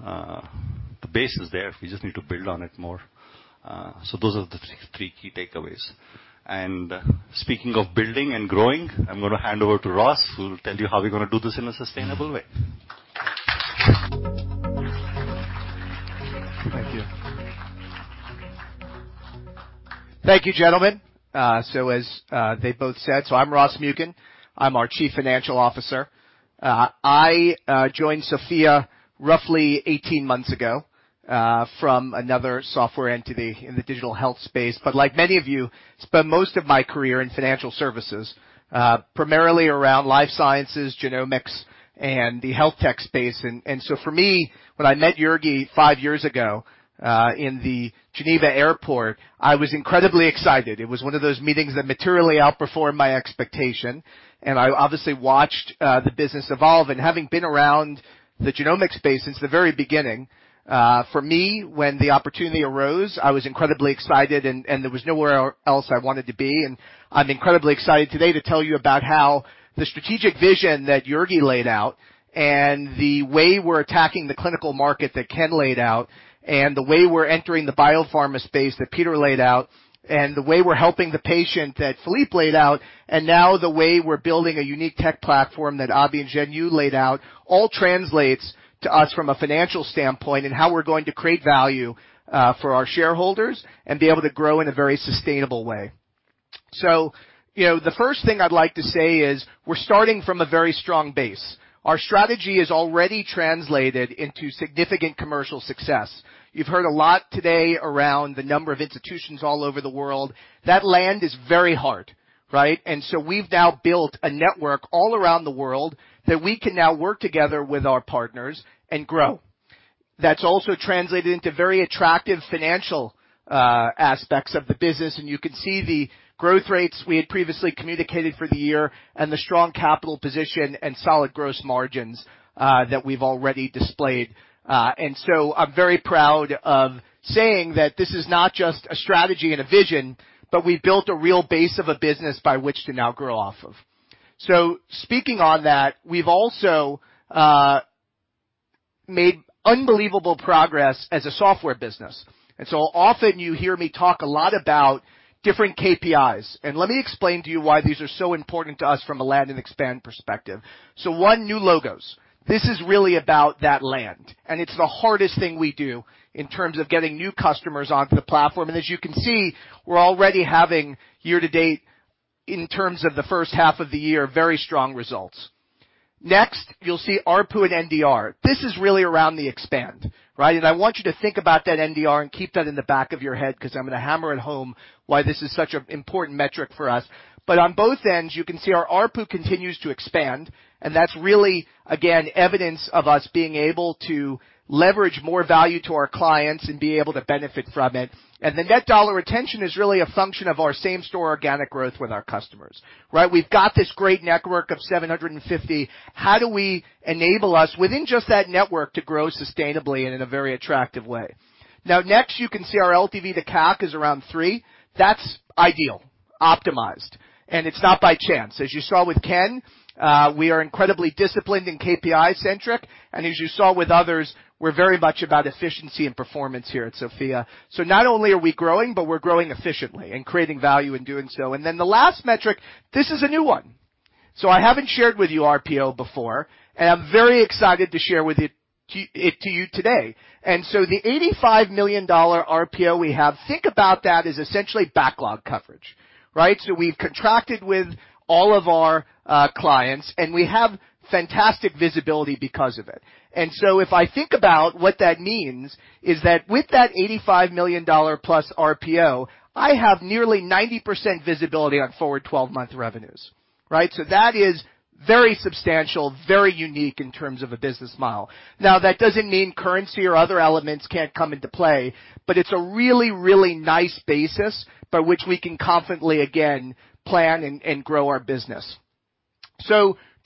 the base is there. We just need to build on it more. Those are the three key takeaways. Speaking of building and growing, I'm gonna hand over to Ross, who will tell you how we're gonna do this in a sustainable way. Thank you. Thank you, gentlemen. As they both said. I'm Ross Muken. I'm our Chief Financial Officer. I joined SOPHiA roughly 18 months ago from another software entity in the digital health space. But like many of you, spent most of my career in financial services, primarily around life sciences, genomics, and the health tech space. For me, when I met Jurgi five years ago in the Geneva Airport, I was incredibly excited. It was one of those meetings that materially outperformed my expectation, and I obviously watched the business evolve. Having been around the genomics space since the very beginning, for me, when the opportunity arose, I was incredibly excited, and there was nowhere else I wanted to be. I'm incredibly excited today to tell you about how the strategic vision that Jurgi laid out and the way we're attacking the clinical market that Ken laid out, and the way we're entering the biopharma space that Peter laid out, and the way we're helping the patient that Philippe laid out, and now the way we're building a unique tech platform that Abhi and Zhenyu laid out, all translates to us from a financial standpoint and how we're going to create value for our shareholders and be able to grow in a very sustainable way. You know, the first thing I'd like to say is we're starting from a very strong base. Our strategy is already translated into significant commercial success. You've heard a lot today around the number of institutions all over the world. That landing is very hard, right? We've now built a network all around the world that we can now work together with our partners and grow. That's also translated into very attractive financial aspects of the business. You can see the growth rates we had previously communicated for the year and the strong capital position and solid gross margins that we've already displayed. I'm very proud of saying that this is not just a strategy and a vision, but we've built a real base of a business by which to now grow off of. Speaking on that, we've also made unbelievable progress as a software business. Often you hear me talk a lot about different KPIs. Let me explain to you why these are so important to us from a land and expand perspective. One, new logos. This is really about that land, and it's the hardest thing we do in terms of getting new customers onto the platform. As you can see, we're already having year to date, in terms of the first half of the year, very strong results. Next, you'll see ARPU and NDR. This is really around the expand, right? I want you to think about that NDR and keep that in the back of your head, 'cause I'm gonna hammer it home why this is such an important metric for us. But on both ends, you can see our ARPU continues to expand, and that's really, again, evidence of us being able to leverage more value to our clients and be able to benefit from it. The net dollar retention is really a function of our same store organic growth with our customers, right? We've got this great network of 750. How do we enable us within just that network to grow sustainably and in a very attractive way? Now next, you can see our LTV to CAC is around three. That's ideal, optimized, and it's not by chance. As you saw with Ken, we are incredibly disciplined and KPI-centric, and as you saw with others, we're very much about efficiency and performance here at SOPHiA. Not only are we growing, but we're growing efficiently and creating value in doing so. Then the last metric, this is a new one. I haven't shared with you RPO before, and I'm very excited to share it with you today. The $85 million RPO we have, think about that as essentially backlog coverage, right? We've contracted with all of our clients, and we have fantastic visibility because of it. If I think about what that means is that with that $85 million+ RPO, I have nearly 90% visibility on forward twelve-month revenues, right? That is very substantial, very unique in terms of a business model. Now, that doesn't mean currency or other elements can't come into play, but it's a really, really nice basis by which we can confidently, again, plan and grow our business.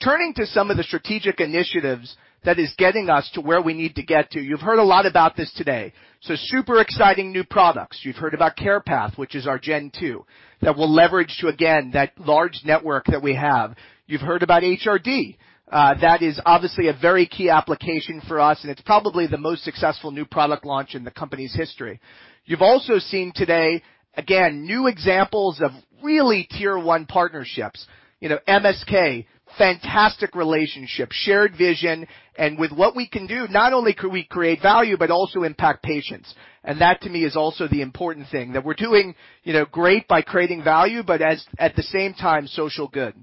Turning to some of the strategic initiatives that is getting us to where we need to get to. You've heard a lot about this today. Super exciting new products. You've heard about CarePath, which is our Gen 2, that will leverage to, again, that large network that we have. You've heard about HRD. That is obviously a very key application for us, and it's probably the most successful new product launch in the company's history. You've also seen today, again, new examples of really tier one partnerships. You know, MSK, fantastic relationship, shared vision, and with what we can do, not only could we create value, but also impact patients. That, to me, is also the important thing, that we're doing, you know, great by creating value, but at the same time, social good.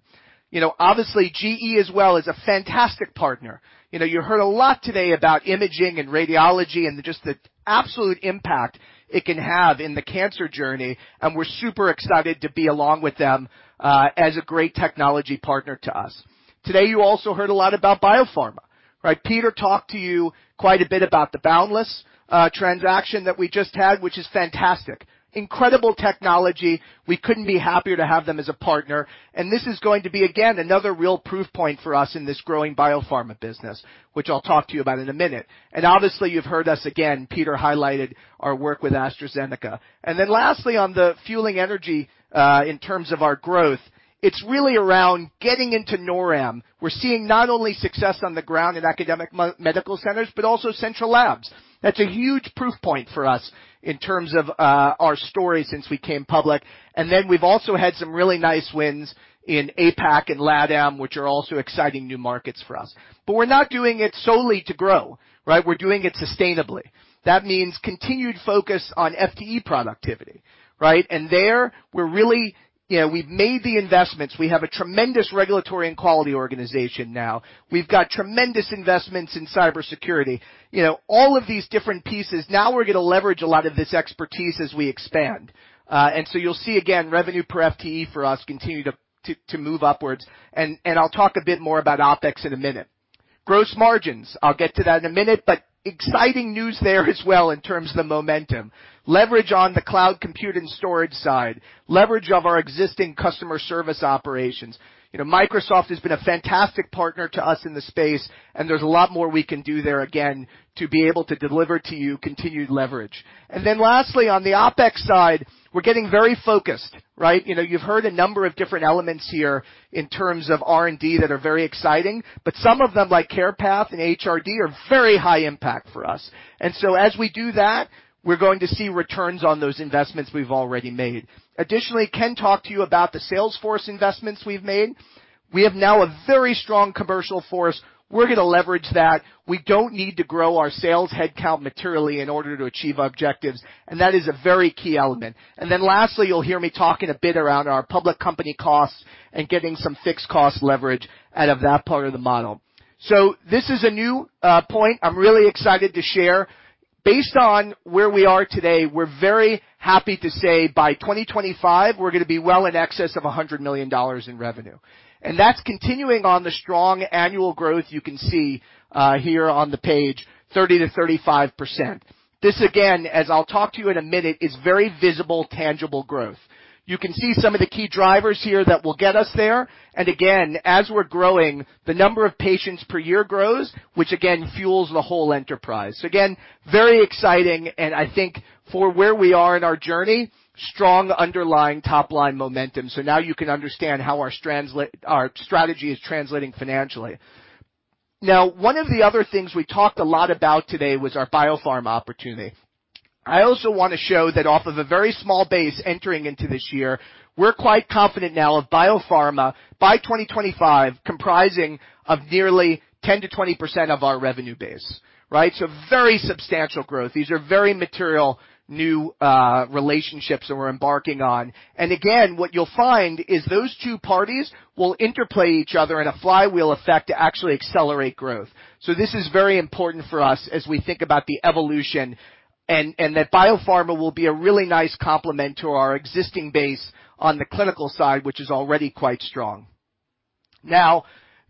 You know, obviously, GE as well is a fantastic partner. You know, you heard a lot today about imaging and radiology and just the absolute impact it can have in the cancer journey, and we're super excited to be along with them, as a great technology partner to us. Today, you also heard a lot about biopharma. Right. Peter talked to you quite a bit about the Boundless Bio transaction that we just had, which is fantastic. Incredible technology. We couldn't be happier to have them as a partner. This is going to be, again, another real proof point for us in this growing biopharma business, which I'll talk to you about in a minute. Obviously, you've heard us again. Peter highlighted our work with AstraZeneca. Lastly, on the fueling energy in terms of our growth, it's really around getting into NORAM. We're seeing not only success on the ground in academic medical centers, but also central labs. That's a huge proof point for us in terms of our story since we came public. We've also had some really nice wins in APAC and LATAM, which are also exciting new markets for us. We're not doing it solely to grow, right? We're doing it sustainably. That means continued focus on FTE productivity, right? There, we're really, you know, we've made the investments. We have a tremendous regulatory and quality organization now. We've got tremendous investments in cybersecurity. You know, all of these different pieces. Now we're gonna leverage a lot of this expertise as we expand. You'll see, again, revenue per FTE for us continue to move upwards. I'll talk a bit more about OpEx in a minute. Gross margins. I'll get to that in a minute, but exciting news there as well in terms of the momentum. Leverage on the cloud compute and storage side. Leverage of our existing customer service operations. You know, Microsoft has been a fantastic partner to us in the space, and there's a lot more we can do there, again, to be able to deliver to you continued leverage. Lastly, on the OpEx side, we're getting very focused, right? You know, you've heard a number of different elements here in terms of R&D that are very exciting, but some of them, like CarePath and HRD, are very high impact for us. As we do that, we're going to see returns on those investments we've already made. Additionally, Ken talked to you about the sales force investments we've made. We have now a very strong commercial force. We're gonna leverage that. We don't need to grow our sales headcount materially in order to achieve our objectives, and that is a very key element. Then lastly, you'll hear me talk in a bit around our public company costs and getting some fixed cost leverage out of that part of the model. This is a new point I'm really excited to share. Based on where we are today, we're very happy to say by 2025, we're gonna be well in excess of $100 million in revenue. That's continuing on the strong annual growth you can see here on the page, 30%-35%. This, again, as I'll talk to you in a minute, is very visible, tangible growth. You can see some of the key drivers here that will get us there. Again, as we're growing, the number of patients per year grows, which again fuels the whole enterprise. Again, very exciting, and I think for where we are in our journey, strong underlying top-line momentum. Now you can understand how our strategy is translating financially. Now, one of the other things we talked a lot about today was our biopharma opportunity. I also wanna show that off of a very small base entering into this year, we're quite confident now of biopharma by 2025 comprising of nearly 10%-20% of our revenue base, right? Very substantial growth. These are very material new relationships that we're embarking on. Again, what you'll find is those two parties will interplay each other in a flywheel effect to actually accelerate growth. This is very important for us as we think about the evolution and that biopharma will be a really nice complement to our existing base on the clinical side, which is already quite strong.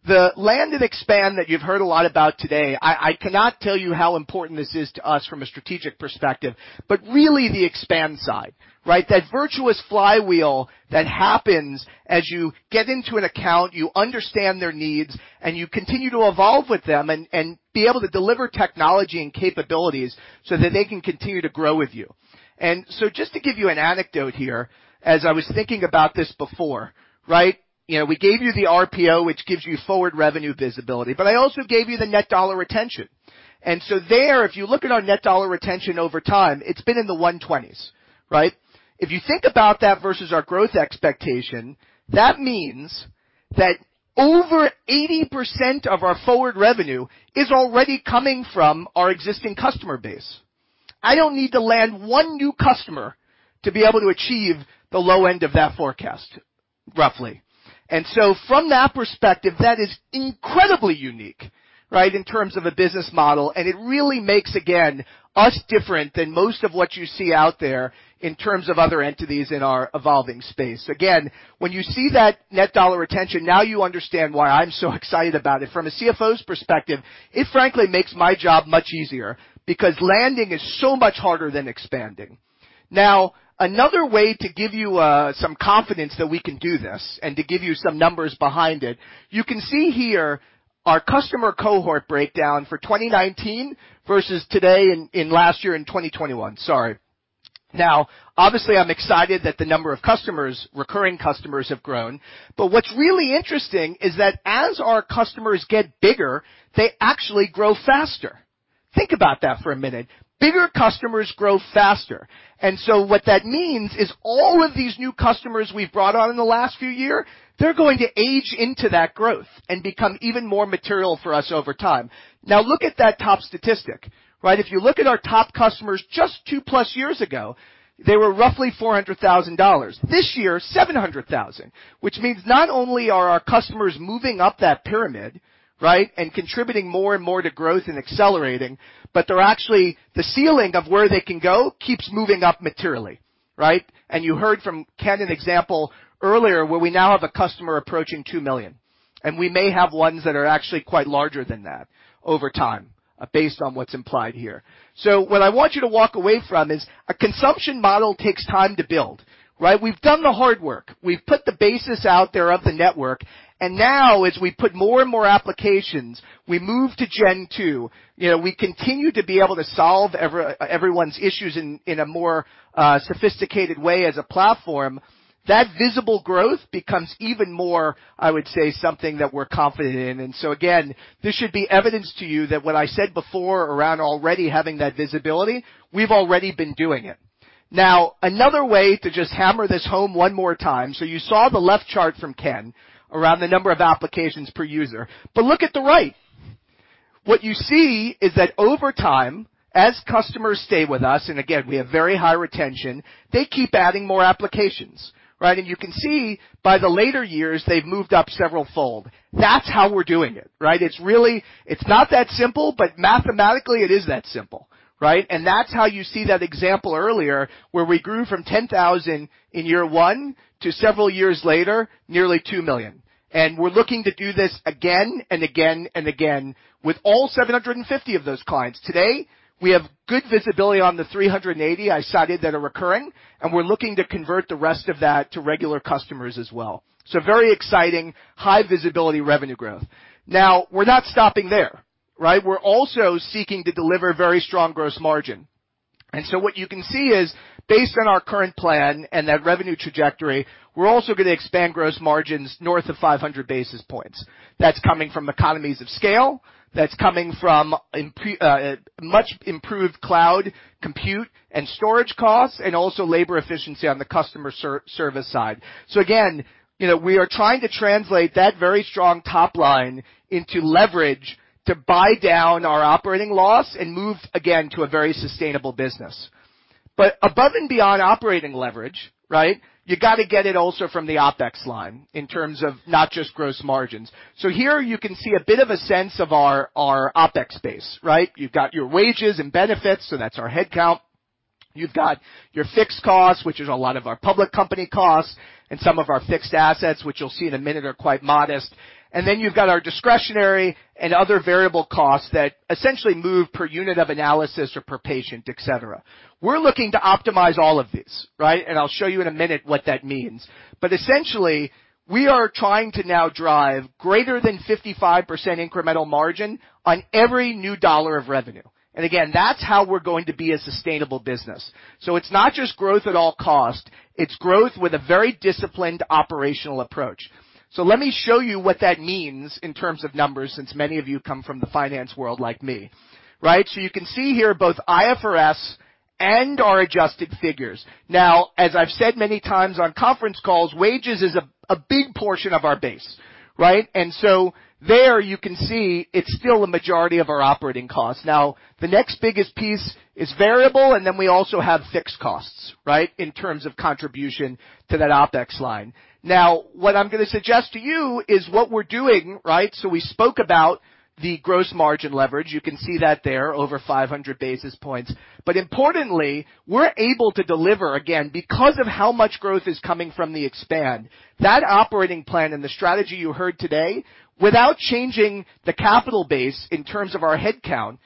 The land and expand that you've heard a lot about today, I cannot tell you how important this is to us from a strategic perspective. Really the expand side, right? That virtuous flywheel that happens as you get into an account, you understand their needs, and you continue to evolve with them and be able to deliver technology and capabilities so that they can continue to grow with you. Just to give you an anecdote here, as I was thinking about this before, right? You know, we gave you the RPO, which gives you forward revenue visibility, but I also gave you the net dollar retention. There, if you look at our net dollar retention over time, it's been in the 120s, right? If you think about that versus our growth expectation, that means that over 80% of our forward revenue is already coming from our existing customer base. I don't need to land one new customer to be able to achieve the low end of that forecast, roughly. From that perspective, that is incredibly unique, right, in terms of a business model. It really makes, again, us different than most of what you see out there in terms of other entities in our evolving space. Again, when you see that net dollar retention, now you understand why I'm so excited about it. From a CFO's perspective, it frankly makes my job much easier because landing is so much harder than expanding. Now, another way to give you some confidence that we can do this and to give you some numbers behind it, you can see here our customer cohort breakdown for 2019 versus today in last year in 2021. Sorry. Now, obviously, I'm excited that the number of customers, recurring customers have grown. What's really interesting is that as our customers get bigger, they actually grow faster. Think about that for a minute. Bigger customers grow faster. What that means is all of these new customers we've brought on in the last few years, they're going to age into that growth and become even more material for us over time. Now look at that top statistic, right? If you look at our top customers just 2+ years ago, they were roughly $400,000. This year, $700,000. Which means not only are our customers moving up that pyramid, right, and contributing more and more to growth and accelerating, but they're actually the ceiling of where they can go keeps moving up materially. Right? You heard from Ken an example earlier where we now have a customer approaching $2 million, and we may have ones that are actually quite larger than that over time, based on what's implied here. What I want you to walk away from is a consumption model takes time to build, right? We've done the hard work. We've put the basis out there of the network, and now as we put more and more applications, we move to Gen 2, you know, we continue to be able to solve everyone's issues in a more sophisticated way as a platform. That visible growth becomes even more, I would say, something that we're confident in. Again, this should be evidence to you that what I said before around already having that visibility, we've already been doing it. Now another way to just hammer this home one more time. You saw the left chart from Ken around the number of applications per user. Look at the right. What you see is that over time, as customers stay with us, and again, we have very high retention, they keep adding more applications, right? You can see by the later years they've moved up several fold. That's how we're doing it, right? It's really. It's not that simple, but mathematically it is that simple, right? That's how you see that example earlier, where we grew from 10,000 in year one to several years later, nearly 2 million. We're looking to do this again and again and again with all 750 of those clients. Today, we have good visibility on the 380 I cited that are recurring, and we're looking to convert the rest of that to regular customers as well. Very exciting high visibility revenue growth. Now, we're not stopping there, right? We're also seeking to deliver very strong gross margin. What you can see is based on our current plan and that revenue trajectory, we're also gonna expand gross margins north of 500 basis points. That's coming from economies of scale. That's coming from improved cloud compute and storage costs, and also labor efficiency on the customer service side. Again, you know, we are trying to translate that very strong top line into leverage to buy down our operating loss and move again to a very sustainable business. Above and beyond operating leverage, right? You got to get it also from the OpEx line in terms of not just gross margins. Here you can see a bit of a sense of our OpEx base, right? You've got your wages and benefits, so that's our head count. You've got your fixed costs, which is a lot of our public company costs and some of our fixed assets, which you'll see in a minute, are quite modest. Then you've got our discretionary and other variable costs that essentially move per unit of analysis or per patient, et cetera. We're looking to optimize all of these, right? I'll show you in a minute what that means. Essentially, we are trying to now drive greater than 55% incremental margin on every new dollar of revenue. Again, that's how we're going to be a sustainable business. It's not just growth at all costs, it's growth with a very disciplined operational approach. Let me show you what that means in terms of numbers, since many of you come from the finance world like me, right? You can see here both IFRS and our adjusted figures. Now, as I've said many times on conference calls, wages is a big portion of our base, right? There you can see it's still a majority of our operating costs. Now the next biggest piece is variable and then we also have fixed costs, right, in terms of contribution to that OpEx line. Now what I'm gonna suggest to you is what we're doing, right? We spoke about the gross margin leverage. You can see that there's over 500 basis points. Importantly, we're able to deliver again because of how much growth is coming from the expansion. That operating plan and the strategy you heard today, without changing the capital base in terms of our head count,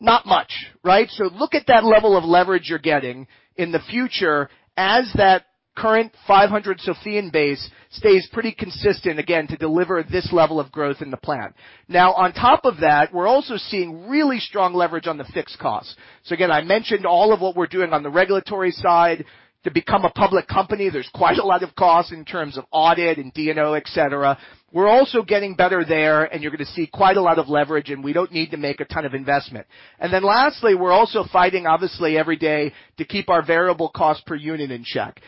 not much, right? Look at that level of leverage you're getting in the future as that current 500 basis points base stays pretty consistent again, to deliver this level of growth in the plan. Now, on top of that, we're also seeing really strong leverage on the fixed costs. Again, I mentioned all of what we're doing on the regulatory side to become a public company. There's quite a lot of costs in terms of audit and D&O, et cetera. We're also getting better there, and you're gonna see quite a lot of leverage, and we don't need to make a ton of investment. Then lastly, we're also fighting obviously every day to keep our variable cost per unit in check.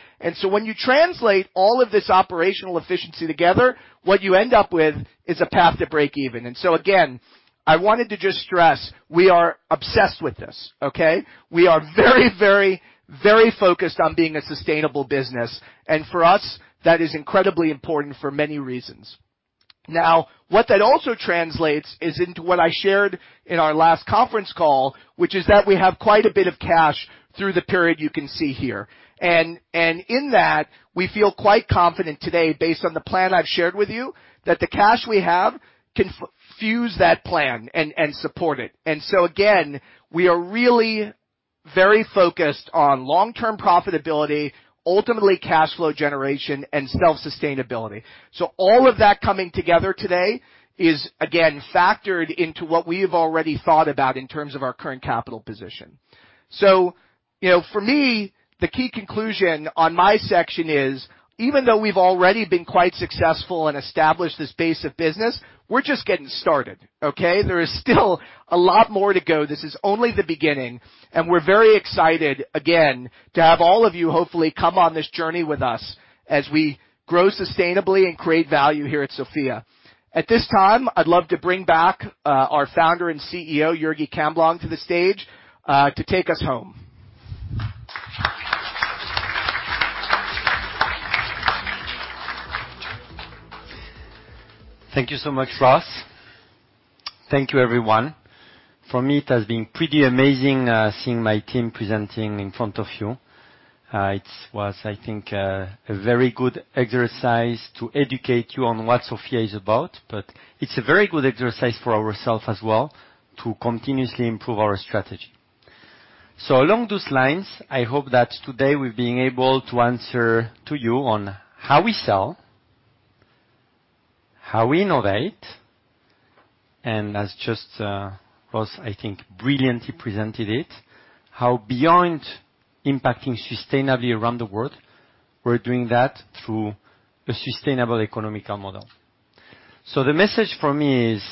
When you translate all of this operational efficiency together, what you end up with is a path to break even. Again, I wanted to just stress we are obsessed with this, okay? We are very, very, very focused on being a sustainable business. For us that is incredibly important for many reasons. Now, what that also translates is into what I shared in our last conference call, which is that we have quite a bit of cash through the period you can see here. In that, we feel quite confident today based on the plan I've shared with you, that the cash we have can fund that plan and support it. We are really very focused on long-term profitability, ultimately cash flow generation and self-sustainability. All of that coming together today is again factored into what we have already thought about in terms of our current capital position. You know, for me, the key conclusion on my section is, even though we've already been quite successful and established this base of business, we're just getting started, okay? There is still a lot more to go. This is only the beginning and we're very excited again to have all of you hopefully come on this journey with us as we grow sustainably and create value here at SOPHiA GENETICS. At this time, I'd love to bring back our Founder and CEO, Jurgi Camblong, to the stage to take us home. Thank you so much, Ross. Thank you, everyone. For me, it has been pretty amazing, seeing my team presenting in front of you. It was, I think, a very good exercise to educate you on what SOPHiA is about, but it's a very good exercise for ourselves as well, to continuously improve our strategy. Along those lines, I hope that today we're being able to answer to you on how we sell, how we innovate, and as just, Ross, I think, brilliantly presented it, how beyond impacting sustainably around the world, we're doing that through a sustainable economical model. The message for me is,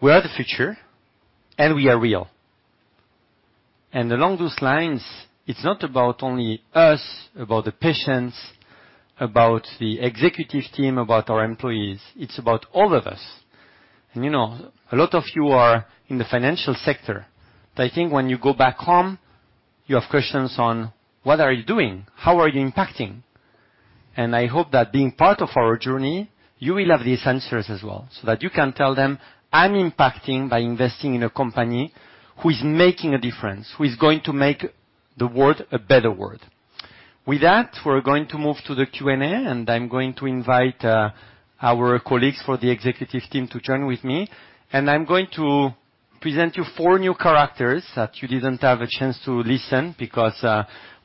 we are the future, and we are real. Along those lines, it's not about only us, about the patients, about the executive team, about our employees. It's about all of us. You know, a lot of you are in the financial sector, but I think when you go back home, you have questions on what are you doing? How are you impacting? I hope that being part of our journey, you will have these answers as well, so that you can tell them, "I'm impacting by investing in a company who is making a difference, who is going to make the world a better world." With that, we're going to move to the Q&A, and I'm going to invite our colleagues for the executive team to join with me. I'm going to present you four new characters that you didn't have a chance to listen because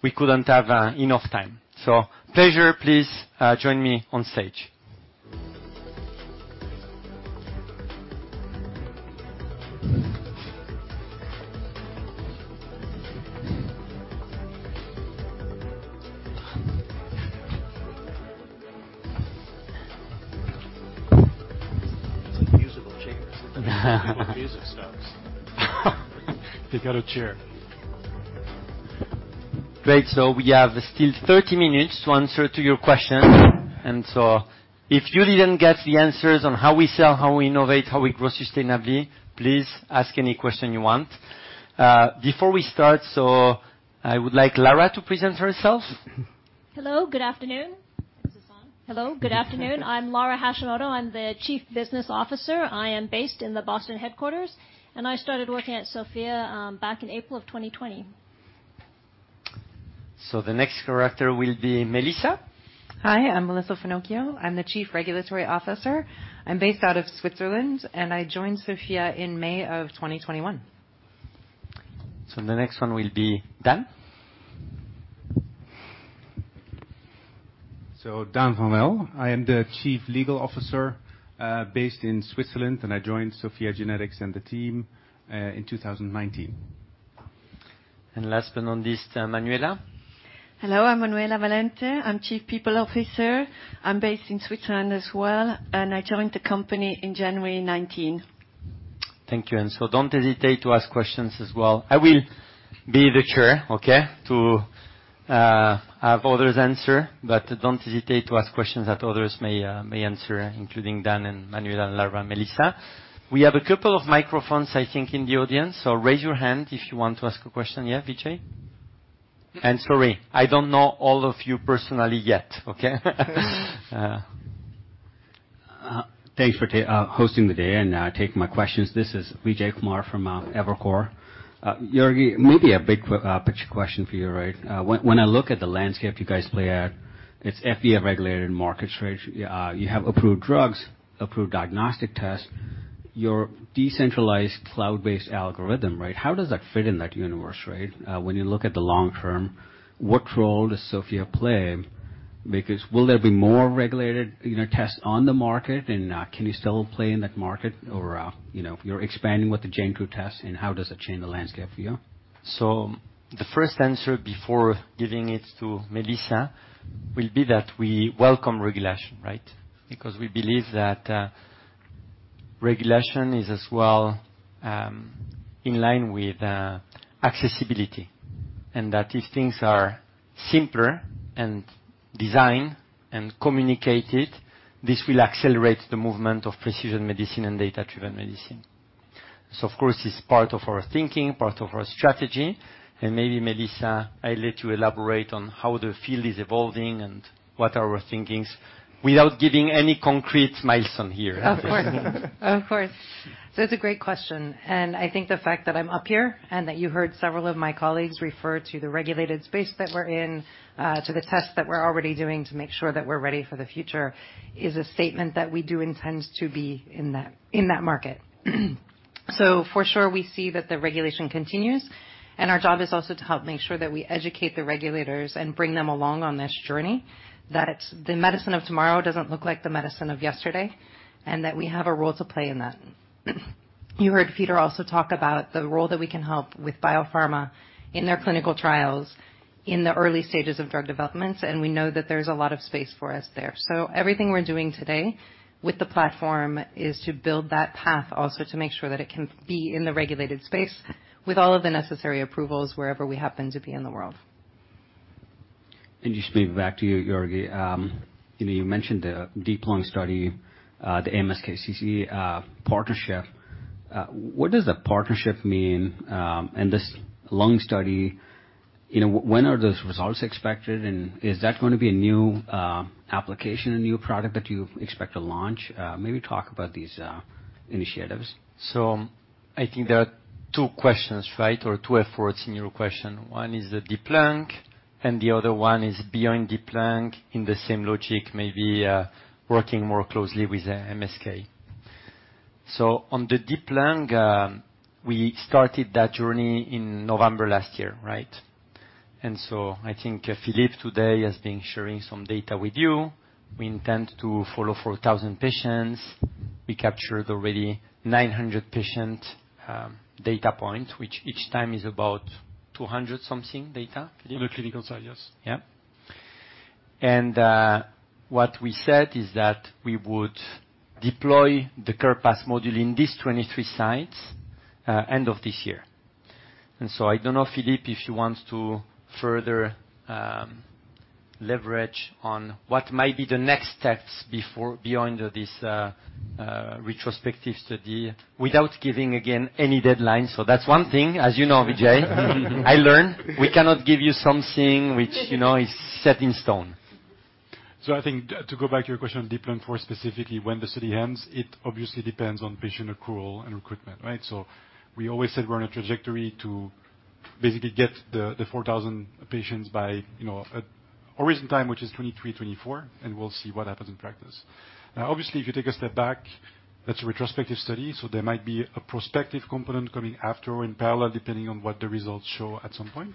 we couldn't have enough time. Please join me on stage. They've got a chair. Great. We have still 30 minutes to answer to your questions. If you didn't get the answers on how we sell, how we innovate, how we grow sustainably, please ask any question you want. Before we start, I would like Lara to present herself. Hello. Good afternoon. Is this on? Hello, good afternoon. I'm Lara Hashimoto, I'm the Chief Business Officer. I am based in the Boston headquarters, and I started working at SOPHiA GENETICS back in April of 2020. The next character will be Melissa. Hi, I'm Melissa Fenocchio. I'm the Chief Regulatory Officer. I'm based out of Switzerland, and I joined SOPHiA GENETICS in May 2021. The next one will be Dan. Daan van Well. I am the Chief Legal Officer, based in Switzerland, and I joined SOPHiA GENETICS and the team in 2019. Last but not least, Manuela. Hello, I'm Manuela Valente. I'm Chief People Officer. I'm based in Switzerland as well, and I joined the company in January 19. Thank you. Don't hesitate to ask questions as well. I will be the chair, okay, to have others answer, but don't hesitate to ask questions that others may answer, including Dan and Manuela, Lara and Melissa. We have a couple of microphones, I think, in the audience. Raise your hand if you want to ask a question. Yeah, Vijay? Sorry, I don't know all of you personally yet. Okay. Thanks for hosting the day and taking my questions. This is Vijay Kumar from Evercore. Jurgi, maybe a big picture question for you, right? When I look at the landscape you guys play at, it's FDA-regulated market space. You have approved drugs, approved diagnostic tests. Your decentralized cloud-based algorithm, right? How does that fit in that universe, right? When you look at the long term, what role does SOPHiA play? Because will there be more regulated, you know, tests on the market? Can you still play in that market or, you know, you're expanding with the MSK-IMPACT test, and how does it change the landscape for you? The first answer before giving it to Melissa will be that we welcome regulation, right? Because we believe that, regulation is as well, in line with, accessibility. That if things are simpler and designed and communicated, this will accelerate the movement of precision medicine and data-driven medicine. Of course, it's part of our thinking, part of our strategy. Maybe, Melissa, I let you elaborate on how the field is evolving and what are our thinkings without giving any concrete milestone here. Of course. It's a great question. I think the fact that I'm up here and that you heard several of my colleagues refer to the regulated space that we're in, to the tests that we're already doing to make sure that we're ready for the future, is a statement that we do intend to be in that, in that market. For sure, we see that the regulation continues, and our job is also to help make sure that we educate the regulators and bring them along on this journey. That it's the medicine of tomorrow doesn't look like the medicine of yesterday, and that we have a role to play in that. You heard Peter also talk about the role that we can help with biopharma in their clinical trials in the early stages of drug development, and we know that there's a lot of space for us there. Everything we're doing today with the platform is to build that path also to make sure that it can be in the regulated space with all of the necessary approvals wherever we happen to be in the world. Just maybe back to you, Jurgi. You know, you mentioned the deep lung study, the MSKCC partnership. What does a partnership mean, and this lung study, you know, when are those results expected? Is that gonna be a new application, a new product that you expect to launch? Maybe talk about these initiatives. I think there are two questions, right? Or two efforts in your question. One is the DeepLung, and the other one is beyond DeepLung in the same logic, maybe, working more closely with MSK. On the DeepLung, we started that journey in November last year, right? I think Philippe today has been sharing some data with you. We intend to follow 4,000 patients. We captured already 900 patient data points, which each time is about 200 something data. Philippe? On the clinical side, yes. Yeah. What we said is that we would deploy the CarePath module in these 23 sites, end of this year. I don't know, Philippe, if you want to further elaborate on what might be the next steps beyond this retrospective study without giving, again, any deadlines. That's one thing, as you know, Vijay. I learned we cannot give you something which, you know, is set in stone. I think to go back to your question on DeepLung for specifically when the study ends, it obviously depends on patient accrual and recruitment, right? We always said we're on a trajectory to basically get the 4,000 patients by original timeline, which is 2023, 2024, and we'll see what happens in practice. Now, obviously, if you take a step back, that's a retrospective study, so there might be a prospective component coming after or in parallel, depending on what the results show at some point.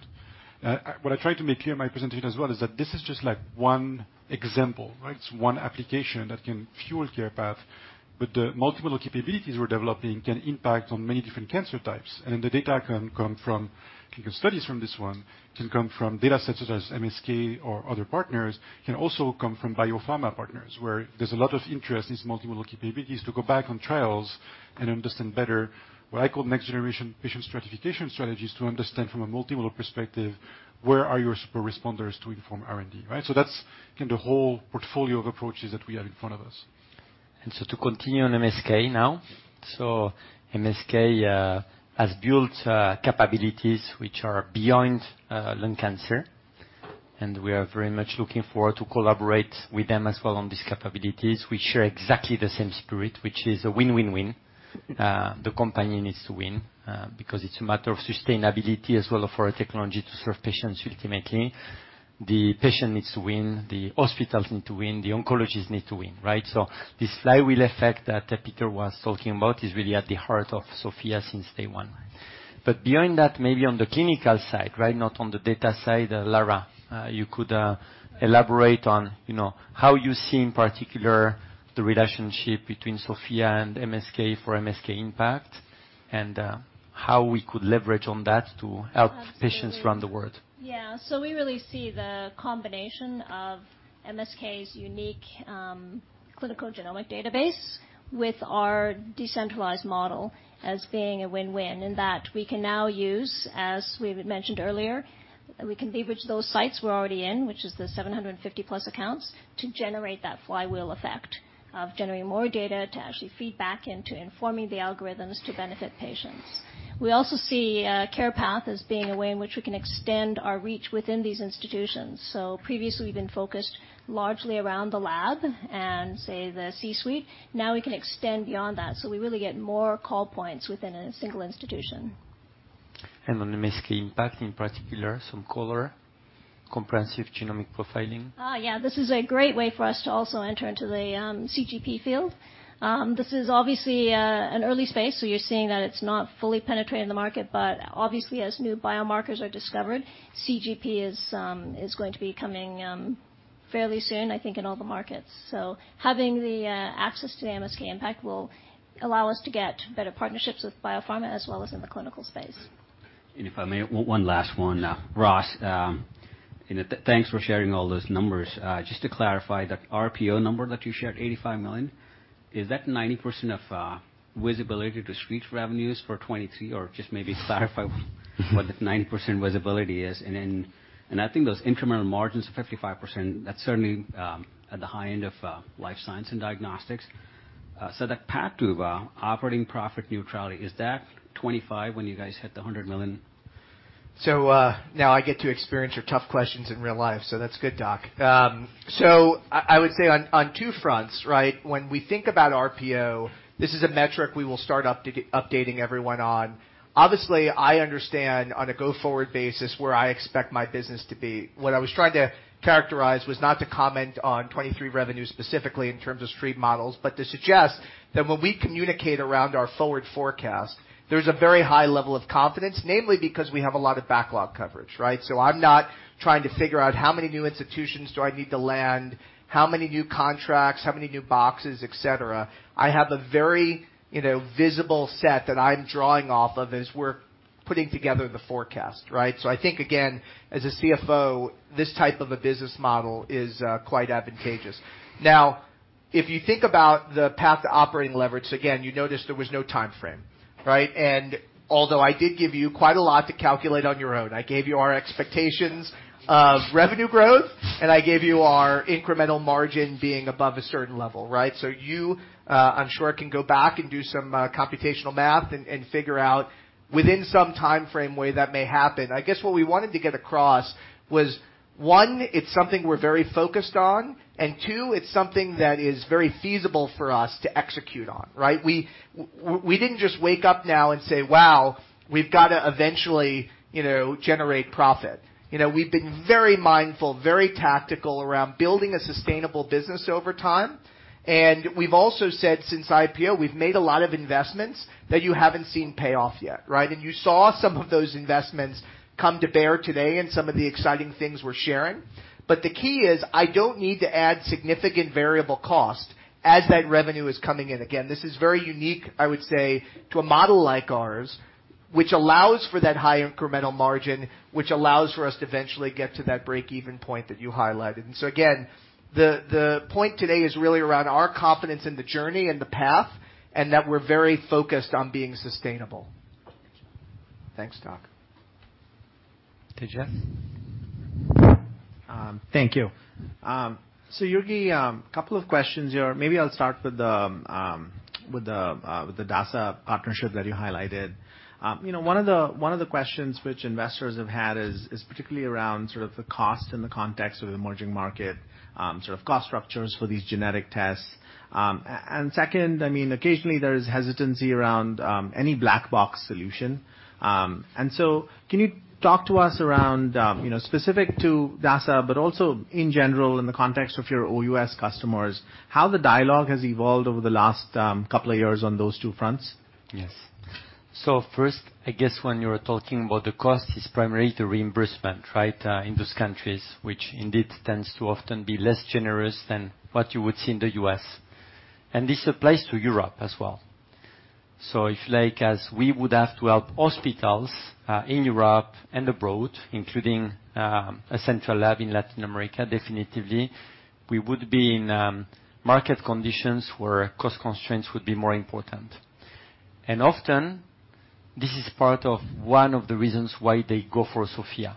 What I tried to make clear in my presentation as well is that this is just like one example, right? It's one application that can fuel CarePath, but the multiple capabilities we're developing can impact on many different cancer types. The data can come from clinical studies from this one. It can come from data sets such as MSK or other partners. It can also come from biopharma partners, where there's a lot of interest in these multi-modal capabilities to go back on trials and understand better what I call next-generation patient stratification strategies to understand from a multi-modal perspective, where are your super responders to inform R&D, right? That's kinda the whole portfolio of approaches that we have in front of us. To continue on MSK now. MSK has built capabilities which are beyond lung cancer, and we are very much looking forward to collaborate with them as well on these capabilities. We share exactly the same spirit, which is a win-win-win. The companies are to win, because it's a matter of sustainability as well for our technology to serve patients ultimately. The patient needs to win, the hospitals need to win, the oncologists need to win, right? This flywheel effect that Peter was talking about is really at the heart of SOPHiA since day one. Beyond that, maybe on the clinical side, right, not on the data side, Lara, you could elaborate on, you know, how you see in particular the relationship between SOPHiA and MSK for MSK-IMPACT and, how we could leverage on that to help- Absolutely. Patients around the world. Yeah. We really see the combination of MSK's unique clinical genomic database with our decentralized model as being a win-win in that we can now use, as we had mentioned earlier, we can leverage those sites we're already in, which is the 750+ accounts, to generate that flywheel effect of generating more data to actually feed back into informing the algorithms to benefit patients. We also see CarePath as being a way in which we can extend our reach within these institutions. Previously, we've been focused largely around the lab and, say, the C-suite. Now we can extend beyond that, so we really get more call points within a single institution. On MSK-IMPACT, in particular, some color, comprehensive genomic profiling. Yeah. This is a great way for us to also enter into the CGP field. This is obviously an early space, so you're seeing that it's not fully penetrating the market. Obviously, as new biomarkers are discovered, CGP is going to be coming fairly soon, I think, in all the markets. Having the access to the MSK-IMPACT will allow us to get better partnerships with biopharma as well as in the clinical space. If I may, one last one. Ross, you know, thanks for sharing all those numbers. Just to clarify, that RPO number that you shared, $85 million, is that 90% of visibility to street revenues for 2023? Or just maybe clarify what the 90% visibility is. I think those incremental margins of 55%, that's certainly at the high end of life science and diagnostics. The path to operating profit neutrality, is that 25 when you guys hit the $100 million? Now I get to experience your tough questions in real life, that's good, Doc. I would say on two fronts, right? When we think about RPO, this is a metric we will start updating everyone on. Obviously, I understand on a go-forward basis where I expect my business to be. What I was trying to characterize was not to comment on 2023 revenue specifically in terms of street models, but to suggest that when we communicate around our forward forecast, there's a very high level of confidence, namely because we have a lot of backlog coverage, right? I'm not trying to figure out how many new institutions do I need to land, how many new contracts, how many new boxes, et cetera. I have a very, you know, visible set that I'm drawing off of as we're putting together the forecast, right? I think, again, as a CFO, this type of a business model is quite advantageous. Now, if you think about the path to operating leverage, again, you notice there was no time frame, right? Although I did give you quite a lot to calculate on your own. I gave you our expectations of revenue growth, and I gave you our incremental margin being above a certain level, right? You, I'm sure, can go back and do some computational math and figure out within some time frame way that may happen. I guess what we wanted to get across was, one, it's something we're very focused on, and two, it's something that is very feasible for us to execute on, right? We didn't just wake up now and say, "Wow, we've got to eventually, you know, generate profit." You know, we've been very mindful, very tactical around building a sustainable business over time. We've also said since IPO, we've made a lot of investments that you haven't seen payoff yet, right? You saw some of those investments come to bear today in some of the exciting things we're sharing. The key is, I don't need to add significant variable cost as that revenue is coming in. Again, this is very unique, I would say, to a model like ours, which allows for that high incremental margin, which allows for us to eventually get to that break-even point that you highlighted. Again, the point today is really around our confidence in the journey and the path, and that we're very focused on being sustainable. Thanks, Doc. Tejas. Thank you. Jurgi, couple of questions here. Maybe I'll start with the Dasa partnership that you highlighted. You know, one of the questions which investors have had is particularly around sort of the cost in the context of the emerging market sort of cost structures for these genetic tests. And second, I mean, occasionally there is hesitancy around any black box solution. Can you talk to us around, you know, specific to Dasa, but also in general in the context of your OUS customers, how the dialogue has evolved over the last couple of years on those two fronts? Yes. First, I guess when you're talking about the cost, it's primarily the reimbursement, right? In those countries, which indeed tends to often be less generous than what you would see in the U.S. This applies to Europe as well. If, like, as we would have to help hospitals in Europe and abroad, including a central lab in Latin America, definitely, we would be in market conditions where cost constraints would be more important. Often, this is part of one of the reasons why they go for SOPHiA.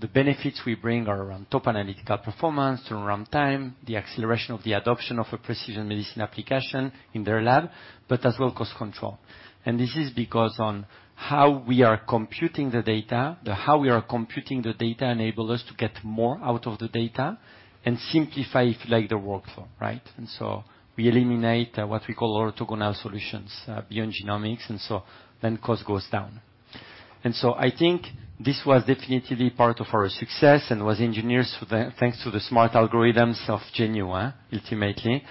The benefits we bring are around top analytical performance, turnaround time, the acceleration of the adoption of a precision medicine application in their lab, but as well, cost control. This is because of how we are computing the data enable us to get more out of the data and simplify, if you like, the workflow, right? We eliminate what we call orthogonal solutions, beyond genomics, and so the cost goes down. I think this was definitely part of our success and thanks to the smart algorithms of Zhenyu Xu ultimately.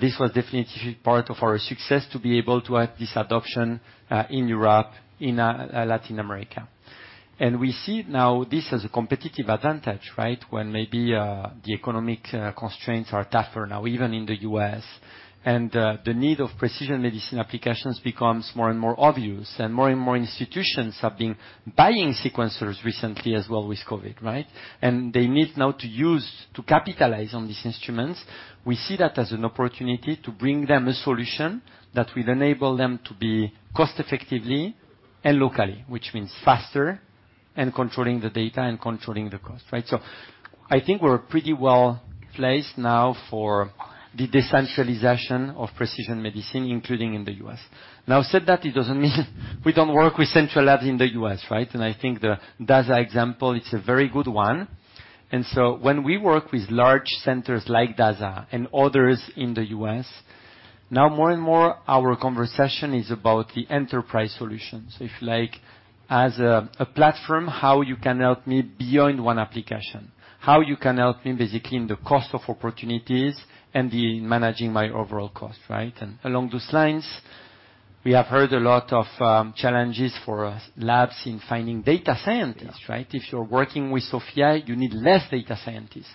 This was definitely part of our success to be able to have this adoption in Europe, in Latin America. We see now this as a competitive advantage, right? When maybe the economic constraints are tougher now, even in the U.S. The need of precision medicine applications becomes more and more obvious, and more and more institutions have been buying sequencers recently as well with COVID, right? They need now to use to capitalize on these instruments. We see that as an opportunity to bring them a solution that will enable them to be cost-effectively and locally, which means faster and controlling the data and controlling the cost, right? I think we're pretty well placed now for the decentralization of precision medicine, including in the US. Now, that said, it doesn't mean we don't work with central labs in the US, right? I think the Dasa example, it's a very good one. When we work with large centers like Dasa and others in the US, now more and more our conversation is about the enterprise solution. If you like, as a platform, how you can help me beyond one application. How you can help me basically in the cost of opportunities and in managing my overall cost, right? Along those lines, we have heard a lot of challenges for labs in finding data scientists, right? If you're working with SOPHiA, you need less data scientists.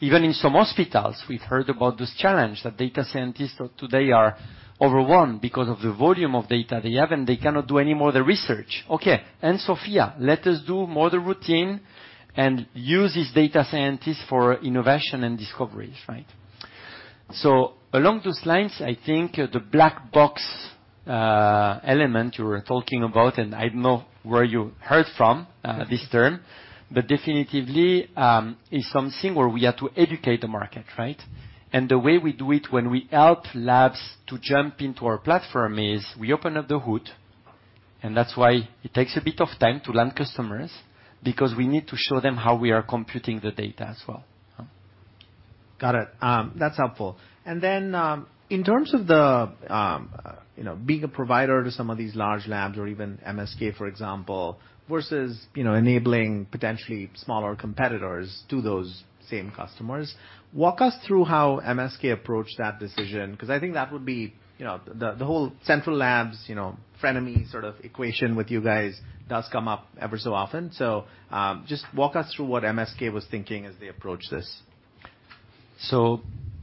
Even in some hospitals, we've heard about this challenge, that data scientists today are overwhelmed because of the volume of data they have, and they cannot do any more of the research. Okay. SOPHiA let us do more the routine and use these data scientists for innovation and discoveries, right? Along those lines, I think the black box element you were talking about, and I don't know where you heard from this term, but definitively is something where we had to educate the market, right? The way we do it when we help labs to jump into our platform is we open up the hood, and that's why it takes a bit of time to land customers because we need to show them how we are computing the data as well. Got it. That's helpful. In terms of the, you know, being a provider to some of these large labs or even MSK, for example, versus, you know, enabling potentially smaller competitors to those same customers, walk us through how MSK approached that decision. 'Cause I think that would be, you know, the whole central labs, you know, frenemy sort of equation with you guys does come up every so often. Just walk us through what MSK was thinking as they approached this.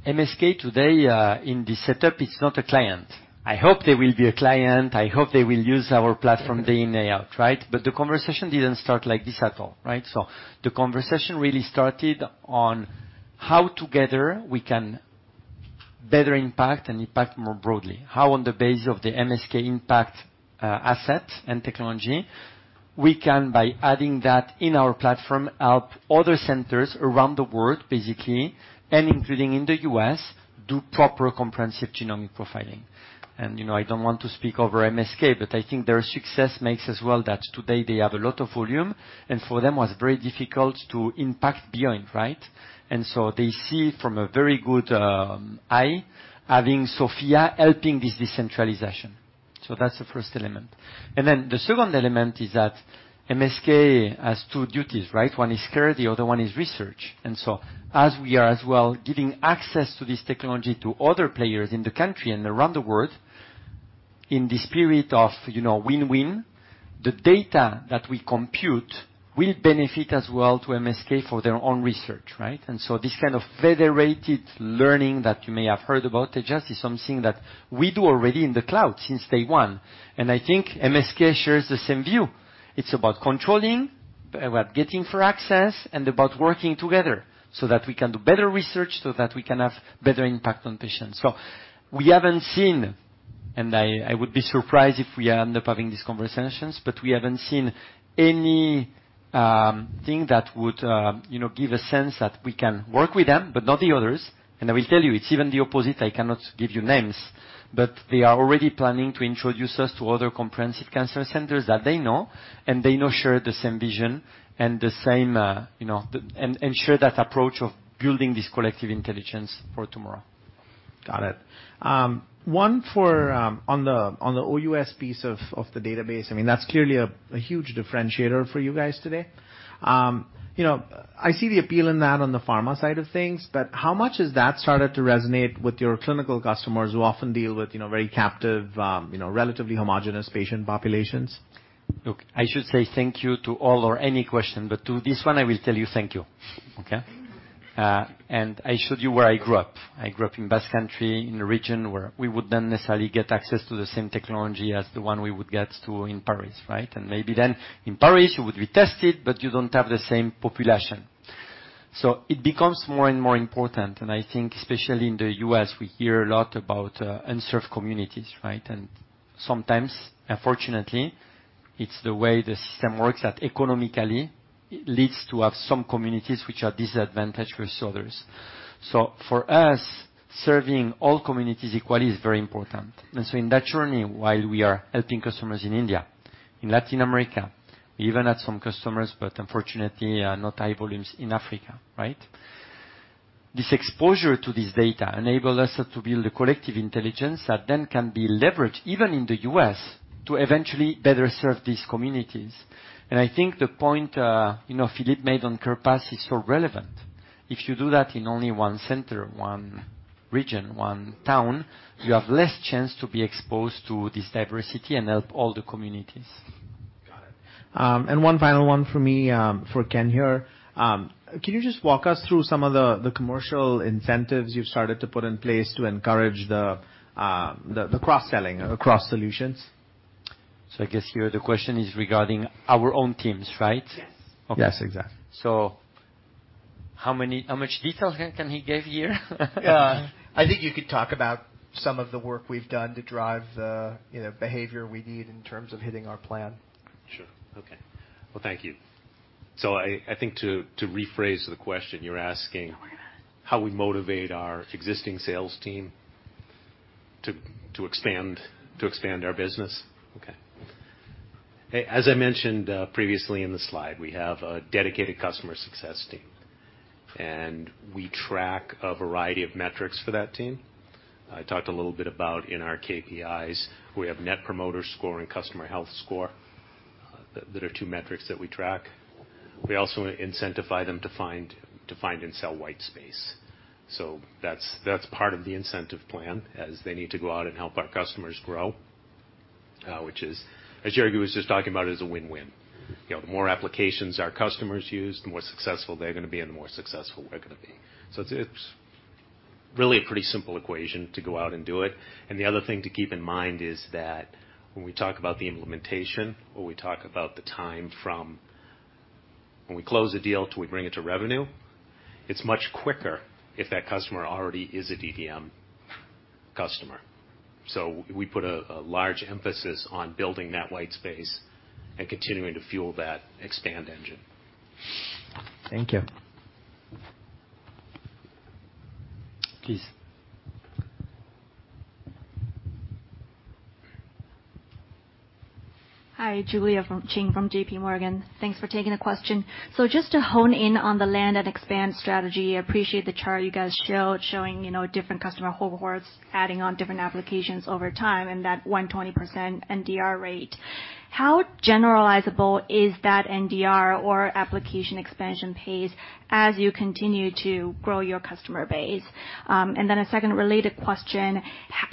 MSK today, in the setup, is not a client. I hope they will be a client. I hope they will use our platform day in, day out, right? The conversation didn't start like this at all, right? The conversation really started on how together we can impact more broadly. How on the basis of the MSK-IMPACT asset and technology, we can, by adding that in our platform, help other centers around the world basically, and including in the US, do proper comprehensive genomic profiling. You know, I don't want to speak over MSK, but I think their success means as well that today they have a lot of volume, and for them was very difficult to impact beyond, right? They see from a very good angle having SOPHiA helping this decentralization. That's the first element. Then the second element is that MSK has two duties, right? One is care, the other one is research. As we are as well giving access to this technology to other players in the country and around the world, in the spirit of, you know, win-win, the data that we compute will benefit as well to MSK for their own research, right? This kind of federated learning that you may have heard about, Tejas, is something that we do already in the cloud since day one. I think MSK shares the same view. It's about controlling, about getting access, and about working together so that we can do better research, so that we can have better impact on patients. We haven't seen, and I would be surprised if we end up having these conversations, but we haven't seen anything that would, you know, give a sense that we can work with them, but not the others. I will tell you, it's even the opposite. I cannot give you names, but they are already planning to introduce us to other comprehensive cancer centers that they know, and they know share the same vision and the same, you know, and share that approach of building this collective intelligence for tomorrow. Got it. On the OUS piece of the database, I mean, that's clearly a huge differentiator for you guys today. You know, I see the appeal in that on the pharma side of things, but how much has that started to resonate with your clinical customers who often deal with, you know, very captive, relatively homogeneous patient populations? Look, I should say thank you to all or any question, but to this one, I will tell you thank you. Okay? I showed you where I grew up. I grew up in Basque Country, in a region where we would not necessarily get access to the same technology as the one we would get to in Paris, right? Maybe then in Paris, you would be tested, but you don't have the same population. It becomes more and more important, and I think especially in the U.S., we hear a lot about underserved communities, right? Sometimes, unfortunately, it's the way the system works, that economically it leads to have some communities which are disadvantaged versus others. For us, serving all communities equally is very important. In that journey, while we are helping customers in India, in Latin America, we even had some customers, but unfortunately, not high volumes in Africa, right? This exposure to this data enable us to build a collective intelligence that then can be leveraged, even in the U.S., to eventually better serve these communities. I think the point, you know, Philippe made on CarePath is so relevant. If you do that in only one center, one region, one town, you have less chance to be exposed to this diversity and help all the communities. Got it. One final one for me, for Ken here. Can you just walk us through some of the commercial incentives you've started to put in place to encourage the cross-selling across solutions? I guess here the question is regarding our own teams, right? Yes. Okay. Yes, exactly. How much detail can he give here? I think you could talk about some of the work we've done to drive the, you know, behavior we need in terms of hitting our plan. Sure. Okay. Well, thank you. I think to rephrase the question, you're asking how we motivate our existing sales team to expand our business? Okay. As I mentioned, previously in the slide, we have a dedicated customer success team, and we track a variety of metrics for that team. I talked a little bit about in our KPIs. We have Net Promoter Score and customer health score. That are two metrics that we track. We also incentivize them to find and sell white space. That's part of the incentive plan as they need to go out and help our customers grow, which is, as Jurgi was just talking about, a win-win. You know, the more applications our customers use, the more successful they're gonna be and the more successful we're gonna be. It's really a pretty simple equation to go out and do it. The other thing to keep in mind is that when we talk about the implementation or we talk about the time from when we close the deal till we bring it to revenue, it's much quicker if that customer already is a DDM customer. We put a large emphasis on building that white space and continuing to fuel that expand engine. Thank you. Please. Hi, Julia Qin from JPMorgan. Thanks for taking the question. Just to hone in on the land and expand strategy, I appreciate the chart you guys showed showing, you know, different customer cohorts adding on different applications over time and that 120% NDR rate. How generalizable is that NDR or application expansion pace as you continue to grow your customer base? A second related question,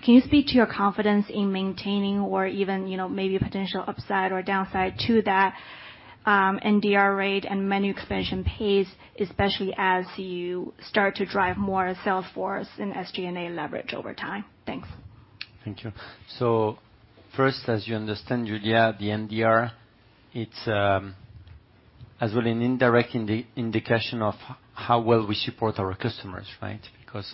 can you speak to your confidence in maintaining or even, you know, maybe a potential upside or downside to that NDR rate and menu expansion pace, especially as you start to drive more Salesforce and SG&A leverage over time? Thanks. Thank you. First, as you understand, Julia, the NDR, it's as well an indirect indication of how well we support our customers, right? Because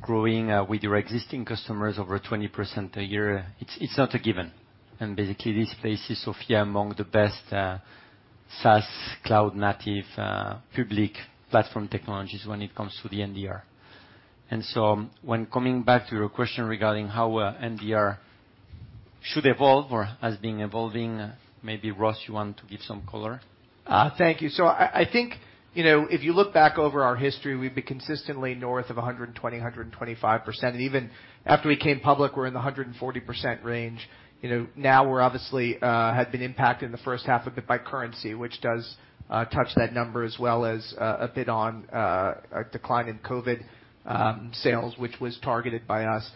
growing with your existing customers over 20% a year, it's not a given. Basically, this places SOPHiA among the best SaaS cloud-native public platform technologies when it comes to the NDR. When coming back to your question regarding how NDR should evolve or has been evolving, maybe, Ross, you want to give some color. Thank you. I think, you know, if you look back over our history, we've been consistently north of 125%. Even after we came public, we're in the 140% range. You know, now we're obviously have been impacted in the first half a bit by currency, which does touch that number as well as a bit on a decline in COVID sales, which was targeted by us.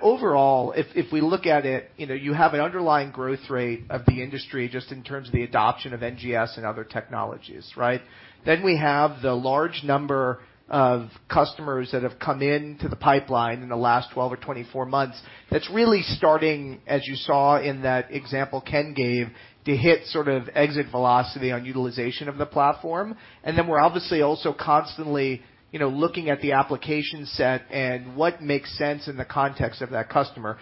Overall, if we look at it, you know, you have an underlying growth rate of the industry just in terms of the adoption of NGS and other technologies, right? We have the large number of customers that have come into the pipeline in the last 12 or 24 months that's really starting, as you saw in that example Ken gave, to hit sort of exit velocity on utilization of the platform. We're obviously also constantly, you know, looking at the application set and what makes sense in the context of that customer.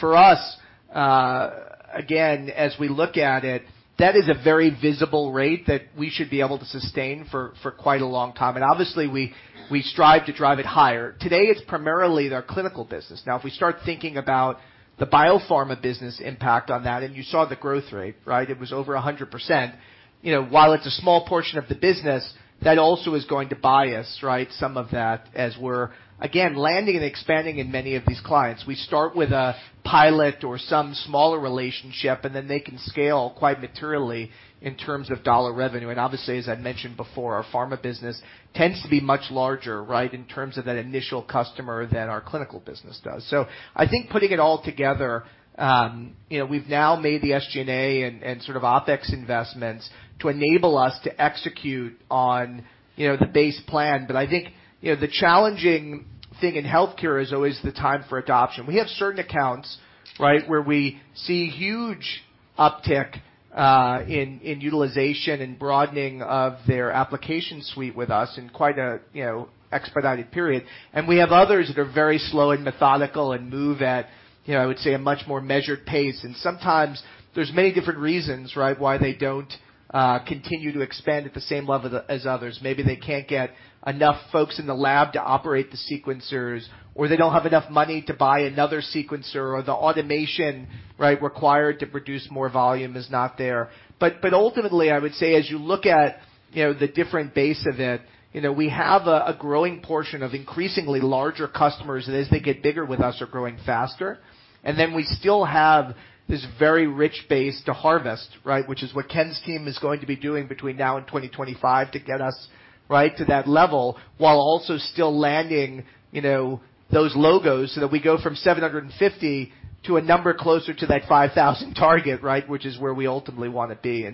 For us, again, as we look at it, that is a very visible rate that we should be able to sustain for quite a long time. Obviously we strive to drive it higher. Today, it's primarily our clinical business. Now, if we start thinking about the biopharma business impact on that, and you saw the growth rate, right? It was over 100%. You know, while it's a small portion of the business, that also is going to buy us, right, some of that as we're, again, landing and expanding in many of these clients. We start with a pilot or some smaller relationship, and then they can scale quite materially in terms of dollar revenue. Obviously, as I mentioned before, our pharma business tends to be much larger, right, in terms of that initial customer than our clinical business does. I think putting it all together, you know, we've now made the SG&A and sort of OpEx investments to enable us to execute on, you know, the base plan. I think, you know, the challenging thing in healthcare is always the time for adoption. We have certain accounts, right, where we see huge uptick in utilization and broadening of their application suite with us in quite a, you know, expedited period. We have others that are very slow and methodical and move at, you know, I would say, a much more measured pace. Sometimes there's many different reasons, right, why they don't continue to expand at the same level as others. Maybe they can't get enough folks in the lab to operate the sequencers, or they don't have enough money to buy another sequencer, or the automation, right, required to produce more volume is not there. But ultimately, I would say, as you look at, you know, the different base of it, you know, we have a growing portion of increasingly larger customers that, as they get bigger with us, are growing faster. We still have this very rich base to harvest, right, which is what Ken's team is going to be doing between now and 2025 to get us, right, to that level, while also still landing, you know, those logos so that we go from 750 to a number closer to that 5,000 target, right, which is where we ultimately wanna be.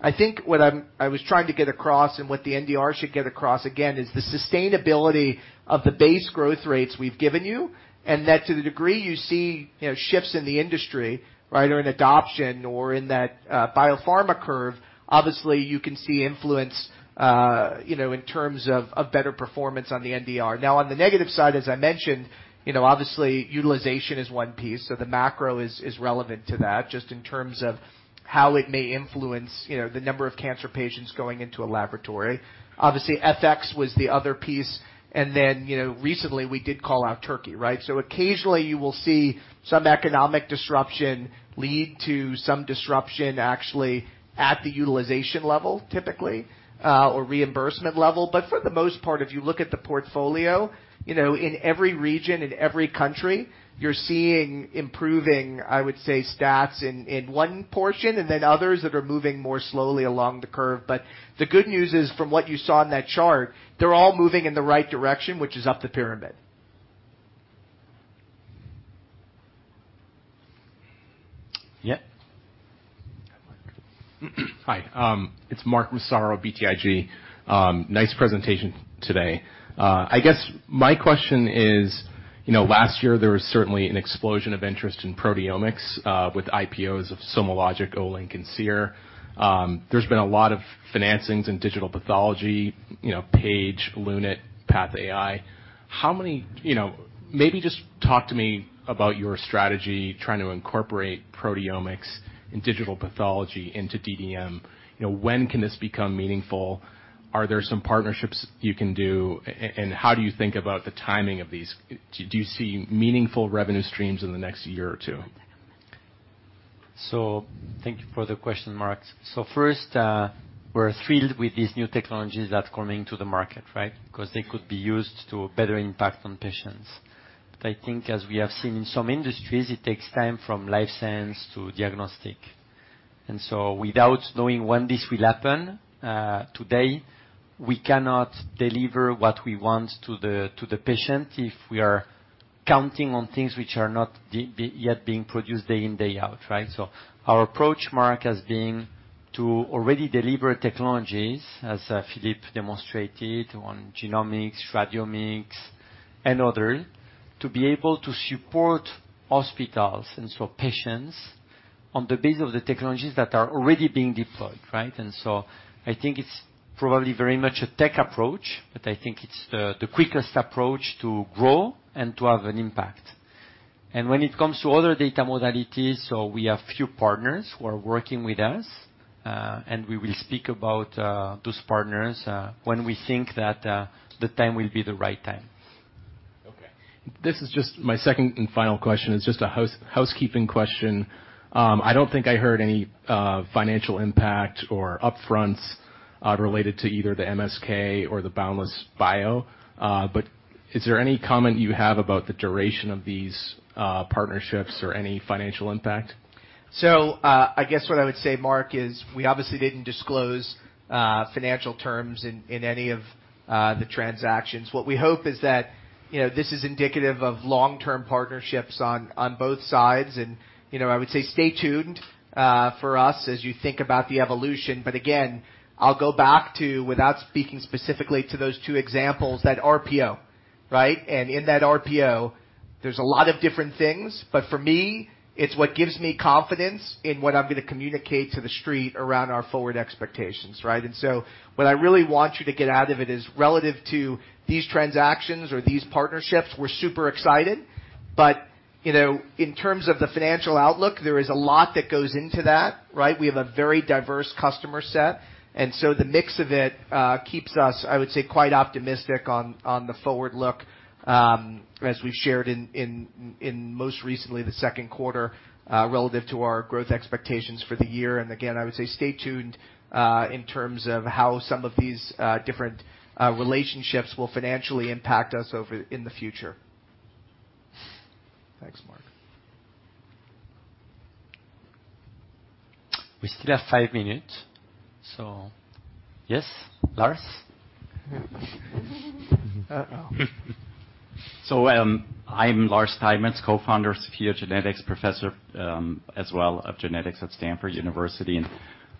I think what I was trying to get across and what the NDR should get across again is the sustainability of the base growth rates we've given you, and that to the degree you see, you know, shifts in the industry, right, or in adoption or in that biopharma curve, obviously you can see influence, you know, in terms of better performance on the NDR. Now, on the negative side, as I mentioned, you know, obviously utilization is one piece, so the macro is relevant to that just in terms of how it may influence, you know, the number of cancer patients going into a laboratory. Obviously, FX was the other piece, and then, you know, recently we did call out Turkey, right? So occasionally you will see some economic disruption lead to some disruption actually at the utilization level typically, or reimbursement level. But for the most part, if you look at the portfolio, you know, in every region, in every country, you're seeing improving, I would say, stats in one portion and then others that are moving more slowly along the curve. But the good news is, from what you saw in that chart, they're all moving in the right direction, which is up the pyramid. Yeah. Hi. It's Mark Massaro, BTIG. Nice presentation today. I guess my question is, you know, last year there was certainly an explosion of interest in proteomics with IPOs of SomaLogic, Olink and Seer. There's been a lot of financings in digital pathology, you know, Paige, Lunit, PathAI. Maybe just talk to me about your strategy trying to incorporate proteomics and digital pathology into DDM. You know, when can this become meaningful? Are there some partnerships you can do? And how do you think about the timing of these? Do you see meaningful revenue streams in the next year or two? Thank you for the question, Mark. First, we're thrilled with these new technologies that's coming to the market, right? 'Cause they could be used to better impact on patients. I think as we have seen in some industries, it takes time from life science to diagnostic. Without knowing when this will happen, today, we cannot deliver what we want to the patient if we are counting on things which are not yet being produced day in, day out, right? Our approach, Mark, has been to already deliver technologies, as Philippe demonstrated on genomics, radiomics and other, to be able to support hospitals and so patients on the basis of the technologies that are already being deployed, right? I think it's probably very much a tech approach, but I think it's the quickest approach to grow and to have an impact. When it comes to other data modalities, we have few partners who are working with us, and we will speak about those partners when we think that the time will be the right time. Okay. This is just my second and final question. It's just a housekeeping question. I don't think I heard any financial impact or upfronts related to either the MSK or the Boundless Bio. Is there any comment you have about the duration of these partnerships or any financial impact? I guess what I would say, Mark, is we obviously didn't disclose financial terms in any of the transactions. What we hope is that, you know, this is indicative of long-term partnerships on both sides. You know, I would say stay tuned for us as you think about the evolution. Again, I'll go back to, without speaking specifically to those two examples, that RPO, right? In that RPO, there's a lot of different things, but for me, it's what gives me confidence in what I'm gonna communicate to the street around our forward expectations, right? What I really want you to get out of it is, relative to these transactions or these partnerships, we're super excited. You know, in terms of the financial outlook, there is a lot that goes into that, right? We have a very diverse customer set. The mix of it keeps us, I would say, quite optimistic on the forward look, as we've shared in most recently, the second quarter, relative to our growth expectations for the year. I would say stay tuned in terms of how some of these different relationships will financially impact us over in the future. Thanks, Mark. We still have five minutes. Yes, Lars. Uh-oh. I'm Lars Steinmetz, co-founder of SOPHiA GENETICS, professor, as well of genetics at Stanford University.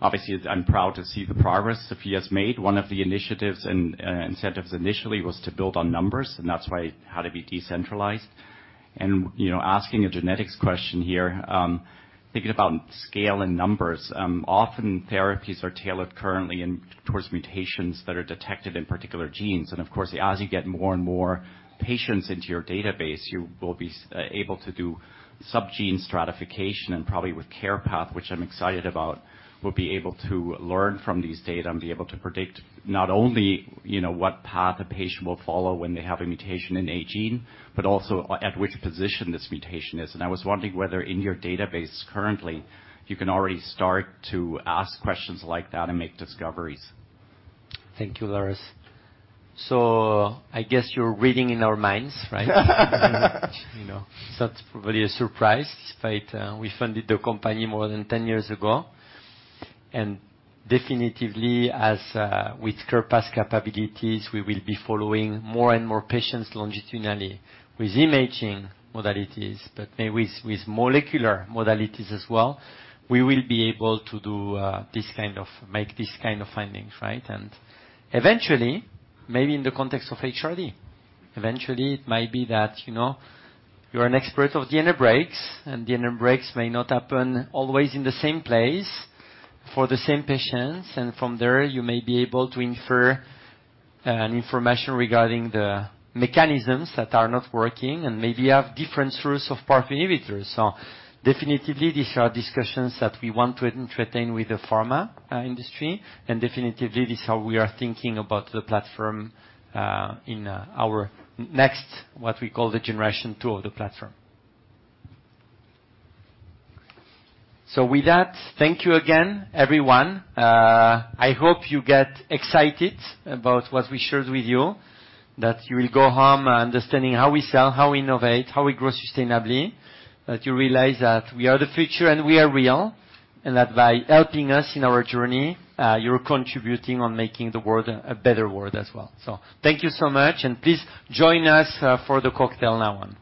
Obviously, I'm proud to see the progress SOPHiA GENETICS's made. One of the initiatives and incentives initially was to build on numbers, and that's why how to be decentralized. You know, asking a genetics question here, thinking about scale and numbers, often therapies are tailored currently in towards mutations that are detected in particular genes. Of course, as you get more and more patients into your database, you will be able to do sub gene stratification and probably with CarePath, which I'm excited about, we'll be able to learn from these data and be able to predict not only, you know, what path a patient will follow when they have a mutation in a gene, but also at which position this mutation is. I was wondering whether in your database currently, you can already start to ask questions like that and make discoveries? Thank you, Lars. I guess you're reading in our minds, right? You know, it's not really a surprise, but we funded the company more than 10 years ago. Definitively, with CarePath's capabilities, we will be following more and more patients longitudinally with imaging modalities. With molecular modalities as well, we will be able to do this kind of make this kind of findings, right? Eventually, maybe in the context of HRD, eventually it might be that, you know, you're an expert of DNA breaks, and DNA breaks may not happen always in the same place for the same patients. From there you may be able to infer information regarding the mechanisms that are not working and maybe have different rules of PARP inhibitors. Definitively, these are discussions that we want to entertain with the pharma industry. Definitively, this is how we are thinking about the platform in our next, what we call, the generation two of the platform. With that, thank you again, everyone. I hope you get excited about what we shared with you, that you will go home understanding how we sell, how we innovate, how we grow sustainably, that you realize that we are the future and we are real, and that by helping us in our journey, you're contributing to making the world a better world as well. Thank you so much, and please join us for the cocktail now on.